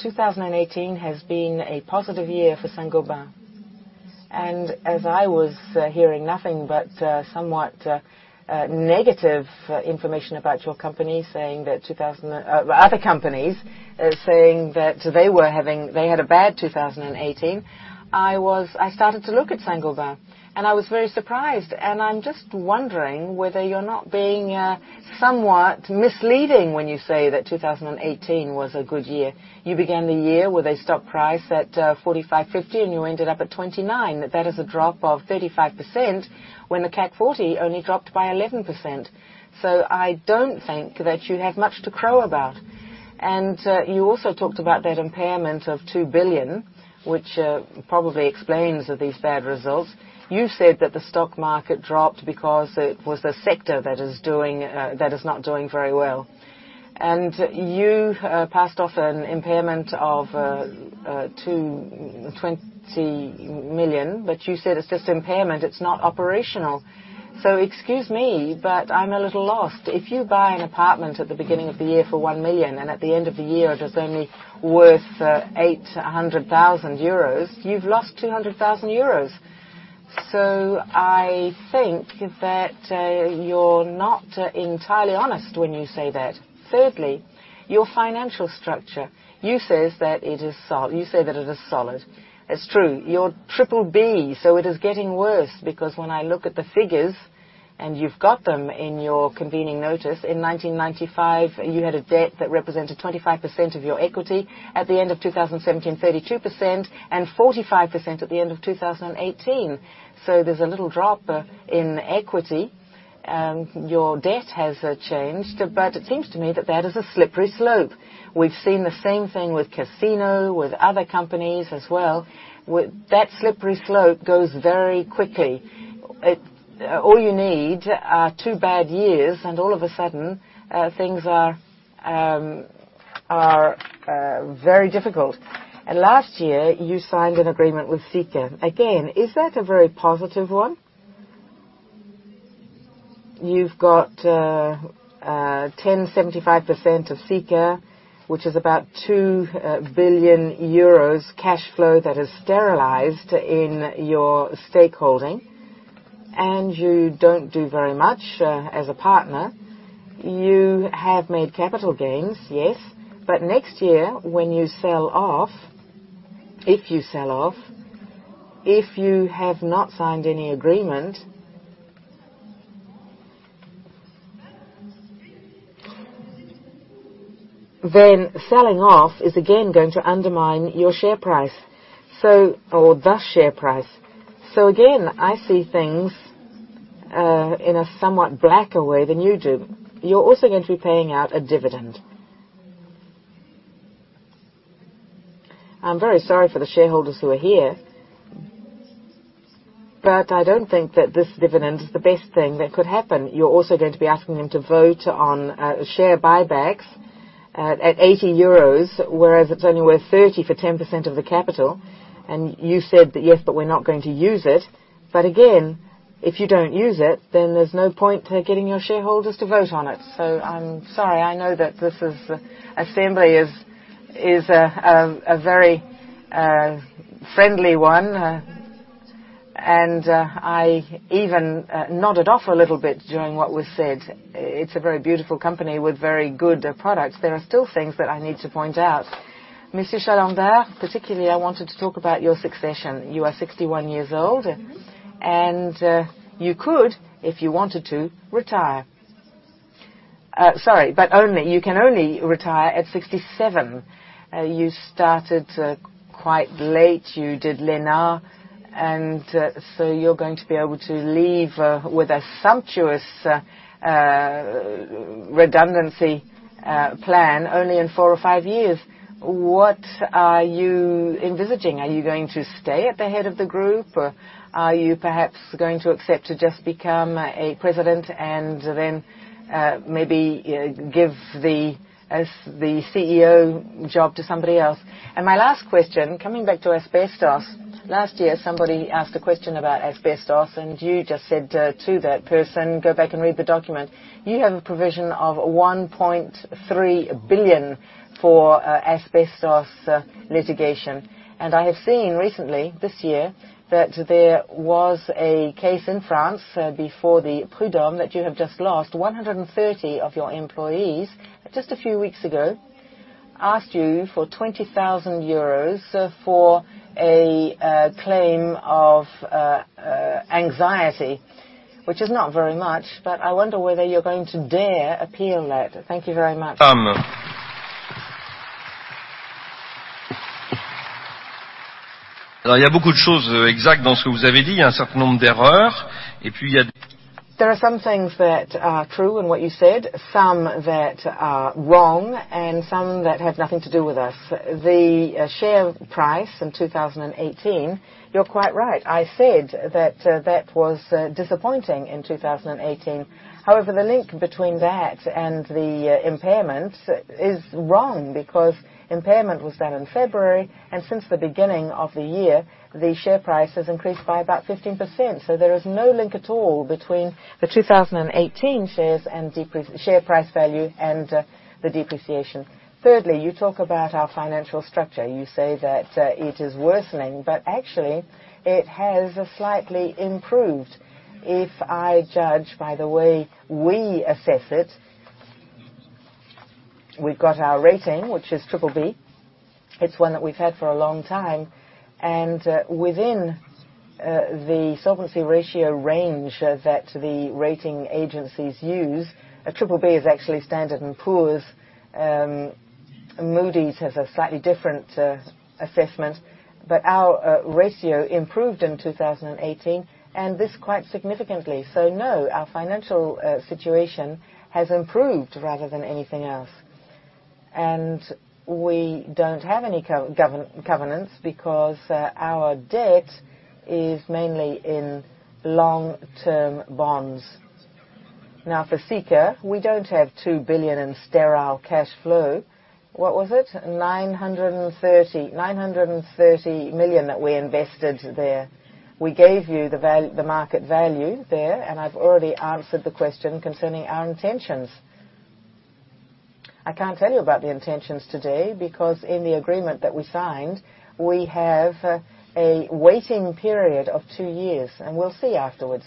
"2018 has been a positive year for Saint-Gobain." As I was hearing nothing but somewhat negative information about your company, saying that other companies saying that they had a bad 2018, I started to look at Saint-Gobain. I was very surprised. I am just wondering whether you are not being somewhat misleading when you say that 2018 was a good year. You began the year with a stock price at 45.50, and you ended up at 29. That is a drop of 35% when the CAC 40 only dropped by 11%. I do not think that you have much to crow about. You also talked about that impairment of 2 billion, which probably explains these bad results. You said that the stock market dropped because it was the sector that is not doing very well. You passed off an impairment of 2 billion, but you said it is just impairment. It is not operational. Excuse me, but I am a little lost. If you buy an apartment at the beginning of the year for 1 million, and at the end of the year, it is only worth 800,000 euros, you have lost 200,000 euros. I think that you are not entirely honest when you say that. Thirdly, your financial structure. You say that it is solid. You say that it is solid. It is true. You're BBB, so it is getting worse because when I look at the figures, and you've got them in your convening notice, in 1995, you had a debt that represented 25% of your equity. At the end of 2017, 32%, and 45% at the end of 2018. There is a little drop in equity. Your debt has changed, but it seems to me that that is a slippery slope. We've seen the same thing with Casino, with other companies as well. That slippery slope goes very quickly. All you need are two bad years, and all of a sudden, things are very difficult. Last year, you signed an agreement with Sika. Again, is that a very positive one? You've got 10.75% of Sika, which is about 2 billion euros cash flow that is sterilized in your stakeholding, and you don't do very much as a partner. You have made capital gains, yes, but next year, when you sell off, if you sell off, if you have not signed any agreement, selling off is again going to undermine your share price or the share price. I see things in a somewhat blacker way than you do. You are also going to be paying out a dividend. I am very sorry for the shareholders who are here, but I do not think that this dividend is the best thing that could happen. You are also going to be asking them to vote on share buybacks at 80 euros, whereas it is only worth 30 for 10% of the capital. You said that, "Yes, but we are not going to use it." If you do not use it, there is no point getting your shareholders to vote on it. I am sorry. I know that this assembly is a very friendly one, and I even nodded off a little bit during what was said. It's a very beautiful company with very good products. There are still things that I need to point out. Monsieur de Chalendar, particularly, I wanted to talk about your succession. You are 61 years old, and you could, if you wanted to, retire. Sorry, but you can only retire at 67. You started quite late. You did Lénard, and so you're going to be able to leave with a sumptuous redundancy plan only in four or five years. What are you envisaging? Are you going to stay at the head of the group? Are you perhaps going to accept to just become a president and then maybe give the CEO job to somebody else? My last question, coming back to asbestos. Last year, somebody asked a question about asbestos, and you just said to that person, "Go back and read the document." You have a provision of 1.3 billion for asbestos litigation. I have seen recently this year that there was a case in France before the Prud'homme that you have just lost. 130 of your employees, just a few weeks ago, asked you for 20,000 euros for a claim of anxiety, which is not very much, but I wonder whether you're going to dare appeal that. Thank you very much. Alors, il y a beaucoup de choses exactes dans ce que vous avez dit. Il y a un certain nombre d'erreurs. Et puis, il y a des. There are some things that are true in what you said, some that are wrong, and some that have nothing to do with us. The share price in 2018, you're quite right. I said that that was disappointing in 2018. However, the link between that and the impairment is wrong because impairment was done in February, and since the beginning of the year, the share price has increased by about 15%. There is no link at all between the 2018 shares and share price value and the depreciation. Thirdly, you talk about our financial structure. You say that it is worsening, but actually, it has slightly improved. If I judge by the way we assess it, we've got our rating, which is BBB. It's one that we've had for a long time. Within the solvency ratio range that the rating agencies use, BBB. is actually Standard & Poor's. Moody's has a slightly different assessment, but our ratio improved in 2018, and this quite significantly. Our financial situation has improved rather than anything else. We do not have any covenants because our debt is mainly in long-term bonds. Now, for Sika, we do not have 2 billion in sterile cash flow. What was it? 930 million that we invested there. We gave you the market value there, and I have already answered the question concerning our intentions. I cannot tell you about the intentions today because in the agreement that we signed, we have a waiting period of two years, and we will see afterwards.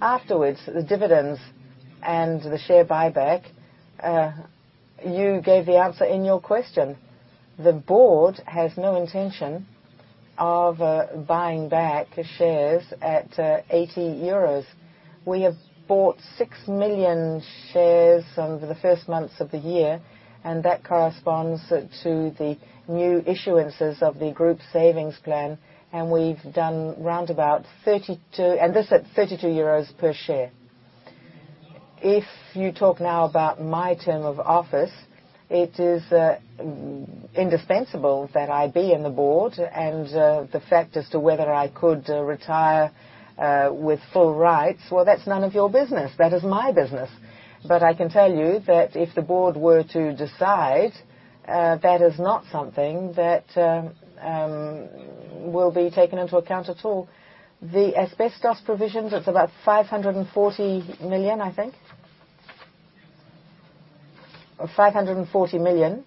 Afterwards, the dividends and the share buyback, you gave the answer in your question. The board has no intention of buying back shares at 80 euros. We have bought 6 million shares over the first months of the year, and that corresponds to the new issuances of the group savings plan, and we have done roundabout 32, and this at 32 euros per share. If you talk now about my term of office, it is indispensable that I be in the board, and the fact as to whether I could retire with full rights, that is none of your business. That is my business. I can tell you that if the board were to decide, that is not something that will be taken into account at all. The asbestos provisions, it is about 540 million, I think. 540 million.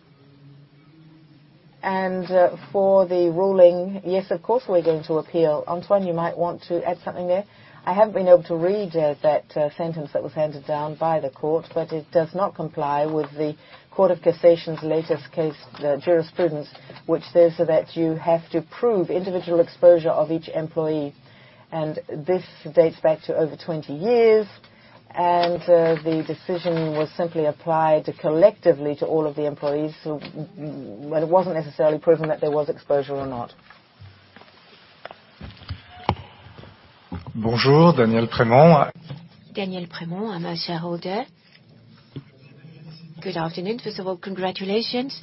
For the ruling, yes, of course, we are going to appeal. Antoine, you might want to add something there. I have not been able to read that sentence that was handed down by the court, but it does not comply with the Court of cassation's latest case, the jurisprudence, which says that you have to prove individual exposure of each employee. This dates back to over 20 years, and the decision was simply applied collectively to all of the employees, but it was not necessarily proven that there was exposure or not. Bonjour, Daniel Prémont. Daniel Prémont, I'm a shareholder. Good afternoon. First of all, congratulations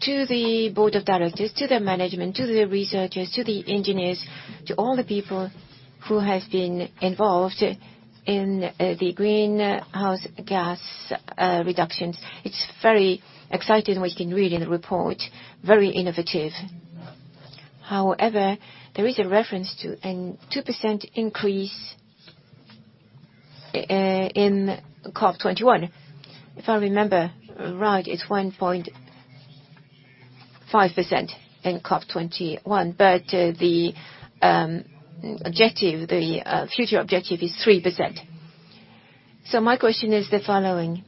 to the board of directors, to the management, to the researchers, to the engineers, to all the people who have been involved in the greenhouse gas reductions. It's very exciting what you can read in the report, very innovative. However, there is a reference to a 2% increase in COP21. If I remember right, it's 1.5% in COP21, but the future objective is 3%. My question is the following.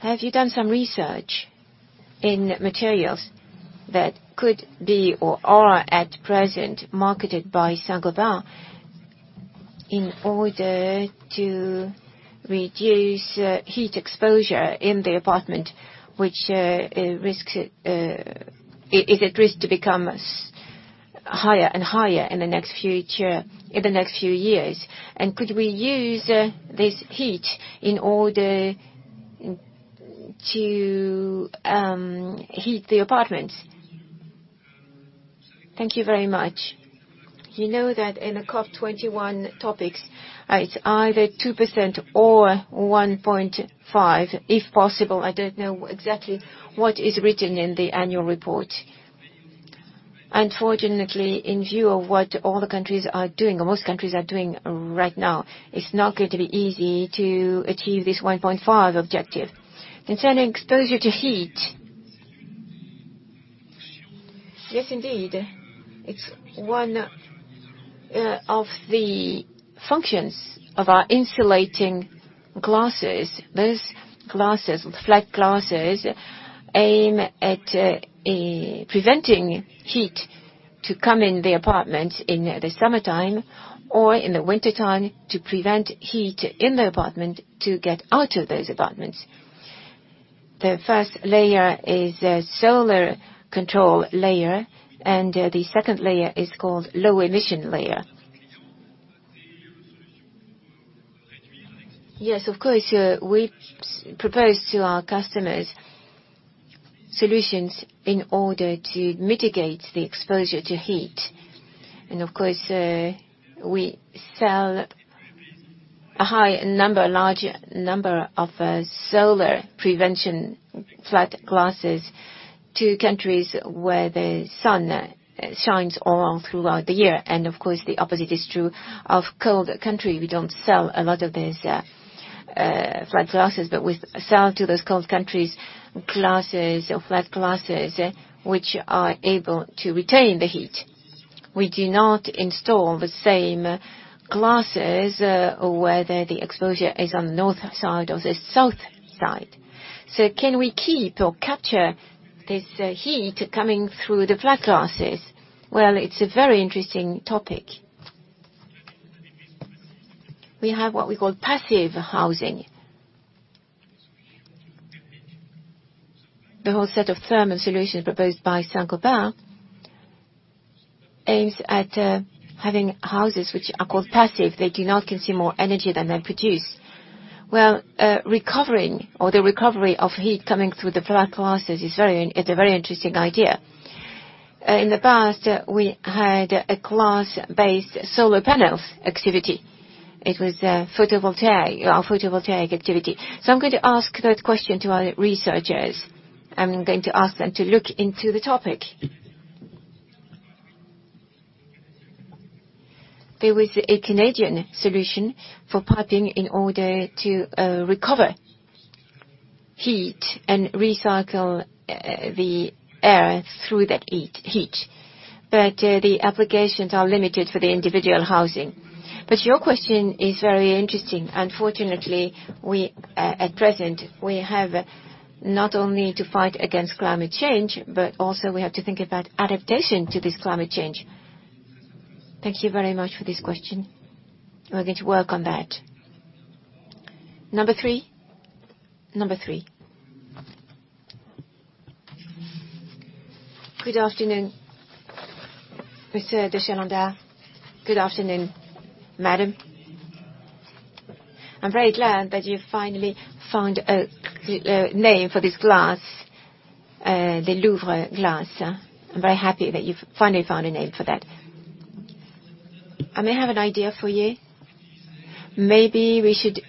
Have you done some research in materials that could be or are at present marketed by Saint-Gobain in order to reduce heat exposure in the apartment, which is at risk to become higher and higher in the next few years? Could we use this heat in order to heat the apartments? Thank you very much. You know that in the COP21 topics, it's either 2% or 1.5% if possible. I don't know exactly what is written in the annual report. Unfortunately, in view of what all the countries are doing, most countries are doing right now, it's not going to be easy to achieve this 1.5% objective. Concerning exposure to heat. Yes, indeed. It's one of the functions of our insulating glasses. Those glasses, flat glasses, aim at preventing heat from coming into the apartment in the summertime or in the wintertime to prevent heat in the apartment from getting out of those apartments. The first layer is a solar control layer, and the second layer is called a low-emission layer. Yes, of course. We propose to our customers solutions in order to mitigate the exposure to heat. Of course, we sell a large number of solar prevention flat glasses to countries where the sun shines all throughout the year. The opposite is true of cold countries. We do not sell a lot of these flat glasses, but we sell to those cold countries glasses or flat glasses which are able to retain the heat. We do not install the same glasses where the exposure is on the north side or the south side. Can we keep or capture this heat coming through the flat glasses? It is a very interesting topic. We have what we call passive housing. The whole set of thermal solutions proposed by Saint-Gobain aims at having houses which are called passive. They do not consume more energy than they produce. Recovering or the recovery of heat coming through the flat glasses is a very interesting idea. In the past, we had a glass-based solar panels activity. It was our photovoltaic activity. I am going to ask that question to our researchers. I am going to ask them to look into the topic. There was a Canadian solution for piping in order to recover heat and recycle the air through that heat. The applications are limited for the individual housing. Your question is very interesting. Unfortunately, at present, we have not only to fight against climate change, but also we have to think about adaptation to this climate change. Thank you very much for this question. We're going to work on that. Number three. Number three. Good afternoon, Monsieur de Chalendar. Good afternoon, Madam. I'm very glad that you finally found a name for this glass, the Louvre glass. I'm very happy that you finally found a name for that. I may have an idea for you. Maybe we should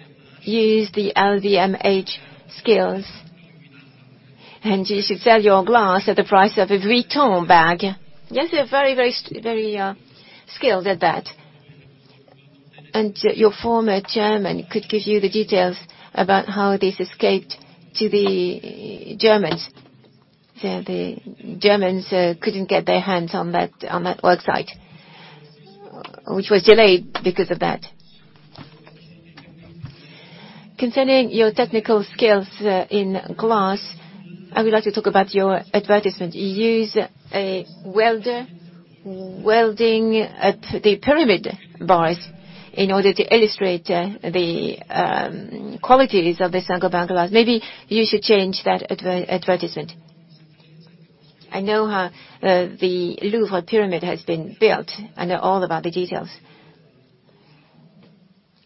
use the LVMH skills, and you should sell your glass at the price of a Vuitton bag. Yes, they're very, very skilled at that. Your former chairman could give you the details about how this escaped to the Germans. The Germans couldn't get their hands on that worksite, which was delayed because of that. Concerning your technical skills in glass, I would like to talk about your advertisement. You use a welder welding at the pyramid bars in order to illustrate the qualities of the Saint-Gobain glass. Maybe you should change that advertisement. I know how the Louvre pyramid has been built, and I know all about the details.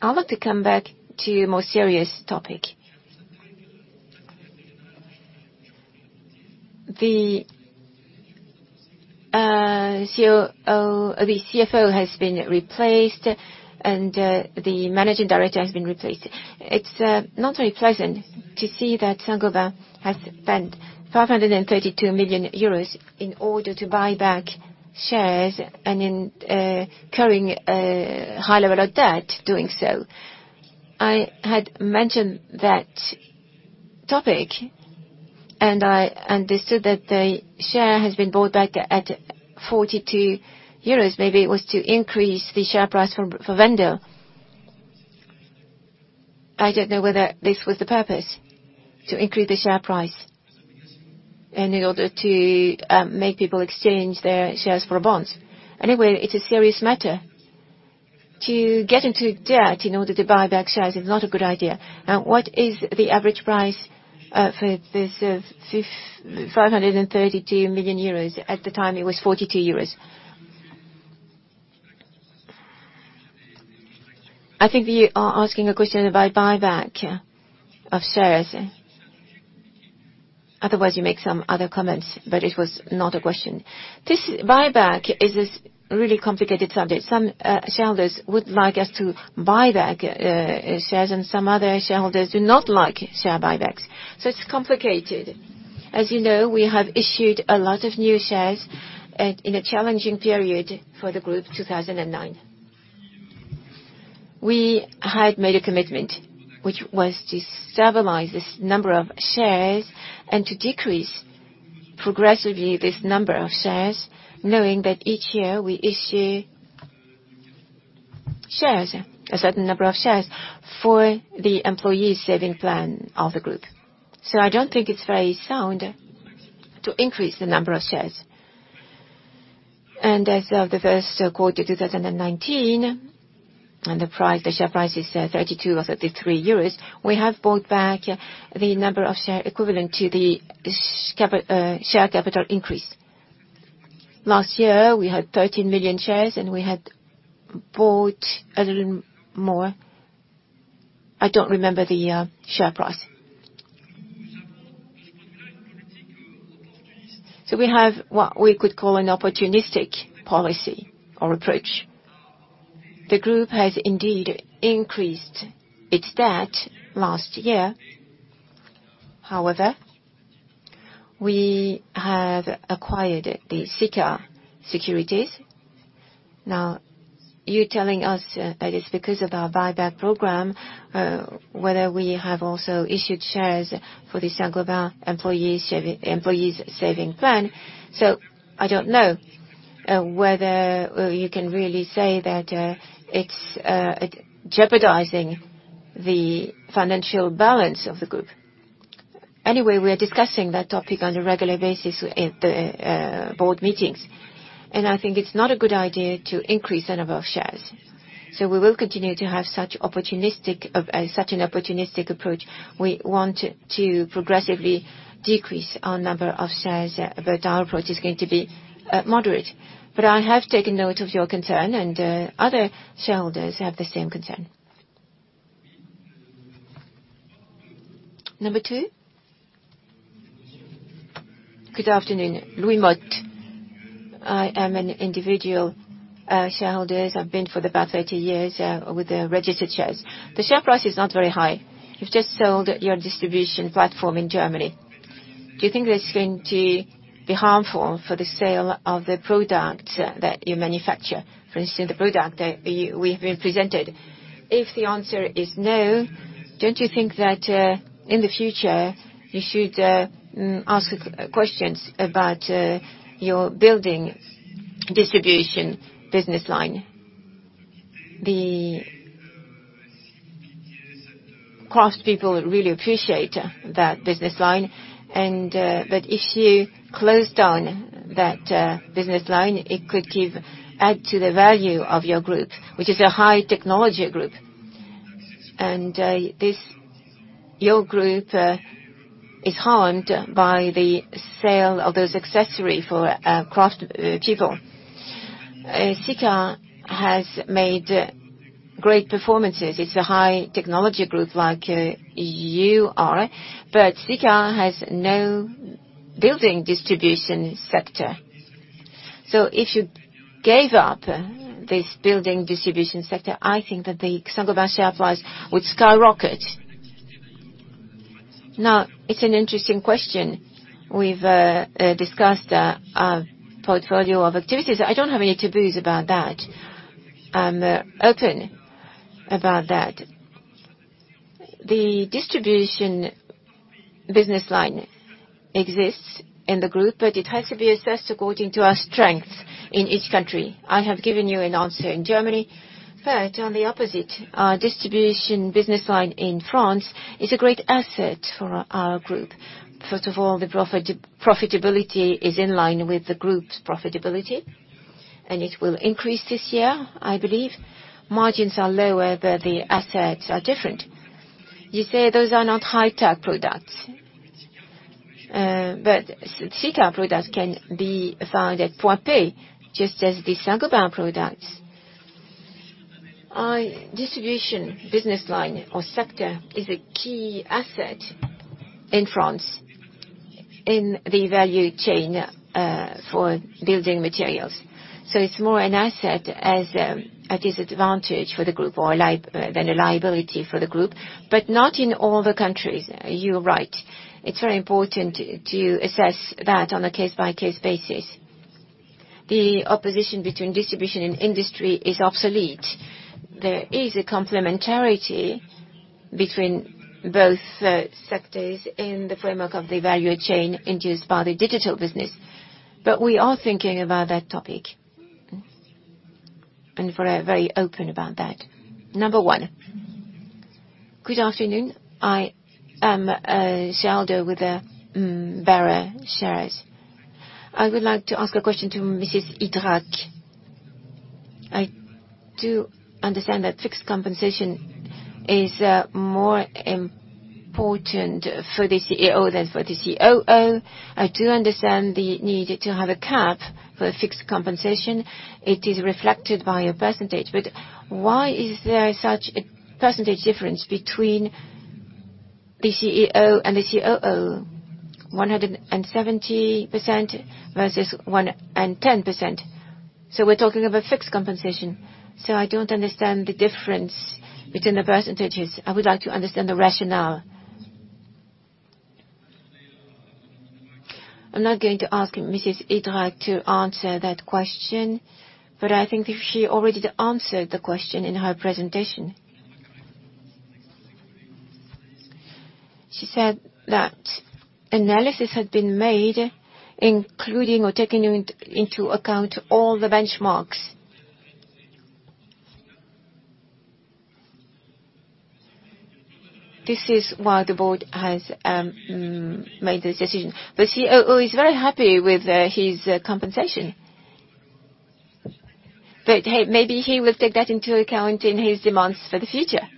I'd like to come back to a more serious topic. The CFO has been replaced, and the Managing Director has been replaced. It's not very pleasant to see that Saint-Gobain has spent 532 million euros in order to buy back shares and incurring a high level of debt doing so. I had mentioned that topic, and I understood that the share has been bought back at 42 euros. Maybe it was to increase the share price for vendor. I don't know whether this was the purpose, to increase the share price and in order to make people exchange their shares for bonds. Anyway, it's a serious matter. To get into debt in order to buy back shares is not a good idea. What is the average price for this 532 million euros? At the time, it was 42 euros. I think you are asking a question about buyback of shares. Otherwise, you make some other comments, but it was not a question. Buyback is a really complicated subject. Some shareholders would like us to buy back shares, and some other shareholders do not like share buybacks. It is complicated. As you know, we have issued a lot of new shares in a challenging period for the group, 2009. We had made a commitment, which was to stabilize this number of shares and to decrease progressively this number of shares, knowing that each year we issue a certain number of shares for the employee saving plan of the group. I do not think it is very sound to increase the number of shares. As of the first quarter of 2019, and the share price is 32 or 33 euros, we have bought back the number of shares equivalent to the share capital increase. Last year, we had 13 million shares, and we had bought a little more. I do not remember the share price. We have what we could call an opportunistic policy or approach. The group has indeed increased its debt last year. However, we have acquired the Sika securities. Now, you're telling us that it's because of our buyback program, whether we have also issued shares for the Saint-Gobain employee saving plan. I don't know whether you can really say that it's jeopardizing the financial balance of the group. Anyway, we are discussing that topic on a regular basis at the board meetings. I think it's not a good idea to increase the number of shares. We will continue to have such an opportunistic approach. We want to progressively decrease our number of shares, but our approach is going to be moderate. I have taken note of your concern, and other shareholders have the same concern. Number two. Good afternoon. Louis Motte. I am an individual shareholder. I've been for the past 30 years with the registered shares. The share price is not very high. You've just sold your distribution platform in Germany. Do you think this is going to be harmful for the sale of the products that you manufacture? For instance, the product we have been presented. If the answer is no, don't you think that in the future you should ask questions about your building distribution business line? The craft people really appreciate that business line. If you close down that business line, it could add to the value of your group, which is a high-technology group. Your group is harmed by the sale of those accessories for craft people. Sika has made great performances. It's a high-technology group like you are, but Sika has no building distribution sector. If you gave up this building distribution sector, I think that the Saint-Gobain share price would skyrocket. Now, it's an interesting question. We've discussed our portfolio of activities. I don't have any taboos about that. I'm open about that. The distribution business line exists in the group, but it has to be assessed according to our strengths in each country. I have given you an answer in Germany, but on the opposite, our distribution business line in France is a great asset for our group. First of all, the profitability is in line with the group's profitability, and it will increase this year, I believe. Margins are lower, but the assets are different. You say those are not high-tech products, but Sika products can be found at POINT.P just as the Saint-Gobain products. Distribution business line or sector is a key asset in France in the value chain for building materials. It is more an asset at its advantage for the group than a liability for the group, but not in all the countries. You're right. It's very important to assess that on a case-by-case basis. The opposition between distribution and industry is obsolete. There is a complementarity between both sectors in the framework of the value chain induced by the digital business. We are thinking about that topic, and we're very open about that. Number one. Good afternoon. I am a shareholder with Bera Shares. I would like to ask a question to Mrs. Idrac. I do understand that fixed compensation is more important for the CEO than for the COO. I do understand the need to have a cap for fixed compensation. It is reflected by a percentage. Why is there such a percentage difference between the CEO and the COO? 170% versus 110%. We are talking about fixed compensation. I do not understand the difference between the percentages. I would like to understand the rationale. I'm not going to ask Mrs. Idrac to answer that question, but I think she already answered the question in her presentation. She said that analysis had been made, including or taking into account all the benchmarks. This is why the board has made this decision. The COO is very happy with his compensation. Maybe he will take that into account in his demands for the future.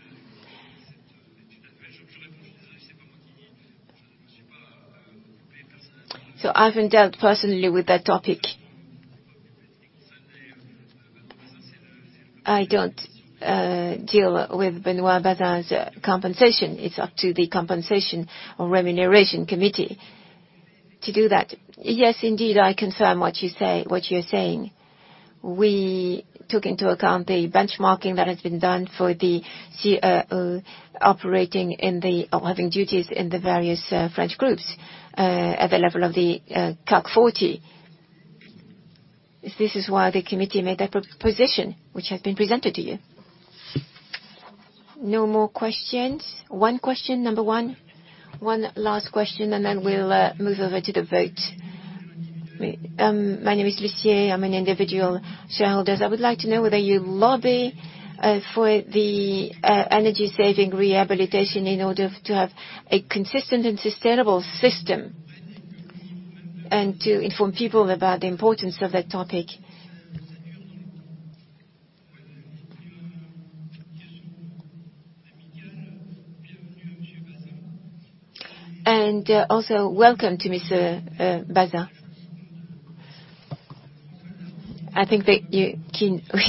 I haven't dealt personally with that topic. I don't deal with Benoit Bazin's compensation. It's up to the Compensation or Remuneration Committee to do that. Yes, indeed, I confirm what you're saying. We took into account the benchmarking that has been done for the COO operating or having duties in the various French groups at the level of the CAC 40. This is why the committee made that proposition, which has been presented to you. No more questions. One question, number one. One last question, and then we'll move over to the vote. My name is Lucie. I'm an individual shareholder. I would like to know whether you lobby for the energy saving rehabilitation in order to have a consistent and sustainable system and to inform people about the importance of that topic. Also, welcome to Monsieur Bazin. I think you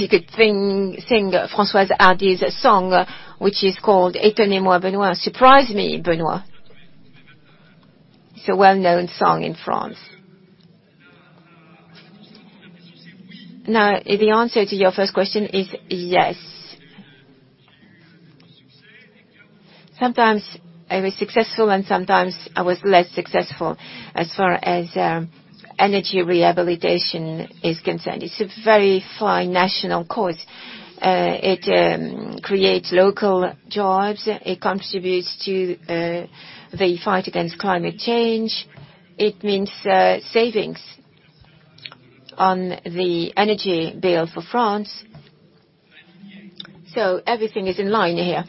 could sing Françoise Hardy's song, which is called "Étonnez-moi Benoît, surprise me Benoît." It's a well-known song in France. Now, the answer to your first question is yes. Sometimes I was successful, and sometimes I was less successful as far as energy rehabilitation is concerned. It's a very fine national cause. It creates local jobs. It contributes to the fight against climate change. It means savings on the energy bill for France. Everything is in line here.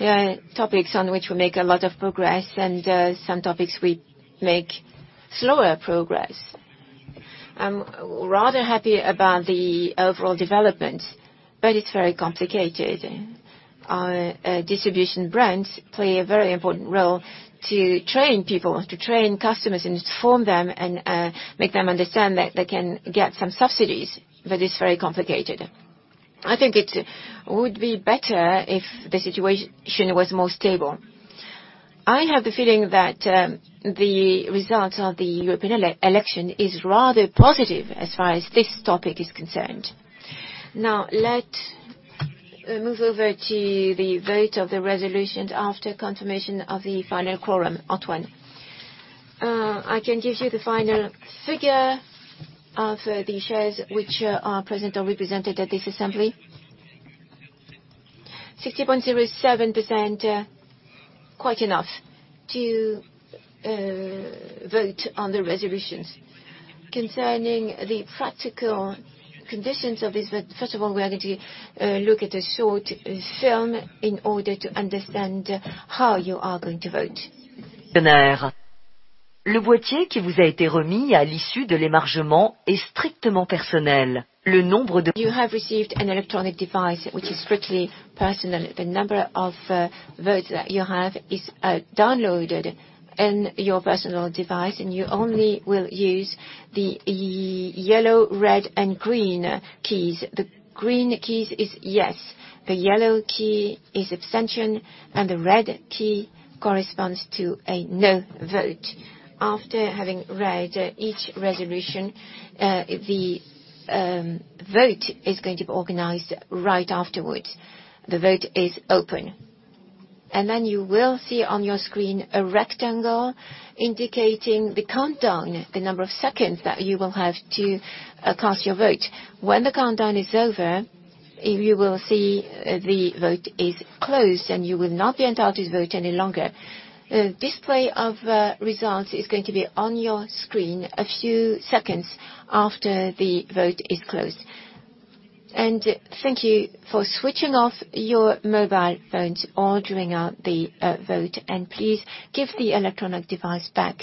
There are topics on which we make a lot of progress, and some topics we make slower progress. I'm rather happy about the overall development, but it's very complicated. Distribution brands play a very important role to train people, to train customers, and inform them and make them understand that they can get some subsidies, but it's very complicated. I think it would be better if the situation was more stable. I have the feeling that the result of the European election is rather positive as far as this topic is concerned. Now, let's move over to the vote of the resolutions after confirmation of the final quorum, Antoine. I can give you the final figure of the shares which are present or represented at this assembly. 60.07%, quite enough to vote on the resolutions. Concerning the practical conditions of this, first of all, we are going to look at a short film in order to understand how you are going to vote. Bonheur. Le boîtier qui vous a été remis à l'issue de l'émargement est strictement personnel. Le nombre de. You have received an electronic device which is strictly personal. The number of votes that you have is downloaded in your personal device, and you only will use the yellow, red, and green keys. The green key is yes. The yellow key is abstention, and the red key corresponds to a no vote. After having read each resolution, the vote is going to be organized right afterwards. The vote is open. You will see on your screen a rectangle indicating the countdown, the number of seconds that you will have to cast your vote. When the countdown is over, you will see the vote is closed, and you will not be entitled to vote any longer. The display of results is going to be on your screen a few seconds after the vote is closed. Thank you for switching off your mobile phones or doing out the vote, and please give the electronic device back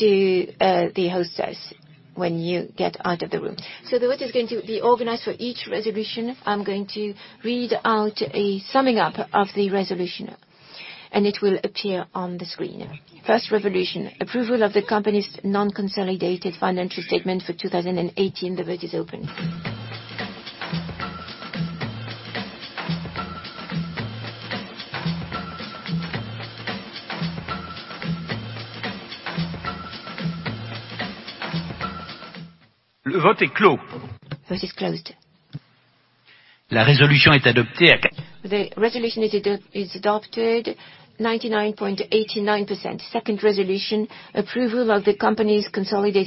to the hostess when you get out of the room. The vote is going to be organized for each resolution. I'm going to read out a summing up of the resolution, and it will appear on the screen. First resolution: Approval of the company's non-consolidated financial statement for 2018. The vote is open. Le vote est clos. Vote is closed. La résolution est adoptée. The resolution is adopted. 99.89%. Second resolution: Approval of the company's consolidated financial statements for 2018. The vote is open. Le vote est clos. Vote is closed. Resolution is approved. 99.82%. Third resolution. Affectation du. Appropriation of income and determination of the dividend. EUR 1.33 per action. Vote is open. Le vote est clos. Vote is closed. The resolution has been approved. 99.55%. Number four: Renewal of Mrs. Anne-Marie Idrac's term of office as director. The vote is open. Le vote est clos. The vote is closed. La résolution est adoptée à 97.17%. Cinquième résolution. Fifth resolution: Renewal of Mrs. Dominique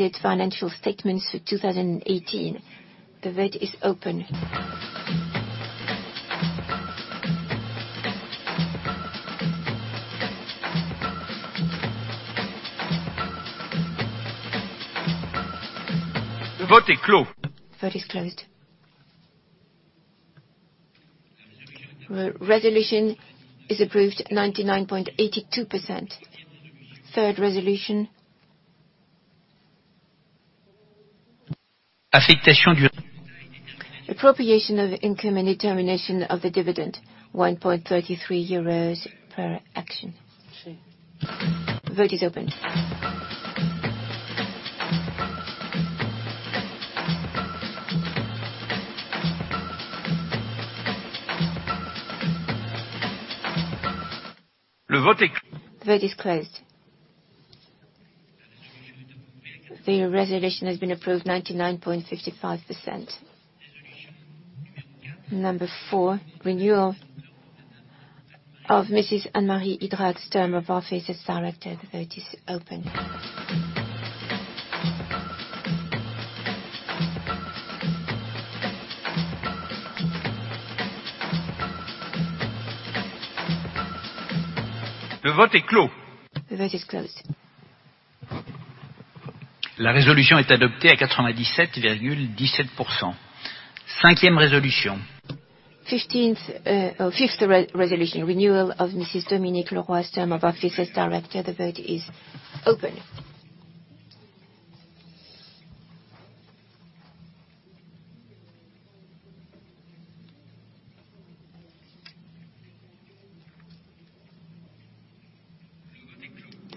Leroy's term of office as director. The vote is open. The vote is closed. The resolution has been approved.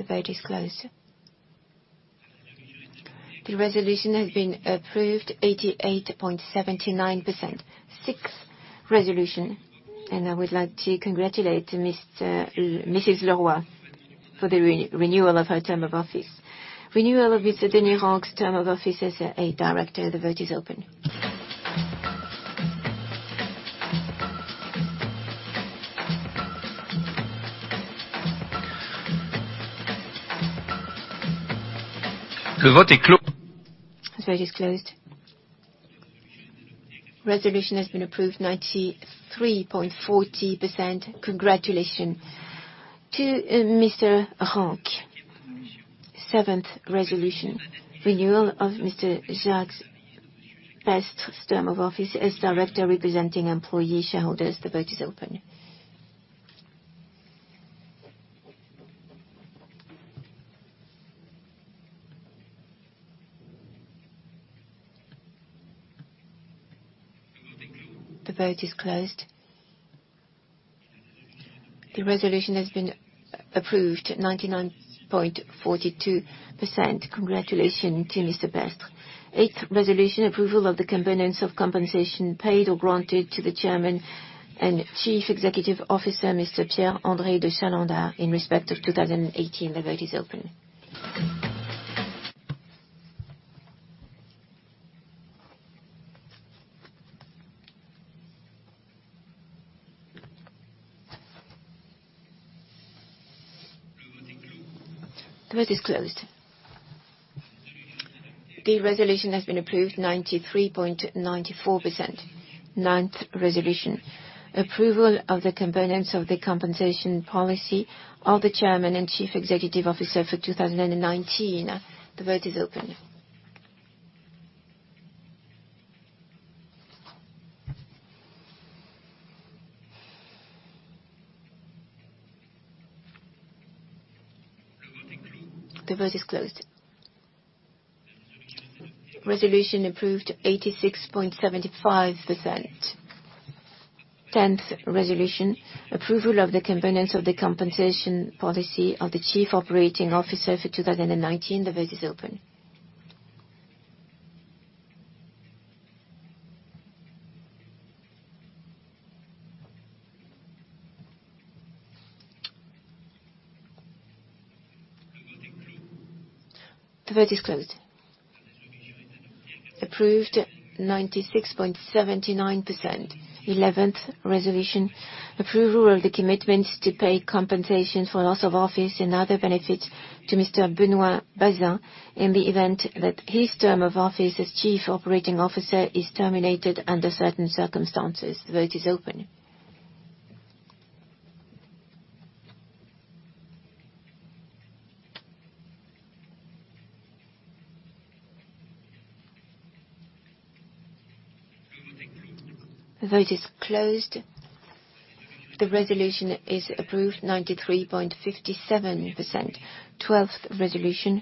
Sixth resolution, and I would like to congratulate Mrs. Leroy for the renewal of her term of office. Renewal of Mrs. Dominique Leroy's term of office as a director. The vote is open. Le vote est clos. The vote is closed. Resolution has been approved. 93.40%. Congratulations to Monsieur Renc. Seventh resolution: Renewal of Mr. Jacques Pestre's term of office as director representing employee shareholders. The vote is open. The vote is closed. The resolution has been approved. 99.42%. Congratulations to Mr. Pestre. Eighth resolution: Approval of the components of compensation paid or granted to the Chairman and Chief Executive Officer, Mr. Pierre-André de Chalendar, in respect of 2018. The vote is open. The vote is closed. The resolution has been approved. 93.94%. Ninth resolution: Approval of the components of the compensation policy of the Chairman and Chief Executive Officer for 2019. The vote is open. The vote is closed. Resolution approved. 86.75%. Tenth resolution: Approval of the components of the compensation policy of the Chief Operating Officer for 2019. The vote is open. The vote is closed. Approved. 96.79%. Eleventh resolution: Approval of the commitment to pay compensation for loss of office and other benefits to Mr. Benoit Bazin in the event that his term of office as Chief Operating Officer is terminated under certain circumstances. The vote is open. The vote is closed. The resolution is approved. 93.57%. Twelfth resolution: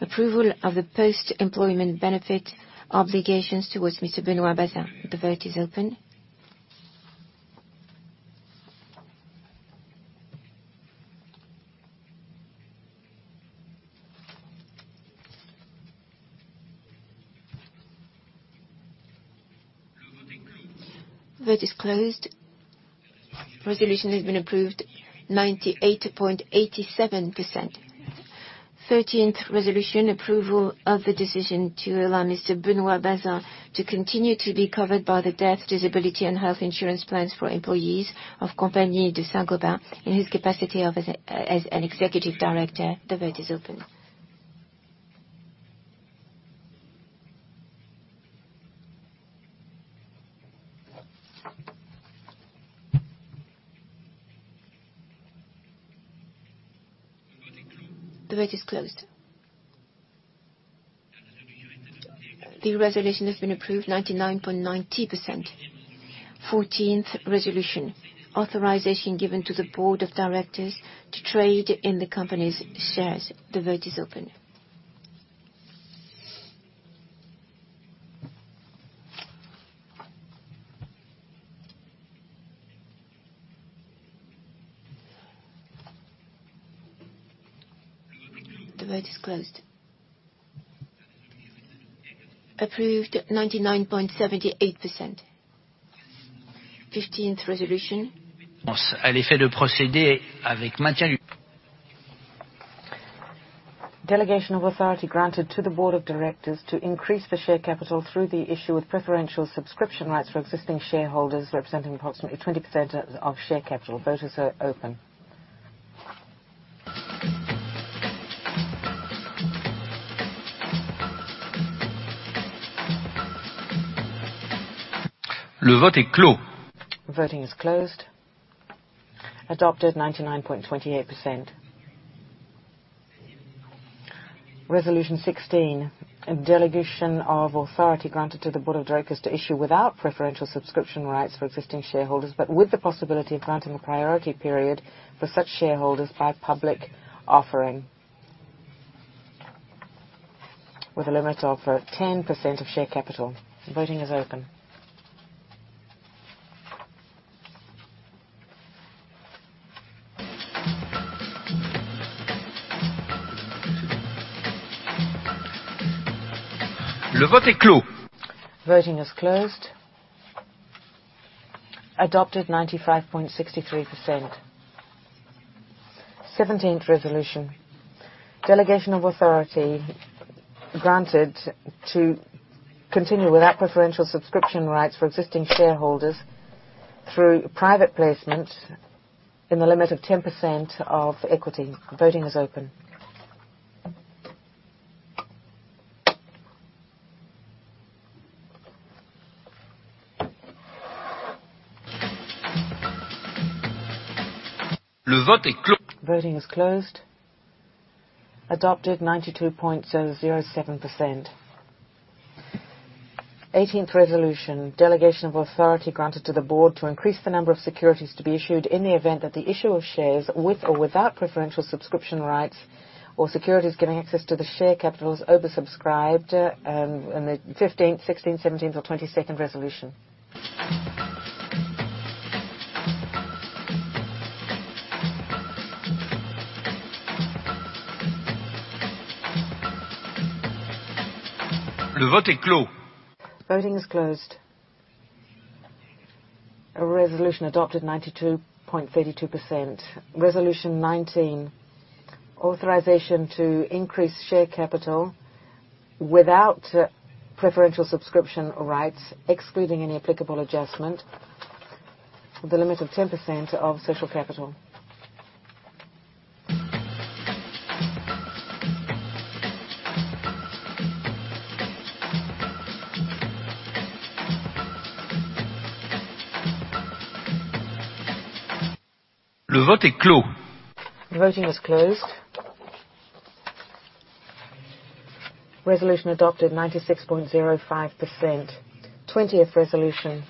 Approval of the post-employment benefit obligations towards Mr. Benoit Bazin. The vote is open. The vote is closed. Resolution has been approved. 98.87%. Thirteenth resolution: Approval of the decision to allow Mr. Benoit Bazin to continue to be covered by the death, disability, and health insurance plans for employees of Saint-Gobain in his capacity as an executive director. The vote is open. The vote is closed. The resolution has been approved. 99.90%. Fourteenth resolution: Authorization given to the Board of Directors to trade in the company's shares. The vote is open. The vote is closed. Approved. 99.78%. Fifteenth resolution. À l'effet de procéder avec maintien du. Delegation of authority granted to the Board of Directors to increase the share capital through the issue of preferential subscription rights for existing shareholders representing approximately 20% of share capital. Votes are open. Le vote est clos. Voting is closed. Adopted. 99.28%. Resolution 16: Delegation of authority granted to the Board of Directors to issue without preferential subscription rights for existing shareholders but with the possibility of granting a priority period for such shareholders by public offering with a limit of 10% of share capital. Voting is open. Le vote est clos. Voting is closed. Adopted. 95.63%. Seventeenth resolution: Delegation of authority granted to continue without preferential subscription rights for existing shareholders through private placement in the limit of 10% of equity. Voting is open. Le vote est clos. Voting is closed. Adopted. 92.07%. Eighteenth resolution: Delegation of authority granted to the Board to increase the number of securities to be issued in the event that the issuer shares with or without preferential subscription rights or securities giving access to the share capital is oversubscribed in the fifteenth, sixteenth, seventeenth, or twenty-second resolution. Le vote est clos. Voting is closed. Resolution adopted. 92.32%. Resolution 19: Authorization to increase share capital without preferential subscription rights excluding any applicable adjustment with a limit of 10% of social capital. Le vote est clos. Voting is closed. Resolution adopted. 96.05%. Twentieth resolution: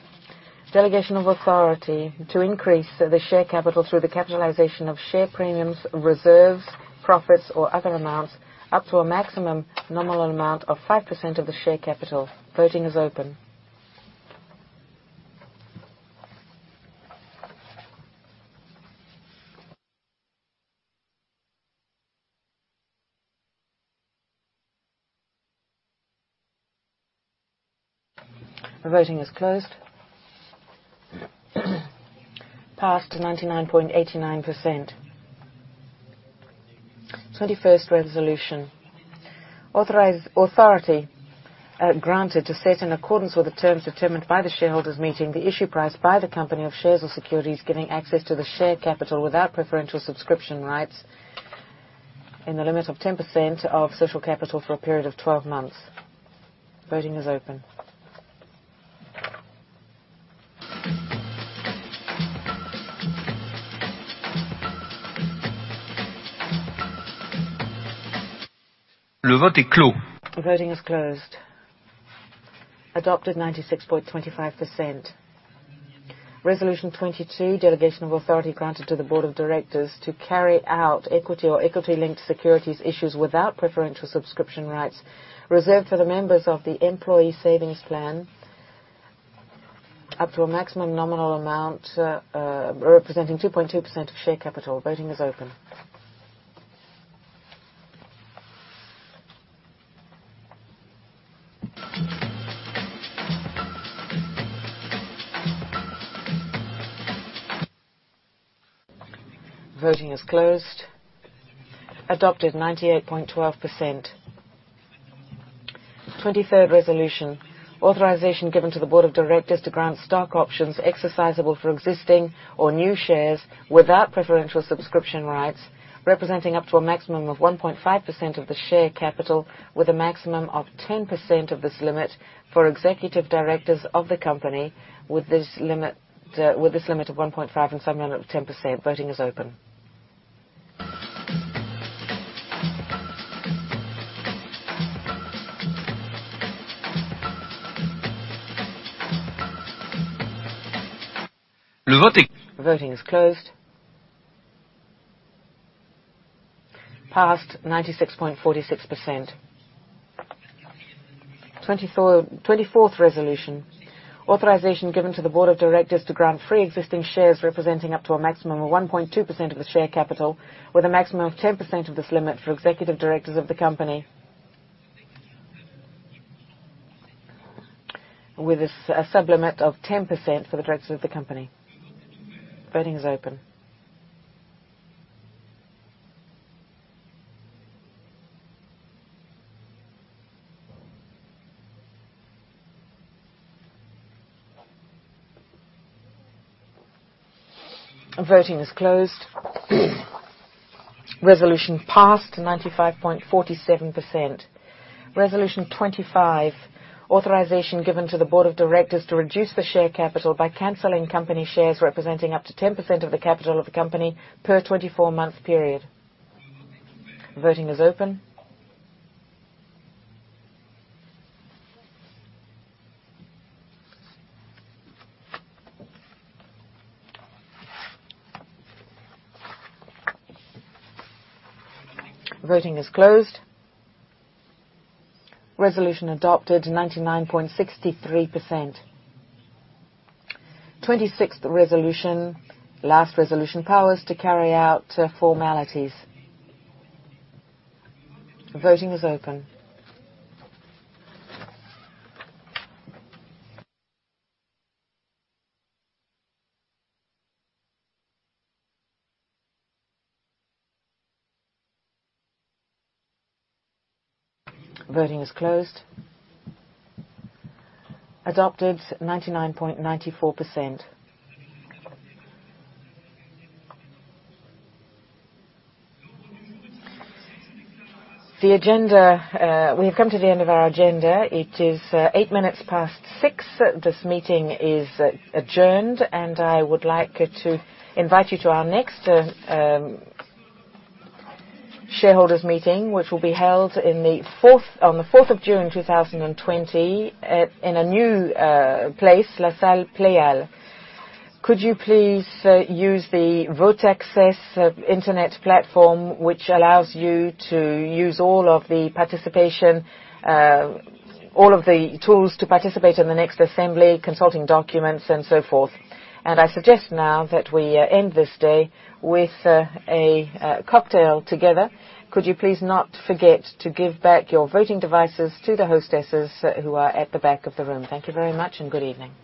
Delegation of authority to increase the share capital through the capitalization of share premiums, reserves, profits, or other amounts up to a maximum nominal amount of 5% of the share capital. Voting is open. Voting is closed. Passed. 99.89%. Twenty-first resolution: Authority granted to set in accordance with the terms determined by the shareholders meeting the issue price by the company of shares or securities giving access to the share capital without preferential subscription rights in the limit of 10% of social capital for a period of 12 months. Voting is open. Le vote est clos. Voting is closed. Adopted. 96.25%. Resolution 22: Delegation of authority granted to the Board of Directors to carry out equity or equity-linked securities issues without preferential subscription rights reserved for the members of the employee savings plan up to a maximum nominal amount representing 2.2% of share capital. Voting is open. Voting is closed. Adopted. 98.12%. Twenty-third resolution: Authorization given to the Board of Directors to grant stock options exercisable for existing or new shares without preferential subscription rights representing up to a maximum of 1.5% of the share capital with a maximum of 10% of this limit for executive directors of the company with this limit of 1.5 and some amount of 10%. Voting is open. Le vote est clos. Voting is closed. Passed. 96.46%. Twenty-fourth resolution: Authorization given to the Board of Directors to grant free existing shares representing up to a maximum of 1.2% of the share capital with a maximum of 10% of this limit for executive directors of the company with a sublimit of 10% for the directors of the company. Voting is open. Voting is closed. Resolution passed. 95.47%. Resolution 25: Authorization given to the Board of Directors to reduce the share capital by cancelling company shares representing up to 10% of the capital of the company per twenty-four month period. Voting is open. Voting is closed. Resolution adopted. 99.63%. Twenty-sixth resolution: Last resolution powers to carry out formalities. Voting is open. Voting is closed. Adopted. 99.94%. The agenda: We have come to the end of our agenda. It is eight minutes past six. This meeting is adjourned, and I would like to invite you to our next shareholders meeting, which will be held on the fourth of June 2020 in a new place, La Salle Pleyel Could you please use the Vote Access Internet platform, which allows you to use all of the participation, all of the tools to participate in the next assembly, consulting documents, and so forth? I suggest now that we end this day with a cocktail together. Could you please not forget to give back your voting devices to the hostesses who are at the back of the room? Thank you very much, and good evening.